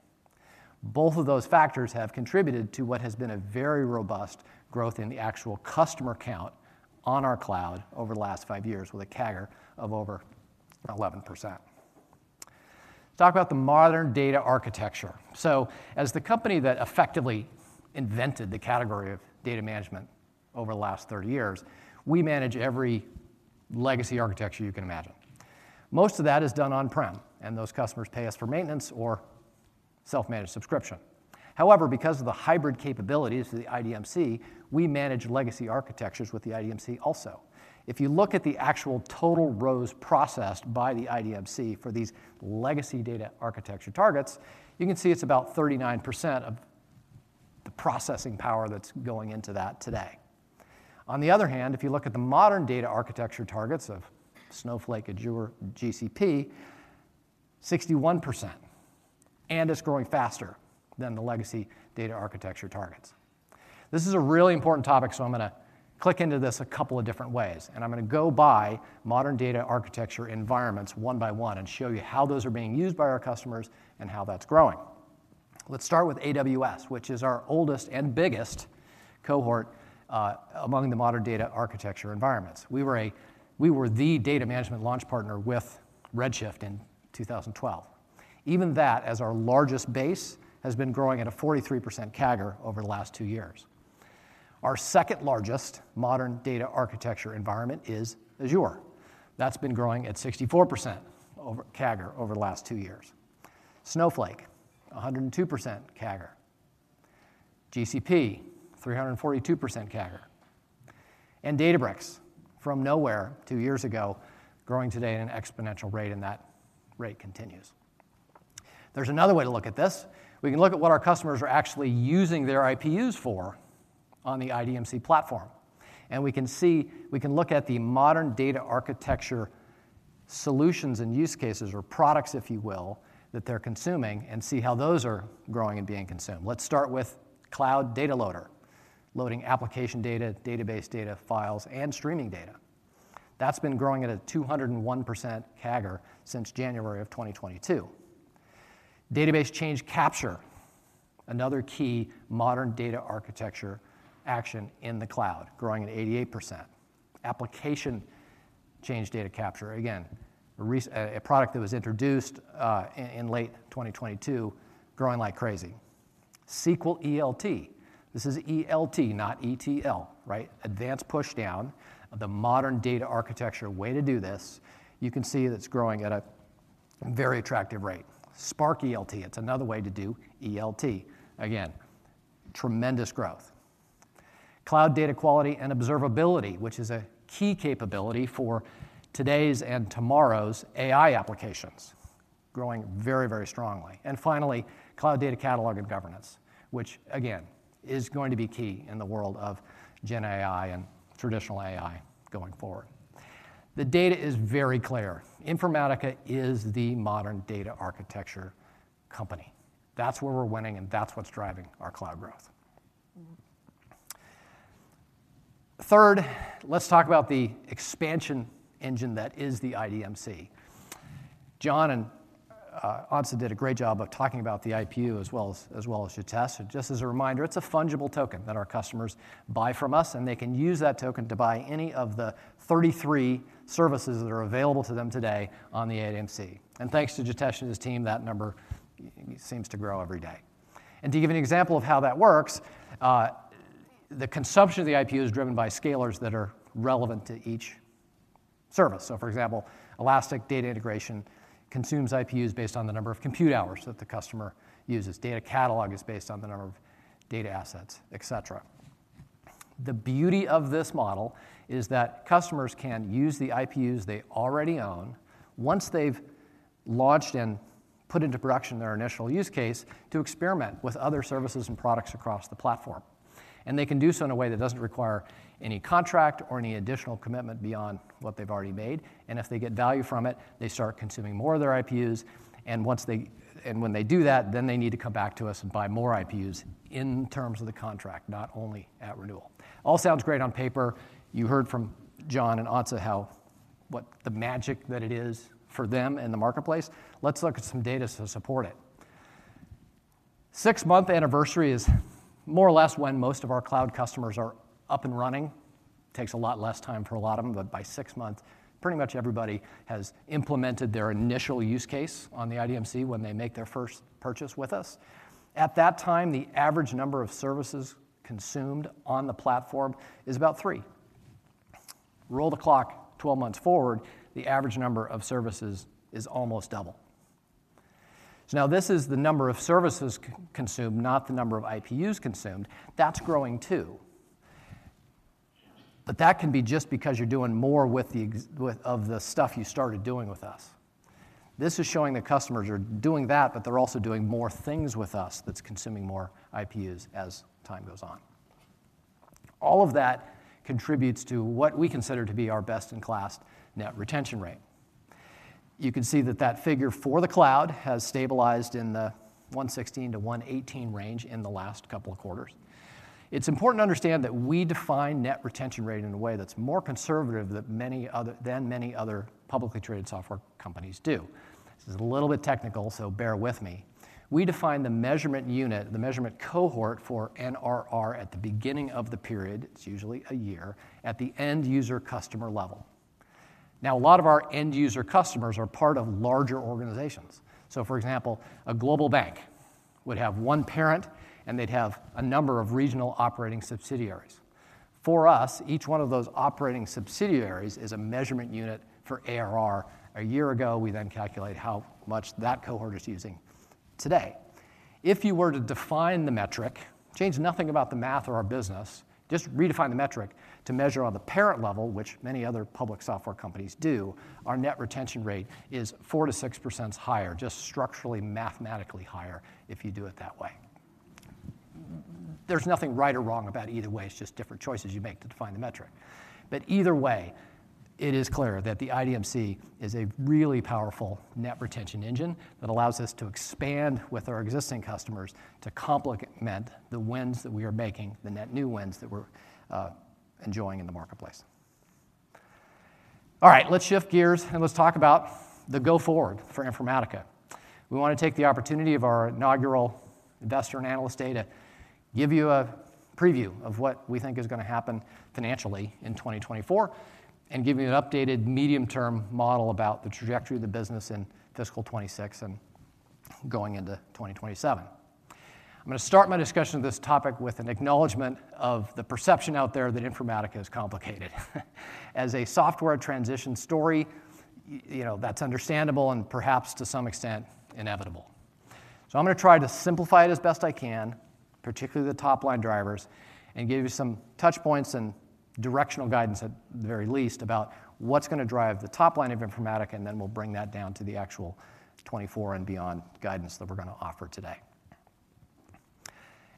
Both of those factors have contributed to what has been a very robust growth in the actual customer count on our cloud over the last five years, with a CAGR of over 11%. Let's talk about the modern data architecture. So as the company that effectively invented the category of data management over the last 30 years, we manage every legacy architecture you can imagine. Most of that is done on-prem, and those customers pay us for maintenance or self-managed subscription. However, because of the hybrid capabilities of the IDMC, we manage legacy architectures with the IDMC also. If you look at the actual total rows processed by the IDMC for these legacy data architecture targets, you can see it's about 39% of the processing power that's going into that today. On the other hand, if you look at the modern data architecture targets of Snowflake, Azure, GCP, 61%, and it's growing faster than the legacy data architecture targets. This is a really important topic, so I'm going to click into this a couple of different ways, and I'm going to go by modern data architecture environments one by one and show you how those are being used by our customers and how that's growing. Let's start with AWS, which is our oldest and biggest cohort among the modern data architecture environments. We were the data management launch partner with Redshift in 2012. Even that, as our largest base, has been growing at a 43% CAGR over the last two years. Our second largest modern data architecture environment is Azure. That's been growing at 64% CAGR over the last two years. Snowflake, 102% CAGR. GCP, 342% CAGR. And Databricks, from nowhere two years ago, growing today at an exponential rate, and that rate continues. There's another way to look at this. We can look at what our customers are actually using their IPUs for on the IDMC platform, and we can see, we can look at the modern data architecture solutions and use cases or products, if you will, that they're consuming and see how those are growing and being consumed. Let's start with Cloud Data Loader, loading application data, database data, files, and streaming data. That's been growing at a 201% CAGR since January 2022. Database Change Capture, another key modern data architecture action in the cloud, growing at 88%. Application Change Data Capture, again, a product that was introduced in late 2022, growing like crazy. SQL ELT, this is ELT, not ETL, right? Advanced pushdown, the modern data architecture way to do this. You can see that's growing at a very attractive rate. Spark ELT, it's another way to do ELT. Again, tremendous growth. Cloud Data Quality and observability, which is a key capability for today's and tomorrow's AI applications, growing very, very strongly. Finally, Cloud Data Catalog and governance, which, again, is going to be key in the world of GenAI and traditional AI going forward. The data is very clear. Informatica is the modern data architecture company. That's where we're winning, and that's what's driving our cloud growth. Third, let's talk about the expansion engine that is the IDMC. John and Ansa did a great job of talking about the IPU as well as, as well as Jitesh. So just as a reminder, it's a fungible token that our customers buy from us, and they can use that token to buy any of the 33 services that are available to them today on the IDMC. And thanks to Jitesh and his team, that number seems to grow every day. And to give an example of how that works, the consumption of the IPU is driven by scalers that are relevant to each service. So for example, elastic data integration consumes IPUs based on the number of compute hours that the customer uses. Data catalog is based on the number of data assets, etc. The beauty of this model is that customers can use the IPUs they already own, once they've launched and put into production their initial use case, to experiment with other services and products across the platform. They can do so in a way that doesn't require any contract or any additional commitment beyond what they've already made, and if they get value from it, they start consuming more of their IPUs, and once they, and when they do that, then they need to come back to us and buy more IPUs in terms of the contract, not only at renewal. All sounds great on paper. You heard from John and Ansa how, what the magic that it is for them in the marketplace. Let's look at some data to support it. Six-month anniversary is more or less when most of our cloud customers are up and running. Takes a lot less time for a lot of them, but by six months, pretty much everybody has implemented their initial use case on the IDMC when they make their first purchase with us. At that time, the average number of services consumed on the platform is about three. Roll the clock 12 months forward, the average number of services is almost double. So now this is the number of services consumed, not the number of IPUs consumed. That's growing, too. But that can be just because you're doing more with the stuff you started doing with us. This is showing that customers are doing that, but they're also doing more things with us that's consuming more IPUs as time goes on. All of that contributes to what we consider to be our best-in-class net retention rate. You can see that that figure for the cloud has stabilized in the 116-118 range in the last couple of quarters. It's important to understand that we define net retention rate in a way that's more conservative than many other, than many other publicly traded software companies do. This is a little bit technical, so bear with me. We define the measurement unit, the measurement cohort for NRR at the beginning of the period, it's usually a year, at the end user customer level. Now, a lot of our end user customers are part of larger organizations. So for example, a global bank would have one parent, and they'd have a number of regional operating subsidiaries. For us, each one of those operating subsidiaries is a measurement unit for ARR. A year ago, we then calculate how much that cohort is using today. If you were to define the metric, change nothing about the math or our business, just redefine the metric to measure on the parent level, which many other public software companies do, our net retention rate is 4%-6% higher, just structurally, mathematically higher if you do it that way. There's nothing right or wrong about either way; it's just different choices you make to define the metric. But either way, it is clear that the IDMC is a really powerful net retention engine that allows us to expand with our existing customers to complement the wins that we are making, the net new wins that we're enjoying in the marketplace. All right, let's shift gears, and let's talk about the go forward for Informatica. We want to take the opportunity of our inaugural investor and analyst day to give you a preview of what we think is going to happen financially in 2024, and give you an updated medium-term model about the trajectory of the business in fiscal 2026 and going into 2027. I'm going to start my discussion of this topic with an acknowledgement of the perception out there that Informatica is complicated. As a software transition story, you know, that's understandable and perhaps to some extent, inevitable. So I'm going to try to simplify it as best I can, particularly the top-line drivers, and give you some touch points and directional guidance, at the very least, about what's going to drive the top line of Informatica, and then we'll bring that down to the actual 2024 and beyond guidance that we're going to offer today.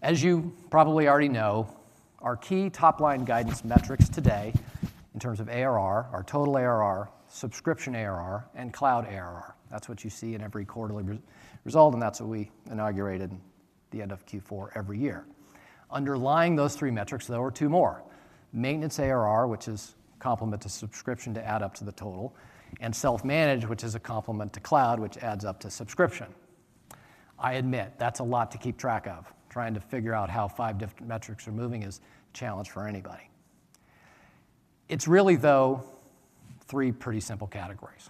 As you probably already know, our key top-line guidance metrics today in terms of ARR: our total ARR, subscription ARR, and cloud ARR. That's what you see in every quarterly result, and that's what we report at the end of Q4 every year. Underlying those three metrics, there are two more: maintenance ARR, which is complement to subscription to add up to the total, and self-managed, which is a complement to cloud, which adds up to subscription. I admit that's a lot to keep track of. Trying to figure out how five different metrics are moving is a challenge for anybody. It's really, though, three pretty simple categories: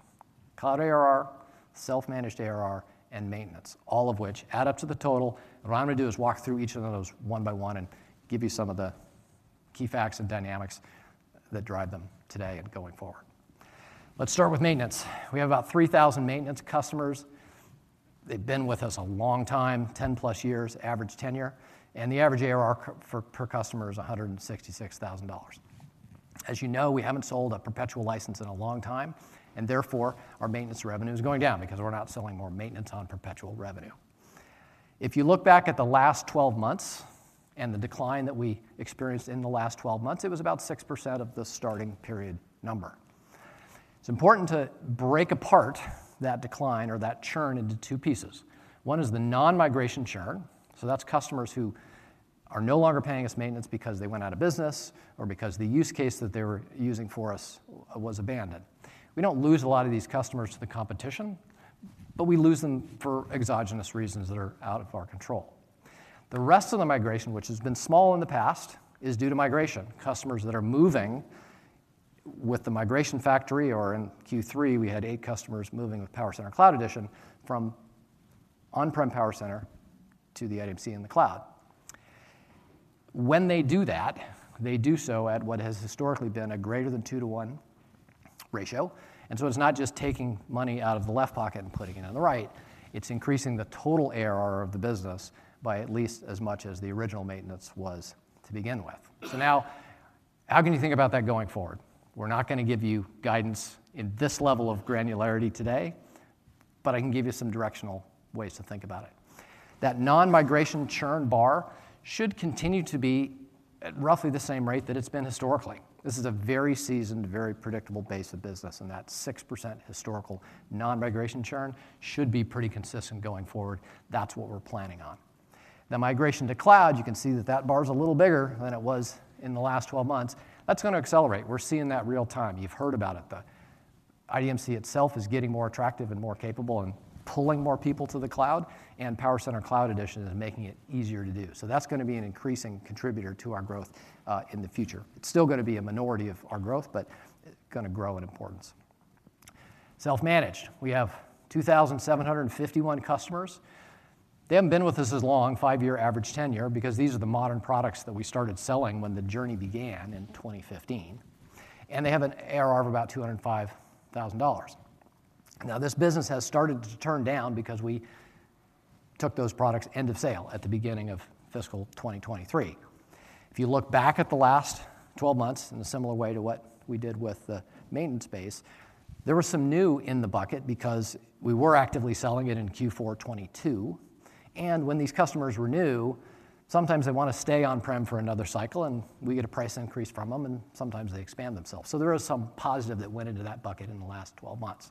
cloud ARR, self-managed ARR, and maintenance, all of which add up to the total. What I'm going to do is walk through each one of those one by one and give you some of the key facts and dynamics that drive them today and going forward. Let's start with maintenance. We have about 3,000 maintenance customers. They've been with us a long time, 10+ years, average tenure, and the average ARR per, per customer is $166,000. As you know, we haven't sold a perpetual license in a long time, and therefore, our maintenance revenue is going down because we're not selling more maintenance on perpetual revenue. If you look back at the last 12 months and the decline that we experienced in the last 12 months, it was about 6% of the starting period number. It's important to break apart that decline or that churn into two pieces. One is the non-migration churn, so that's customers who are no longer paying us maintenance because they went out of business or because the use case that they were using for us was abandoned. We don't lose a lot of these customers to the competition, but we lose them for exogenous reasons that are out of our control. The rest of the migration, which has been small in the past, is due to migration, customers that are moving with the migration factory or in Q3, we had eight customers moving with PowerCenter Cloud Edition from on-prem PowerCenter to the IDMC in the cloud. When they do that, they do so at what has historically been a greater than two-to-one ratio, and so it's not just taking money out of the left pocket and putting it in the right. It's increasing the total ARR of the business by at least as much as the original maintenance was to begin with. So now, how can you think about that going forward? We're not going to give you guidance in this level of granularity today, but I can give you some directional ways to think about it. That non-migration churn bar should continue to be at roughly the same rate that it's been historically. This is a very seasoned, very predictable base of business, and that 6% historical non-migration churn should be pretty consistent going forward. That's what we're planning on. Now, migration to cloud, you can see that that bar is a little bigger than it was in the last 12 months. That's going to accelerate. We're seeing that real time. You've heard about it, the IDMC itself is getting more attractive and more capable and pulling more people to the cloud, and PowerCenter Cloud Edition is making it easier to do. So that's going to be an increasing contributor to our growth in the future. It's still going to be a minority of our growth, but going to grow in importance. Self-managed. We have 2,751 customers. They haven't been with us as long, 5-year average tenure, because these are the modern products that we started selling when the journey began in 2015, and they have an ARR of about $205,000. Now, this business has started to turn down because we took those products end of sale at the beginning of fiscal 2023. If you look back at the last 12 months in a similar way to what we did with the maintenance base, there was some new in the bucket because we were actively selling it in Q4 2022, and when these customers were new, sometimes they want to stay on-prem for another cycle, and we get a price increase from them, and sometimes they expand themselves. So there is some positive that went into that bucket in the last 12 months.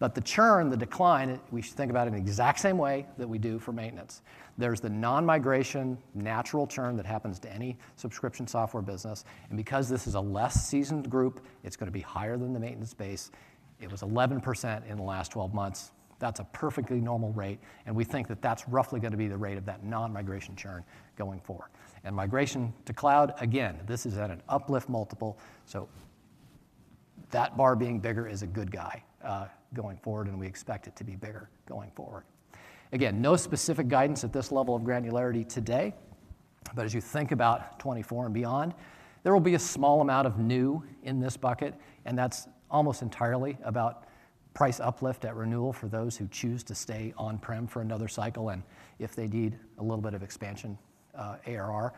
But the churn, the decline, we should think about it in the exact same way that we do for maintenance. There's the non-migration natural churn that happens to any subscription software business, and because this is a less seasoned group, it's going to be higher than the maintenance base. It was 11% in the last 12 months. That's a perfectly normal rate, and we think that that's roughly going to be the rate of that non-migration churn going forward. Migration to cloud, again, this is at an uplift multiple, so that bar being bigger is a good guy, going forward, and we expect it to be bigger going forward. Again, no specific guidance at this level of granularity today, but as you think about 2024 and beyond, there will be a small amount of new in this bucket, and that's almost entirely about price uplift at renewal for those who choose to stay on-prem for another cycle and if they need a little bit of expansion, ARR.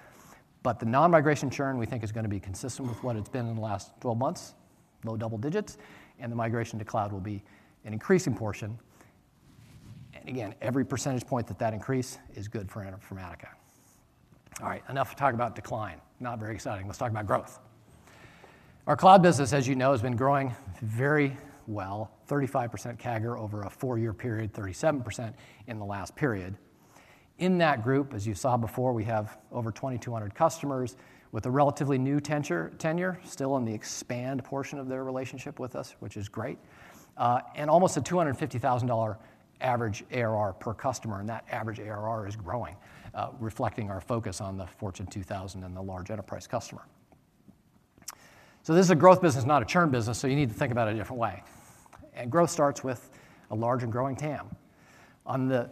But the non-migration churn, we think is going to be consistent with what it's been in the last 12 months, low double digits, and the migration to cloud will be an increasing portion. And again, every percentage point of that increase is good for Informatica. All right, enough talk about decline. Not very exciting. Let's talk about growth. Our cloud business, as you know, has been growing very well, 35% CAGR over a four-year period, 37% in the last period. In that group, as you saw before, we have over 2,200 customers with a relatively new tenure, still in the expand portion of their relationship with us, which is great. And almost a $250,000 average ARR per customer, and that average ARR is growing, reflecting our focus on the Fortune 2,000 and the large enterprise customer. So this is a growth business, not a churn business, so you need to think about it a different way. Growth starts with a large and growing TAM. On the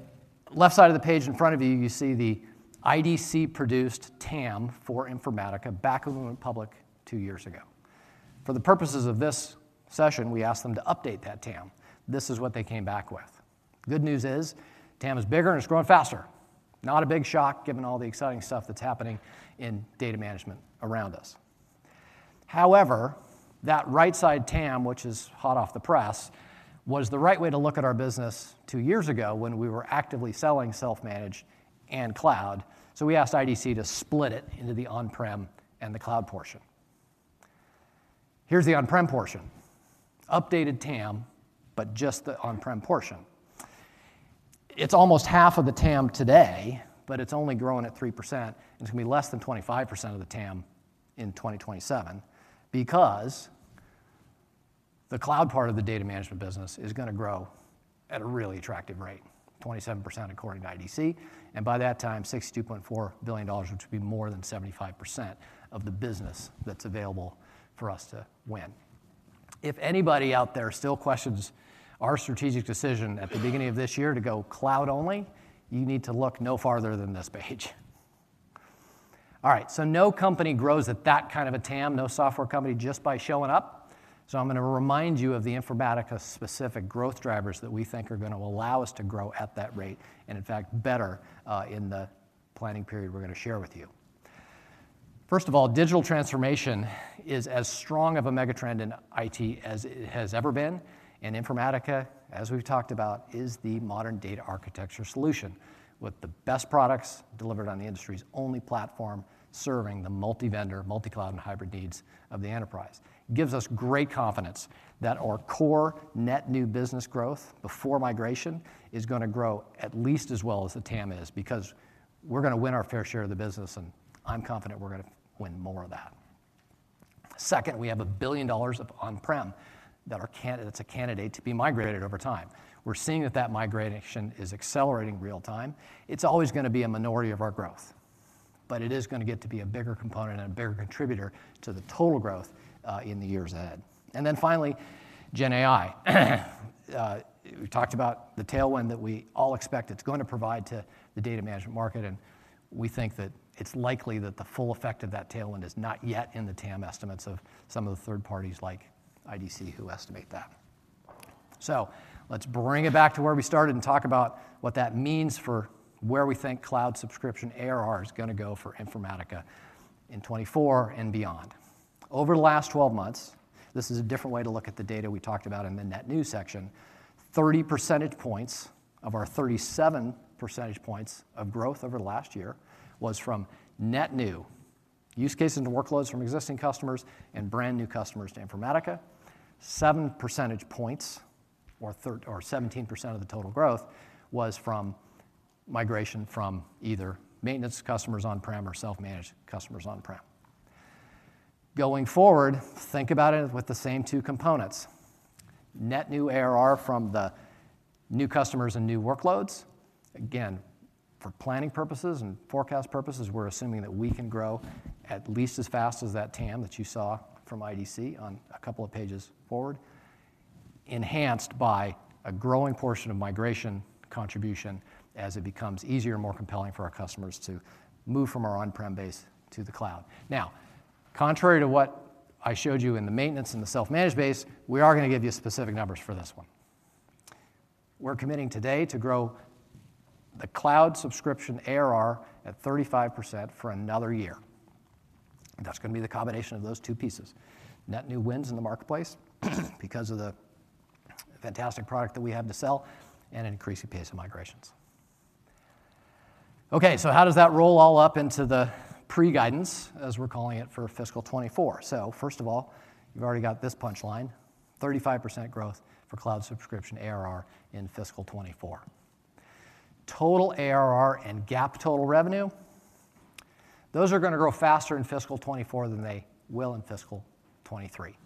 left side of the page in front of you, you see the IDC-produced TAM for Informatica back when we went public two years ago. For the purposes of this session, we asked them to update that TAM. This is what they came back with. Good news is, TAM is bigger and it's growing faster. Not a big shock, given all the exciting stuff that's happening in data management around us. However, that right side TAM, which is hot off the press, was the right way to look at our business two years ago when we were actively selling self-managed and cloud. So we asked IDC to split it into the on-prem and the cloud portion. Here's the on-prem portion. Updated TAM, but just the on-prem portion. It's almost half of the TAM today, but it's only growing at 3%, and it's going to be less than 25% of the TAM in 2027 because the cloud part of the data management business is going to grow at a really attractive rate, 27% according to IDC. And by that time, $62.4 billion, which will be more than 75% of the business that's available for us to win. If anybody out there still questions our strategic decision at the beginning of this year to go cloud-only, you need to look no farther than this page. All right, so no company grows at that kind of a TAM, no software company, just by showing up, so I'm going to remind you of the Informatica-specific growth drivers that we think are going to allow us to grow at that rate, and in fact, better, in the planning period we're going to share with you. First of all, digital transformation is as strong of a megatrend in IT as it has ever been, and Informatica, as we've talked about, is the modern data architecture solution, with the best products delivered on the industry's only platform, serving the multi-vendor, multi-cloud, and hybrid needs of the enterprise. It gives us great confidence that our core net new business growth before migration is going to grow at least as well as the TAM is, because we're going to win our fair share of the business, and I'm confident we're going to win more of that. Second, we have $1 billion of on-prem that's a candidate to be migrated over time. We're seeing that that migration is accelerating real time. It's always going to be a minority of our growth, but it is going to get to be a bigger component and a bigger contributor to the total growth in the years ahead. And then finally, GenAI. We talked about the tailwind that we all expect it's going to provide to the data management market, and we think that it's likely that the full effect of that tailwind is not yet in the TAM estimates of some of the third parties like IDC, who estimate that. So let's bring it back to where we started and talk about what that means for where we think cloud subscription ARR is going to go for Informatica in 2024 and beyond. Over the last 12 months, this is a different way to look at the data we talked about in the net new section, 30 percentage points of our 37 percentage points of growth over the last year was from net new use cases and workloads from existing customers and brand-new customers to Informatica. Seven percentage points or 17% of the total growth was from migration from either maintenance customers on-prem or self-managed customers on-prem. Going forward, think about it with the same two components: net new ARR from the new customers and new workloads. Again, for planning purposes and forecast purposes, we're assuming that we can grow at least as fast as that TAM that you saw from IDC on a couple of pages forward, enhanced by a growing portion of migration contribution as it becomes easier and more compelling for our customers to move from our on-prem base to the cloud. Now, contrary to what I showed you in the maintenance and the self-managed base, we are going to give you specific numbers for this one. We're committing today to grow the cloud subscription ARR at 35% for another year. That's going to be the combination of those two pieces. Net new wins in the marketplace, because of the fantastic product that we have to sell and an increasing pace of migrations. Okay, so how does that roll all up into the pre-guidance, as we're calling it, for fiscal 2024? So first of all, you've already got this punchline: 35% growth for cloud subscription ARR in fiscal 2024. Total ARR and GAAP total revenue, those are going to grow faster in fiscal 2024 than they will in fiscal 2023.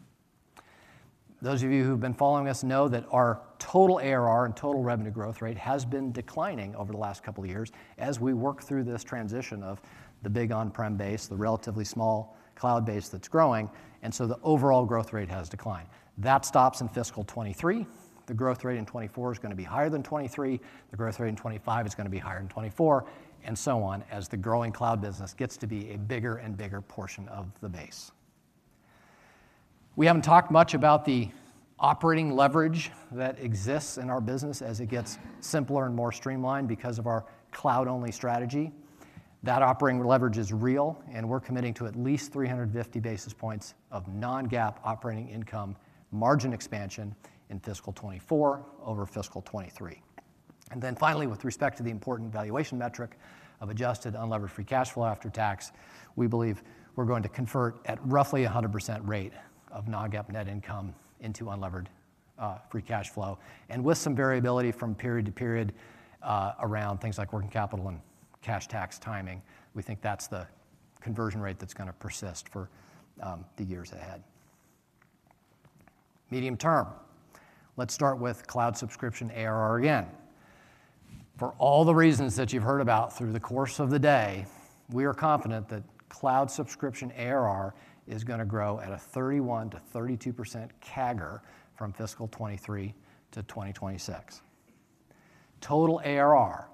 Those of you who've been following us know that our total ARR and total revenue growth rate has been declining over the last couple of years as we work through this transition of the big on-prem base, the relatively small cloud base that's growing, and so the overall growth rate has declined. That stops in fiscal 2023. The growth rate in 2024 is going to be higher than 2023, the growth rate in 2025 is going to be higher than 2024, and so on, as the growing cloud business gets to be a bigger and bigger portion of the base. We haven't talked much about the operating leverage that exists in our business as it gets simpler and more streamlined because of our cloud-only strategy. That operating leverage is real, and we're committing to at least 350 basis points of non-GAAP operating income margin expansion in fiscal 2024 over fiscal 2023. Then finally, with respect to the important valuation metric of adjusted unlevered free cash flow after tax, we believe we're going to convert at roughly a 100% rate of non-GAAP net income into unlevered free cash flow. With some variability from period-to-period, around things like working capital and cash tax timing, we think that's the conversion rate that's gonna persist for the years ahead. Medium term, let's start with cloud subscription ARR again. For all the reasons that you've heard about through the course of the day, we are confident that cloud subscription ARR is gonna grow at a 31%-32% CAGR from fiscal 2023 to 2026. Total ARR,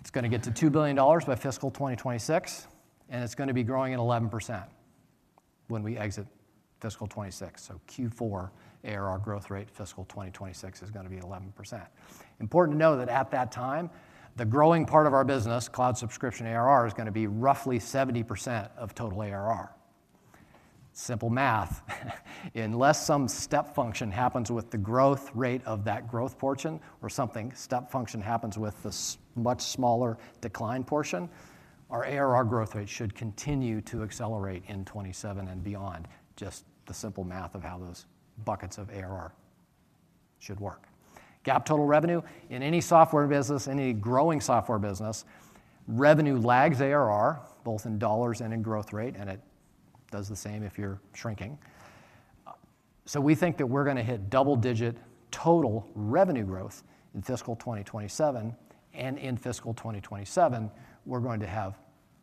it's gonna get to $2 billion by fiscal 2026, and it's gonna be growing at 11% when we exit fiscal 2026. So Q4 ARR growth rate, fiscal 2026 is gonna be 11%. Important to know that at that time, the growing part of our business, cloud subscription ARR, is gonna be roughly 70% of total ARR. Simple math. Unless some step function happens with the growth rate of that growth portion or something, step function happens with this much smaller decline portion, our ARR growth rate should continue to accelerate in 2027 and beyond. Just the simple math of how those buckets of ARR should work. GAAP total revenue, in any software business, any growing software business, revenue lags ARR, both in dollars and in growth rate, and it does the same if you're shrinking. So we think that we're gonna hit double-digit total revenue growth in fiscal 2027, and in fiscal 2027, we're going to have,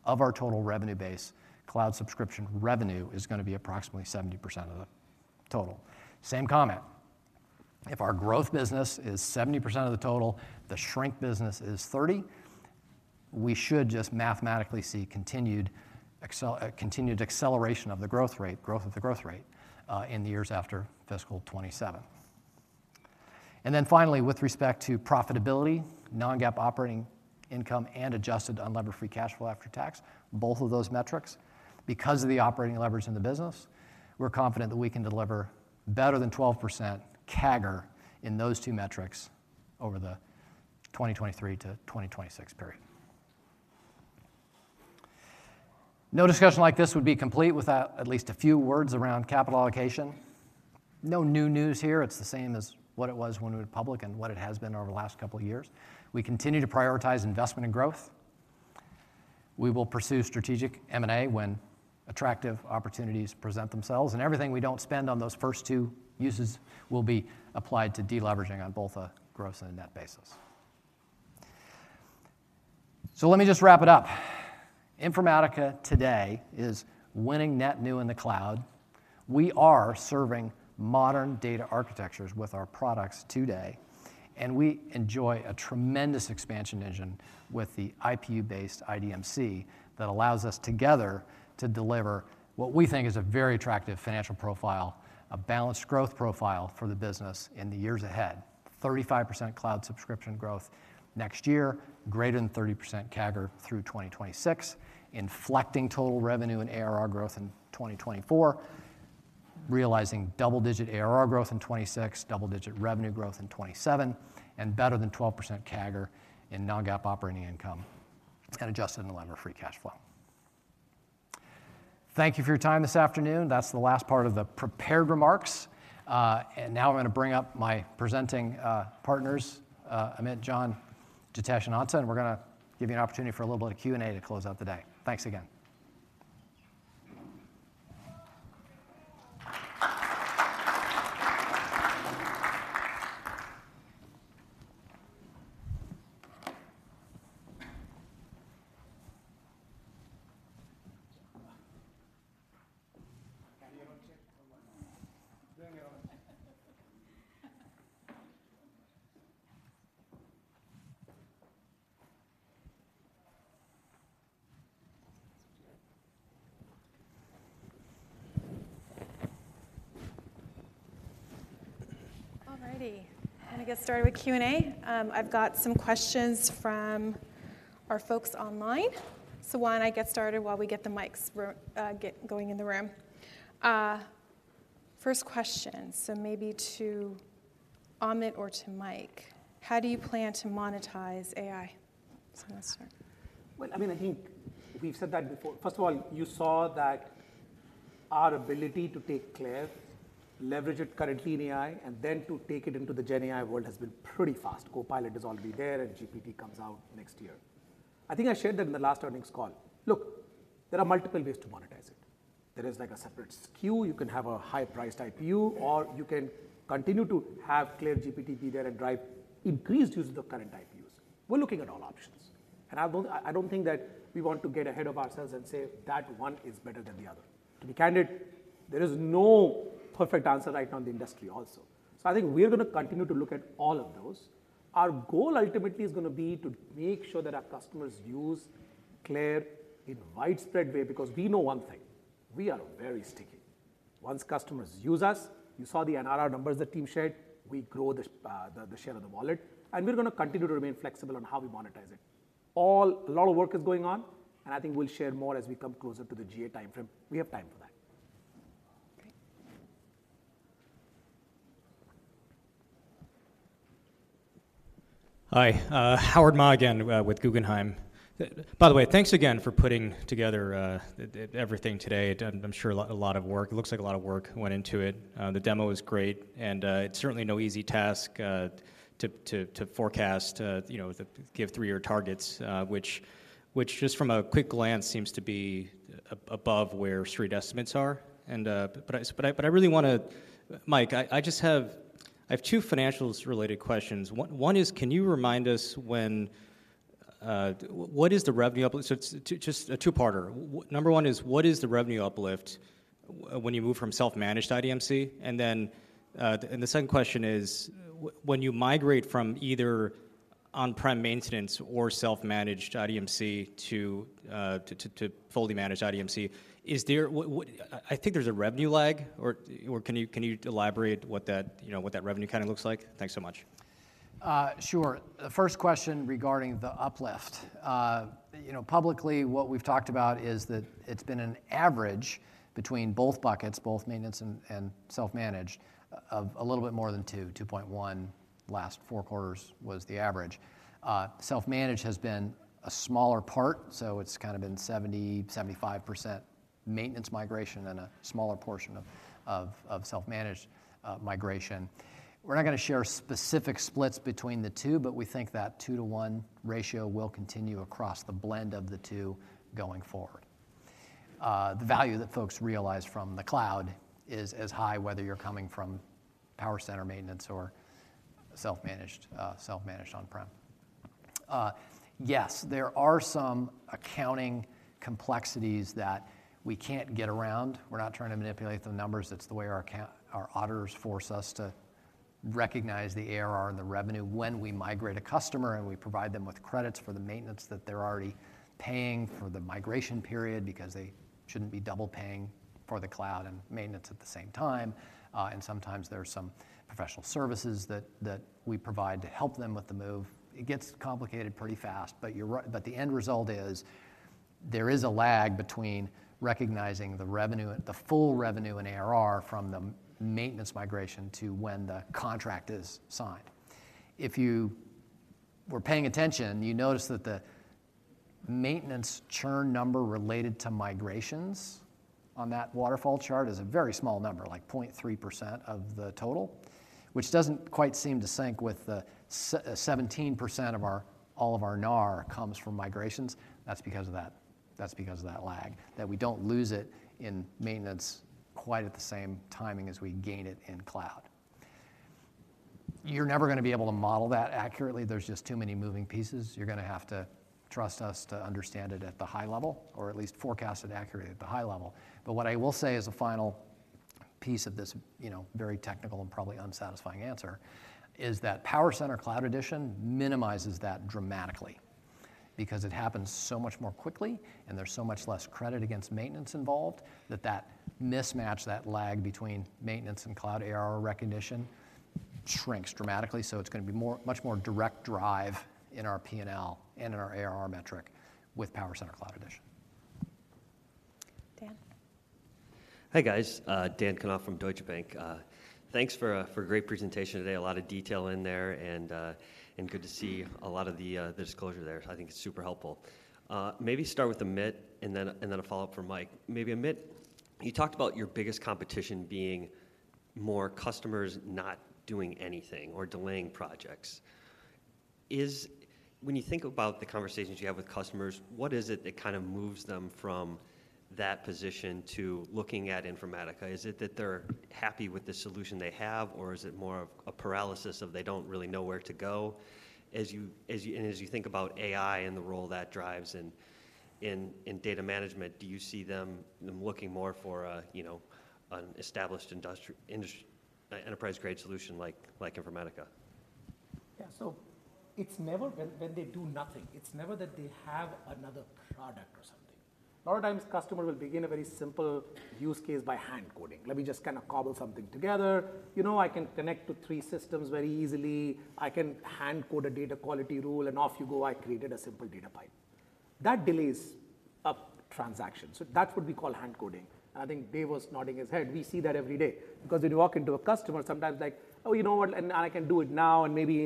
of our total revenue base, cloud subscription revenue is gonna be approximately 70% of the total. Same comment, if our growth business is 70% of the total, the shrink business is 30%, we should just mathematically see continued acceleration of the growth rate, growth of the growth rate, in the years after fiscal 2027. Then finally, with respect to profitability, non-GAAP operating income and adjusted unlevered free cash flow after tax, both of those metrics, because of the operating leverage in the business, we're confident that we can deliver better than 12% CAGR in those two metrics over the 2023 to 2026 period. No discussion like this would be complete without at least a few words around capital allocation. No new news here. It's the same as what it was when we went public and what it has been over the last couple of years. We continue to prioritize investment and growth. We will pursue strategic M&A when attractive opportunities present themselves, and everything we don't spend on those first two uses will be applied to deleveraging on both a gross and a net basis. So let me just wrap it up. Informatica today is winning net new in the cloud. We are serving modern data architectures with our products today, and we enjoy a tremendous expansion engine with the IPU-based IDMC that allows us together to deliver what we think is a very attractive financial profile, a balanced growth profile for the business in the years ahead. 35% cloud subscription growth next year, greater than 30% CAGR through 2026, inflecting total revenue and ARR growth in 2024, realizing double-digit ARR growth in 2026, double-digit revenue growth in 2027, and better than 12% CAGR in non-GAAP operating income and adjusted unlevered free cash flow. Thank you for your time this afternoon. That's the last part of the prepared remarks. And now I'm gonna bring up my presenting partners, Amit, John, Jitesh, and Ansa, and we're gonna give you an opportunity for a little bit of Q&A to close out the day. Thanks again. All righty. I'm gonna get started with Q&A. I've got some questions from our folks online. So why don't I get started while we get the mics going in the room? First question, so maybe to Amit or to Mike: How do you plan to monetize AI? So I'm gonna start. Well, I mean, I think we've said that before. First of all, you saw that our ability to take CLAIRE, leverage it currently in AI, and then to take it into the GenAI world has been pretty fast. Copilot is already there, and GPT comes out next year. I think I shared that in the last earnings call. Look, there are multiple ways to monetize it. There is, like, a separate SKU. You can have a high-priced IPU, or you can continue to have CLAIRE GPT be there and drive increased use of the current IPUs. We're looking at all options, and I don't, I don't think that we want to get ahead of ourselves and say that one is better than the other. To be candid, there is no perfect answer right now in the industry also. So I think we are gonna continue to look at all of those. Our goal, ultimately, is gonna be to make sure that our customers use CLAIRE in a widespread way, because we know one thing: We are very sticky. Once customers use us, you saw the NRR numbers the team shared, we grow the share of the wallet, and we're going to continue to remain flexible on how we monetize it. A lot of work is going on, and I think we'll share more as we come closer to the GA timeframe. We have time for that. Okay. Hi, Howard Ma again, with Guggenheim. By the way, thanks again for putting together everything today. I'm sure a lot of work—it looks like a lot of work went into it. The demo is great, and it's certainly no easy task to forecast, you know, to give three-year targets, which just from a quick glance seems to be above where street estimates are. But I really want to, Mike, I just have two financials-related questions. One is, can you remind us when, what is the revenue up—so it's just a two-parter. Number one is, what is the revenue uplift when you move from self-managed IDMC? And then, the second question is, when you migrate from either on-prem maintenance or self-managed IDMC to fully managed IDMC, is there, I think there's a revenue lag or can you elaborate what that, you know, what that revenue kind of looks like? Thanks so much. Sure. The first question regarding the uplift. You know, publicly, what we've talked about is that it's been an average between both buckets, both maintenance and self-managed, of a little bit more than two, 2.1 last four quarters was the average. Self-managed has been a smaller part, so it's kind of been 70-75% maintenance migration and a smaller portion of self-managed migration. We're not going to share specific splits between the two, but we think that two-to-one ratio will continue across the blend of the two going forward. The value that folks realize from the cloud is as high, whether you're coming from PowerCenter maintenance or self-managed, self-managed on-prem. Yes, there are some accounting complexities that we can't get around. We're not trying to manipulate the numbers. It's the way our accountants, our auditors force us to recognize the ARR and the revenue when we migrate a customer, and we provide them with credits for the maintenance that they're already paying for the migration period, because they shouldn't be double paying for the cloud and maintenance at the same time. And sometimes there are some professional services that we provide to help them with the move. It gets complicated pretty fast, but you're right, but the end result is, there is a lag between recognizing the revenue, the full revenue in ARR from the maintenance migration to when the contract is signed. If you were paying attention, you notice that the maintenance churn number related to migrations on that waterfall chart is a very small number, like 0.3% of the total, which doesn't quite seem to sync with the seventeen percent of our, all of our NAR comes from migrations. That's because of that, that's because of that lag, that we don't lose it in maintenance quite at the same timing as we gain it in cloud. You're never going to be able to model that accurately. There's just too many moving pieces. You're going to have to trust us to understand it at the high level, or at least forecast it accurately at the high level. But what I will say as a final piece of this, you know, very technical and probably unsatisfying answer, is that PowerCenter Cloud Edition minimizes that dramatically because it happens so much more quickly, and there's so much less credit against maintenance involved, that that mismatch, that lag between maintenance and cloud ARR recognition shrinks dramatically. So it's going to be more, much more direct drive in our P&L and in our ARR metric with PowerCenter Cloud Edition. Dan? Hi, guys, Dan Kurnos from Deutsche Bank. Thanks for a great presentation today. A lot of detail in there, and good to see a lot of the disclosure there. I think it's super helpful. Maybe start with Amit, and then a follow-up from Mike. Amit, you talked about your biggest competition being more customers not doing anything or delaying projects. When you think about the conversations you have with customers, what is it that kind of moves them from that position to looking at Informatica? Is it that they're happy with the solution they have, or is it more of a paralysis of they don't really know where to go? As you think about AI and the role that drives in data management, do you see them looking more for a, you know, an established enterprise-grade solution like Informatica? Yeah. So it's never when they do nothing. It's never that they have another product or something. A lot of times, customer will begin a very simple use case by hand coding. "Let me just kind of cobble something together. You know, I can connect to three systems very easily. I can hand code a data quality rule," and off you go, "I created a simple data pipe." That delays a transaction, so that's what we call hand coding. And I think Dave was nodding his head. We see that every day, because when you walk into a customer, sometimes like, "Oh, you know what? And I can do it now, and maybe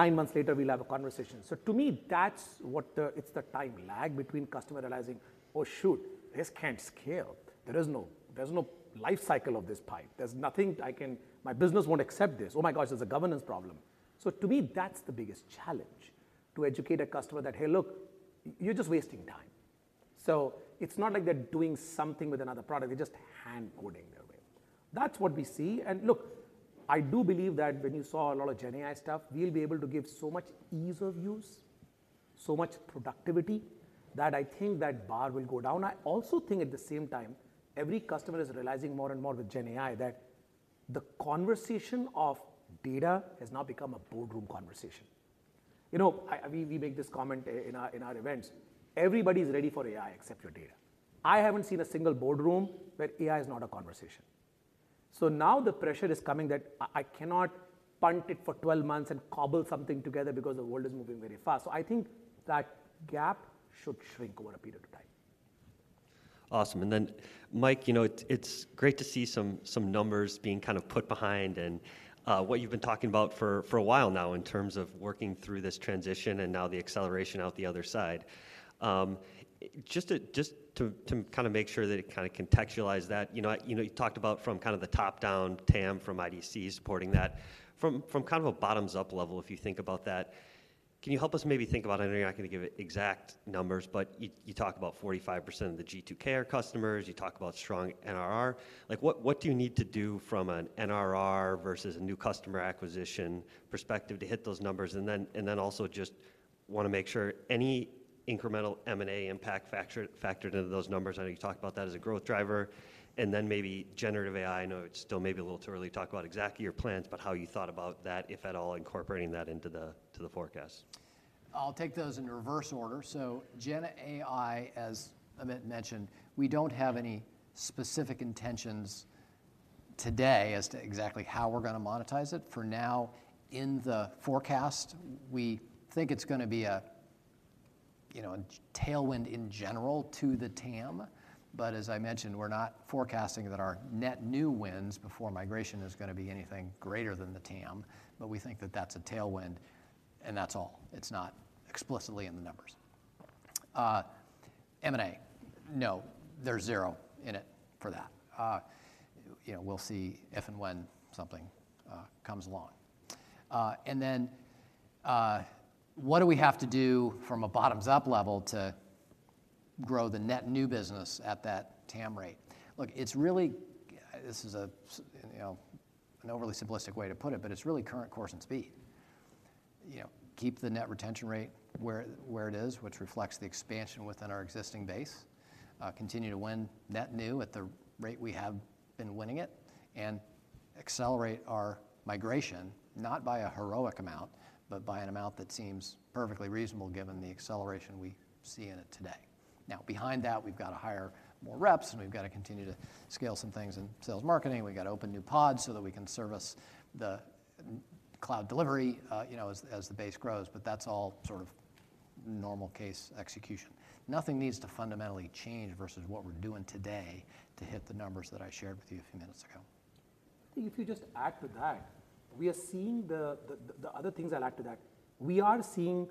nine months later we'll have a conversation." So to me, that's what the... It's the time lag between customer realizing, "Oh, shoot, this can't scale. There is no, there's no life cycle of this pipe. There's nothing I can. My business won't accept this. Oh, my gosh, there's a governance problem." So to me, that's the biggest challenge, to educate a customer that, "Hey, look, you're just wasting time." So it's not like they're doing something with another product, they're just hand coding their way. That's what we see. And look, I do believe that when you saw a lot of GenAI stuff, we'll be able to give so much ease of use, so much productivity, that I think that bar will go down. I also think at the same time, every customer is realizing more and more with GenAI that the conversation of data has now become a boardroom conversation.... You know, we make this comment at our events: everybody's ready for AI except your data. I haven't seen a single boardroom where AI is not a conversation. So now the pressure is coming that I cannot punt it for 12 months and cobble something together because the world is moving very fast. So I think that gap should shrink over a period of time. Awesome. And then, Mike, you know, it, it's great to see some, some numbers being kind of put behind, and what you've been talking about for, for a while now in terms of working through this transition and now the acceleration out the other side. Just to kind of make sure that it kinda contextualize that, you know, you know, you talked about from kind of the top-down TAM from IDC supporting that. From kind of a bottoms-up level, if you think about that, can you help us maybe think about. I know you're not going to give exact numbers, but you talk about 45% of the G2K customers, you talk about strong NRR. Like, what do you need to do from an NRR versus a new customer acquisition perspective to hit those numbers? Then also, just want to make sure any incremental M&A impact factor factored into those numbers. I know you talked about that as a growth driver. And then maybe generative AI. I know it's still maybe a little too early to talk about exactly your plans, but how you thought about that, if at all, incorporating that into the forecast. I'll take those in reverse order. So GenAI, as Amit mentioned, we don't have any specific intentions today as to exactly how we're going to monetize it. For now, in the forecast, we think it's going to be a, you know, a tailwind in general to the TAM. But as I mentioned, we're not forecasting that our net new wins before migration is going to be anything greater than the TAM, but we think that that's a tailwind, and that's all. It's not explicitly in the numbers. M&A, no, there's zero in it for that. You know, we'll see if and when something comes along. And then, what do we have to do from a bottoms-up level to grow the net new business at that TAM rate? Look, it's really, this is a, you know, an overly simplistic way to put it, but it's really current course and speed. You know, keep the net retention rate where, where it is, which reflects the expansion within our existing base. Continue to win net new at the rate we have been winning it, and accelerate our migration, not by a heroic amount, but by an amount that seems perfectly reasonable given the acceleration we see in it today. Now, behind that, we've got to hire more reps, and we've got to continue to scale some things in sales marketing. We've got to open new pods so that we can service the cloud delivery, you know, as, as the base grows, but that's all sort of normal case execution. Nothing needs to fundamentally change versus what we're doing today to hit the numbers that I shared with you a few minutes ago. If you just add to that, we are seeing the other things I'll add to that, we are seeing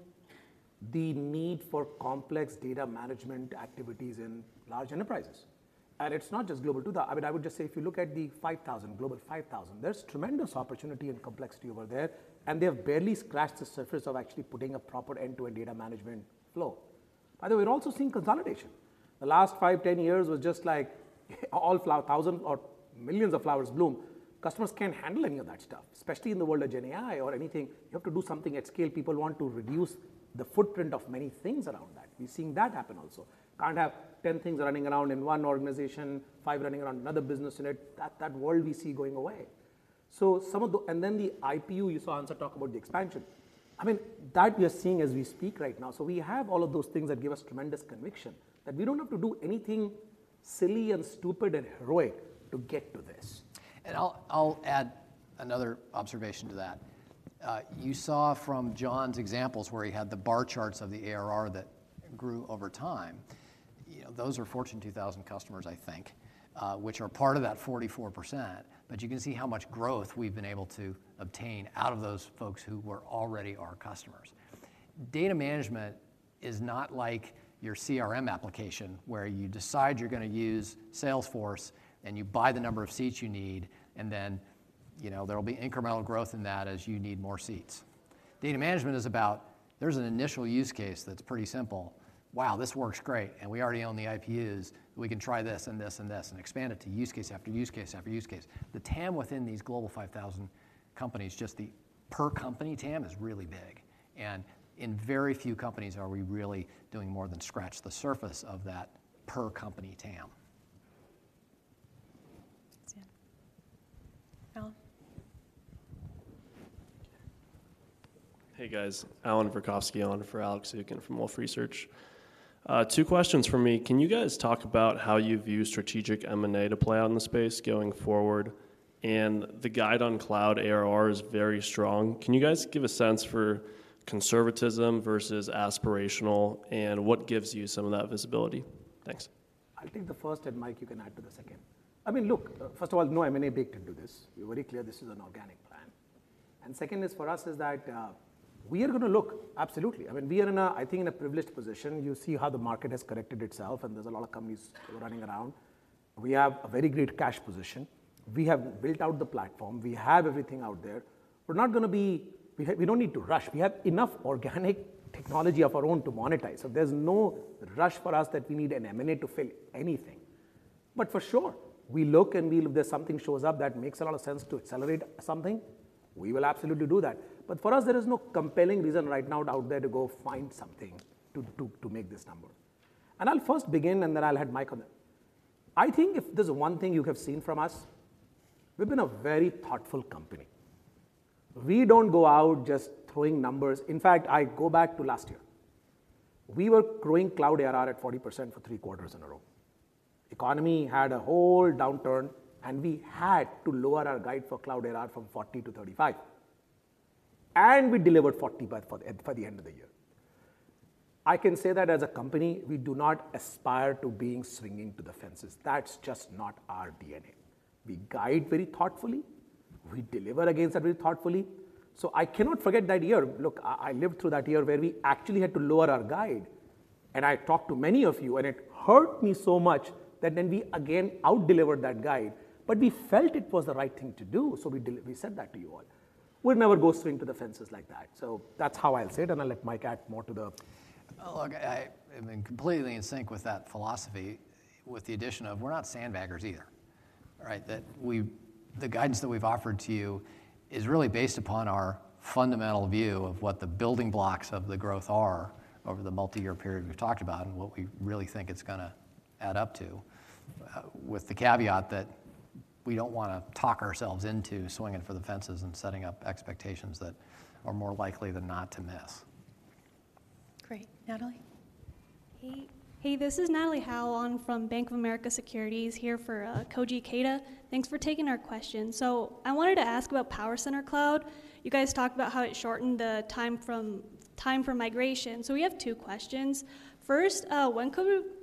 the need for complex data management activities in large enterprises. And it's not just global too. I mean, I would just say if you look at the 5,000, Global 5,000, there's tremendous opportunity and complexity over there, and they have barely scratched the surface of actually putting a proper end-to-end data management flow. By the way, we're also seeing consolidation. The last five, 10 years was just like all—thousands or millions of flowers bloom. Customers can't handle any of that stuff, especially in the world of GenAI or anything. You have to do something at scale. People want to reduce the footprint of many things around that. We're seeing that happen also. Can't have 10 things running around in one organization, 5 running around another business unit. That, that world we see going away. So some of the, and then the IPU, you saw Ansa talk about the expansion. I mean, that we are seeing as we speak right now. So we have all of those things that give us tremendous conviction, that we don't have to do anything silly and stupid and heroic to get to this. I'll add another observation to that. You saw from John's examples, where he had the bar charts of the ARR that grew over time. You know, those are Fortune 2000 customers, I think, which are part of that 44%, but you can see how much growth we've been able to obtain out of those folks who were already our customers. Data management is not like your CRM application, where you decide you're going to use Salesforce, and you buy the number of seats you need, and then, you know, there will be incremental growth in that as you need more seats. Data management is about, there's an initial use case that's pretty simple. "Wow, this works great, and we already own the IPUs. We can try this and this and this," and expand it to use case after use case after use case. The TAM within these Global 5,000 companies, just the per company TAM, is really big. In very few companies are we really doing more than scratch the surface of that per company TAM. Alan? Hey, guys. Allan Verkhovski on for Alex Zukin from Wolfe Research. Two questions from me. Can you guys talk about how you view strategic M&A to play out in the space going forward? And the guide on cloud ARR is very strong. Can you guys give a sense for conservatism versus aspirational, and what gives you some of that visibility? Thanks. I'll take the first, and Mike, you can add to the second. I mean, look, first of all, no M&A big can do this. We're very clear this is an organic plan. And second is for us is that, we are going to look, absolutely. I mean, we are in a, I think, in a privileged position. You see how the market has corrected itself, and there's a lot of companies running around. We have a very great cash position. We have built out the platform. We have everything out there. We're not going to be, we we don't need to rush. We have enough organic technology of our own to monetize, so there's no rush for us that we need an M&A to fill anything. But for sure, we look and we—if there's something shows up that makes a lot of sense to accelerate something, we will absolutely do that. But for us, there is no compelling reason right now out there to go find something to make this number. And I'll first begin, and then I'll have Mike on it. I think if there's one thing you have seen from us. We've been a very thoughtful company. We don't go out just throwing numbers. In fact, I go back to last year. We were growing cloud ARR at 40% for three quarters in a row. Economy had a whole downturn, and we had to lower our guide for cloud ARR from 40% to 35%, and we delivered 40% by the end of the year. I can say that as a company, we do not aspire to being swinging to the fences. That's just not our DNA. We guide very thoughtfully, we deliver against that very thoughtfully. So I cannot forget that year. Look, I lived through that year where we actually had to lower our guide, and I talked to many of you, and it hurt me so much that when we again out-delivered that guide, but we felt it was the right thing to do, so we said that to you all. We'll never go swing to the fences like that. So that's how I'll say it, and I'll let Mike add more to the Well, look, I am completely in sync with that philosophy, with the addition of we're not sandbaggers either. Right? That we've, the guidance that we've offered to you is really based upon our fundamental view of what the building blocks of the growth are over the multi-year period we've talked about, and what we really think it's gonna add up to, with the caveat that we don't want to talk ourselves into swinging for the fences and setting up expectations that are more likely than not to miss. Great. Natalie? Hey. Hey, this is Natalie Howe. I'm from Bank of America Securities, here for Koji Kato. Thanks for taking our question. So I wanted to ask about PowerCenter Cloud. You guys talked about how it shortened the time from migration. So we have two questions. First,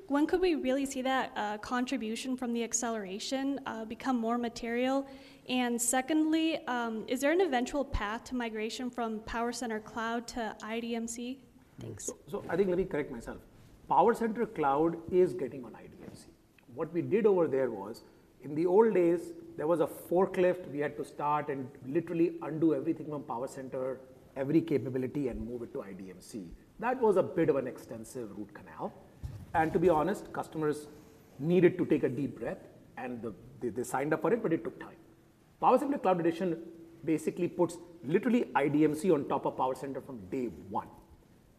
when could we really see that contribution from the acceleration become more material? And secondly, is there an eventual path to migration from PowerCenter Cloud to IDMC? Thanks. So I think let me correct myself. PowerCenter Cloud is getting on IDMC. What we did over there was, in the old days, there was a forklift we had to start and literally undo everything on PowerCenter, every capability, and move it to IDMC. That was a bit of an extensive root canal, and to be honest, customers needed to take a deep breath, and they signed up for it, but it took time. PowerCenter Cloud Edition basically puts literally IDMC on top of PowerCenter from day one,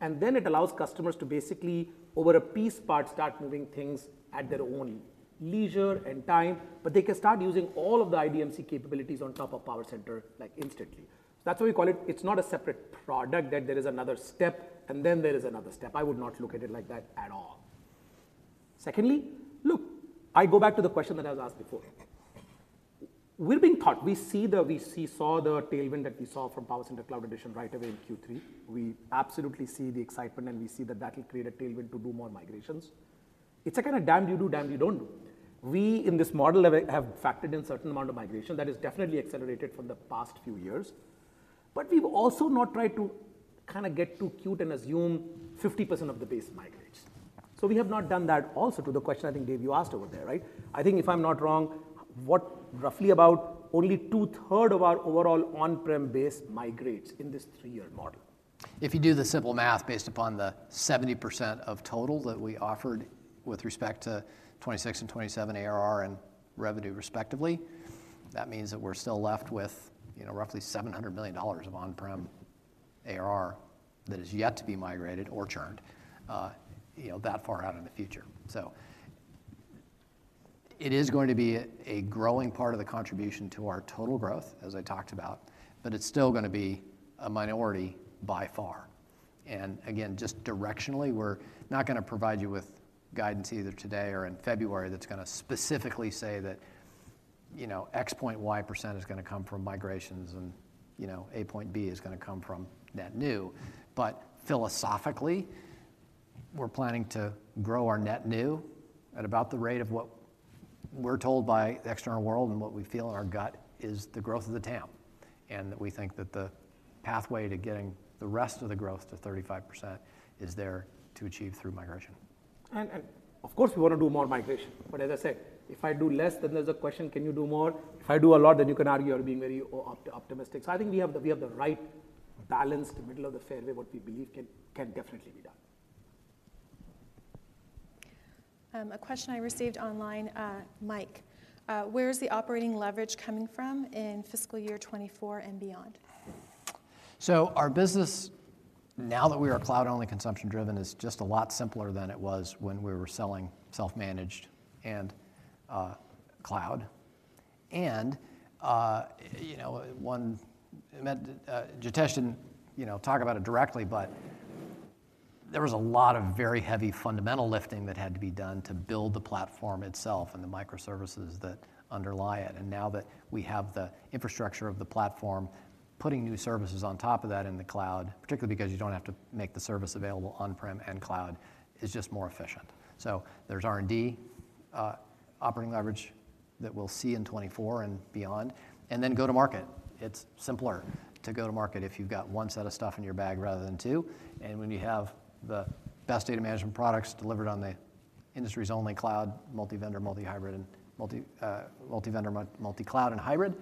and then it allows customers to basically, over a piece part, start moving things at their own leisure and time, but they can start using all of the IDMC capabilities on top of PowerCenter, like, instantly. So that's why we call it, it's not a separate product, that there is another step, and then there is another step. I would not look at it like that at all. Secondly, look, I go back to the question that I was asked before. We're being taught, we saw the tailwind that we saw from PowerCenter Cloud Edition right away in Q3. We absolutely see the excitement, and we see that that will create a tailwind to do more migrations. It's a kind of damn you do, damn you don't. We, in this model, have factored in certain amount of migration that is definitely accelerated from the past few years. But we've also not tried to kind of get too cute and assume 50% of the base migrates. So we have not done that also to the question I think, Dave, you asked over there, right? I think if I'm not wrong, roughly about only two-thirds of our overall on-prem base migrates in this three-year model. If you do the simple math based upon the 70% of total that we offered with respect to 26 and 27 ARR and revenue respectively, that means that we're still left with, you know, roughly $700 million of on-prem ARR that is yet to be migrated or churned, you know, that far out in the future. So it is going to be a growing part of the contribution to our total growth, as I talked about, but it's still gonna be a minority by far. And again, just directionally, we're not gonna provide you with guidance either today or in February, that's gonna specifically say that, you know, X point Y% is gonna come from migrations and, you know, A point B is gonna come from net new. But philosophically, we're planning to grow our net new at about the rate of what we're told by the external world and what we feel in our gut is the growth of the TAM, and that we think that the pathway to getting the rest of the growth to 35% is there to achieve through migration. Of course, we want to do more migration, but as I said, if I do less, then there's a question: can you do more? If I do a lot, then you can argue you're being very over-optimistic. So I think we have the right balanced middle of the fairway, what we believe can definitely be done. A question I received online, Mike, "Where is the operating leverage coming from in fiscal year 2024 and beyond? So our business, now that we are cloud-only consumption driven, is just a lot simpler than it was when we were selling self-managed and cloud. And you know, one... Jitesh didn't, you know, talk about it directly, but there was a lot of very heavy fundamental lifting that had to be done to build the platform itself and the microservices that underlie it. And now that we have the infrastructure of the platform, putting new services on top of that in the cloud, particularly because you don't have to make the service available on-prem and cloud, is just more efficient. So there's R&D operating leverage that we'll see in 2024 and beyond, and then go to market. It's simpler to go to market if you've got one set of stuff in your bag rather than two, and when you have the best data management products delivered on the industry's only cloud, multi-vendor, multi-hybrid, and multi-cloud, and hybrid,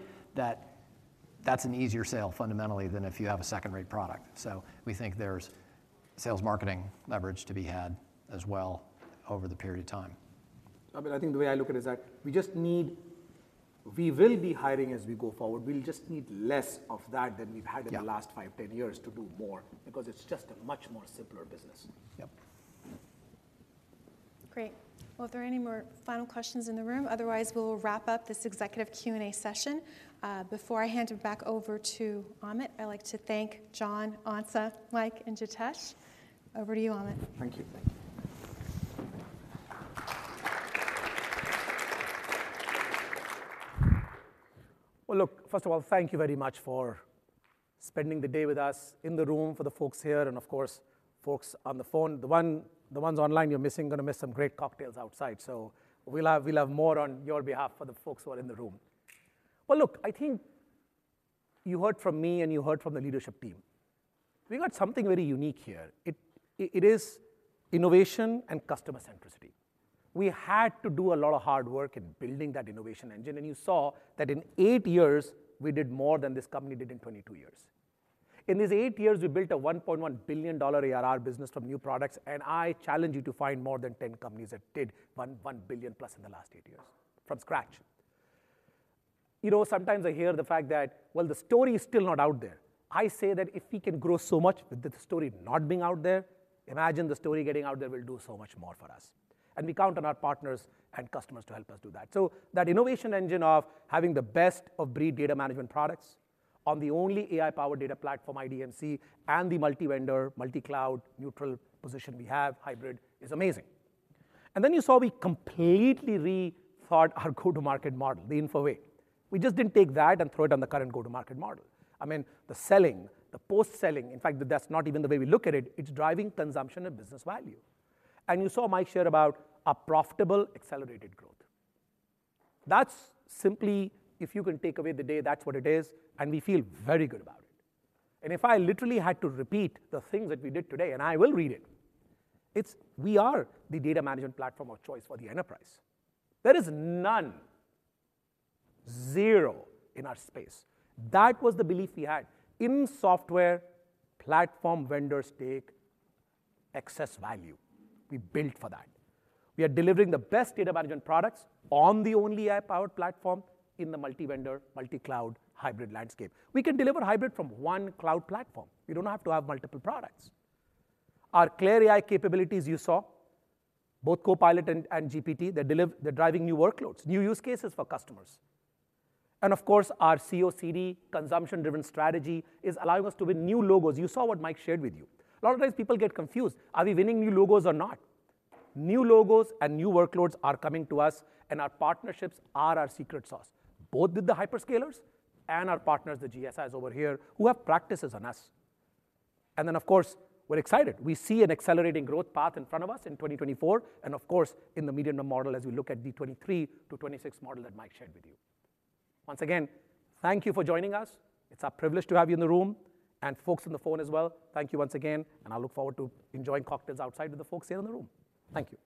that's an easier sale fundamentally than if you have a second-rate product. So we think there's sales marketing leverage to be had as well over the period of time. I mean, I think the way I look at it is that we just need. We will be hiring as we go forward. We'll just need less of that than we've had- Yeah in the last 5, 10 years to do more because it's just a much more simpler business. Yep. Great! Well, if there are any more final questions in the room, otherwise, we'll wrap up this executive Q&A session. Before I hand it back over to Amit, I'd like to thank John, Ansa, Mike, and Jitesh. Over to you, Amit. Thank you. Thank you. Well, look, first of all, thank you very much for spending the day with us in the room, for the folks here and, of course, folks on the phone. The ones online, you're missing, gonna miss some great cocktails outside, so we'll have, we'll have more on your behalf for the folks who are in the room. Well, look, I think you heard from me, and you heard from the leadership team. We got something very unique here. It is innovation and customer centricity. We had to do a lot of hard work in building that innovation engine, and you saw that in eight years, we did more than this company did in 22 years. In these eight years, we built a $1.1 billion ARR business from new products, and I challenge you to find more than 10 companies that did $1.1 billion+ in the last eight years from scratch. You know, sometimes I hear the fact that, "Well, the story is still not out there." I say that if we can grow so much with the story not being out there, imagine the story getting out there will do so much more for us. And we count on our partners and customers to help us do that. So that innovation engine of having the best of breed data management products on the only AI-powered data platform, IDMC, and the multi-vendor, multi-cloud neutral position we have, hybrid, is amazing. And then you saw we completely rethought our go-to-market model, the Info Way. We just didn't take that and throw it on the current go-to-market model. I mean, the selling, the post-selling, in fact, that's not even the way we look at it. It's driving consumption and business value. And you saw Mike share about a profitable, accelerated growth. That's simply, if you can take away the day, that's what it is, and we feel very good about it. And if I literally had to repeat the things that we did today, and I will read it, it's we are the data management platform of choice for the enterprise. There is none, zero in our space. That was the belief we had. In software, platform vendors take excess value. We built for that. We are delivering the best data management products on the only AI-powered platform in the multi-vendor, multi-cloud, hybrid landscape. We can deliver hybrid from one cloud platform. We don't have to have multiple products. Our CLAIRE AI capabilities you saw, both CLAIRE Copilot and CLAIRE GPT, they deliver. They're driving new workloads, new use cases for customers. Of course, our IPU consumption-driven strategy is allowing us to win new logos. You saw what Mike shared with you. A lot of times people get confused. Are we winning new logos or not? New logos and new workloads are coming to us, and our partnerships are our secret sauce, both with the hyperscalers and our partners, the GSIs over here, who have practices on us. Then, of course, we're excited. We see an accelerating growth path in front of us in 2024, and of course, in the medium- to long-term as we look at the 2023 to 2026 model that Mike shared with you. Once again, thank you for joining us. It's our privilege to have you in the room and folks on the phone as well. Thank you once again, and I look forward to enjoying cocktails outside with the folks here in the room. Thank you.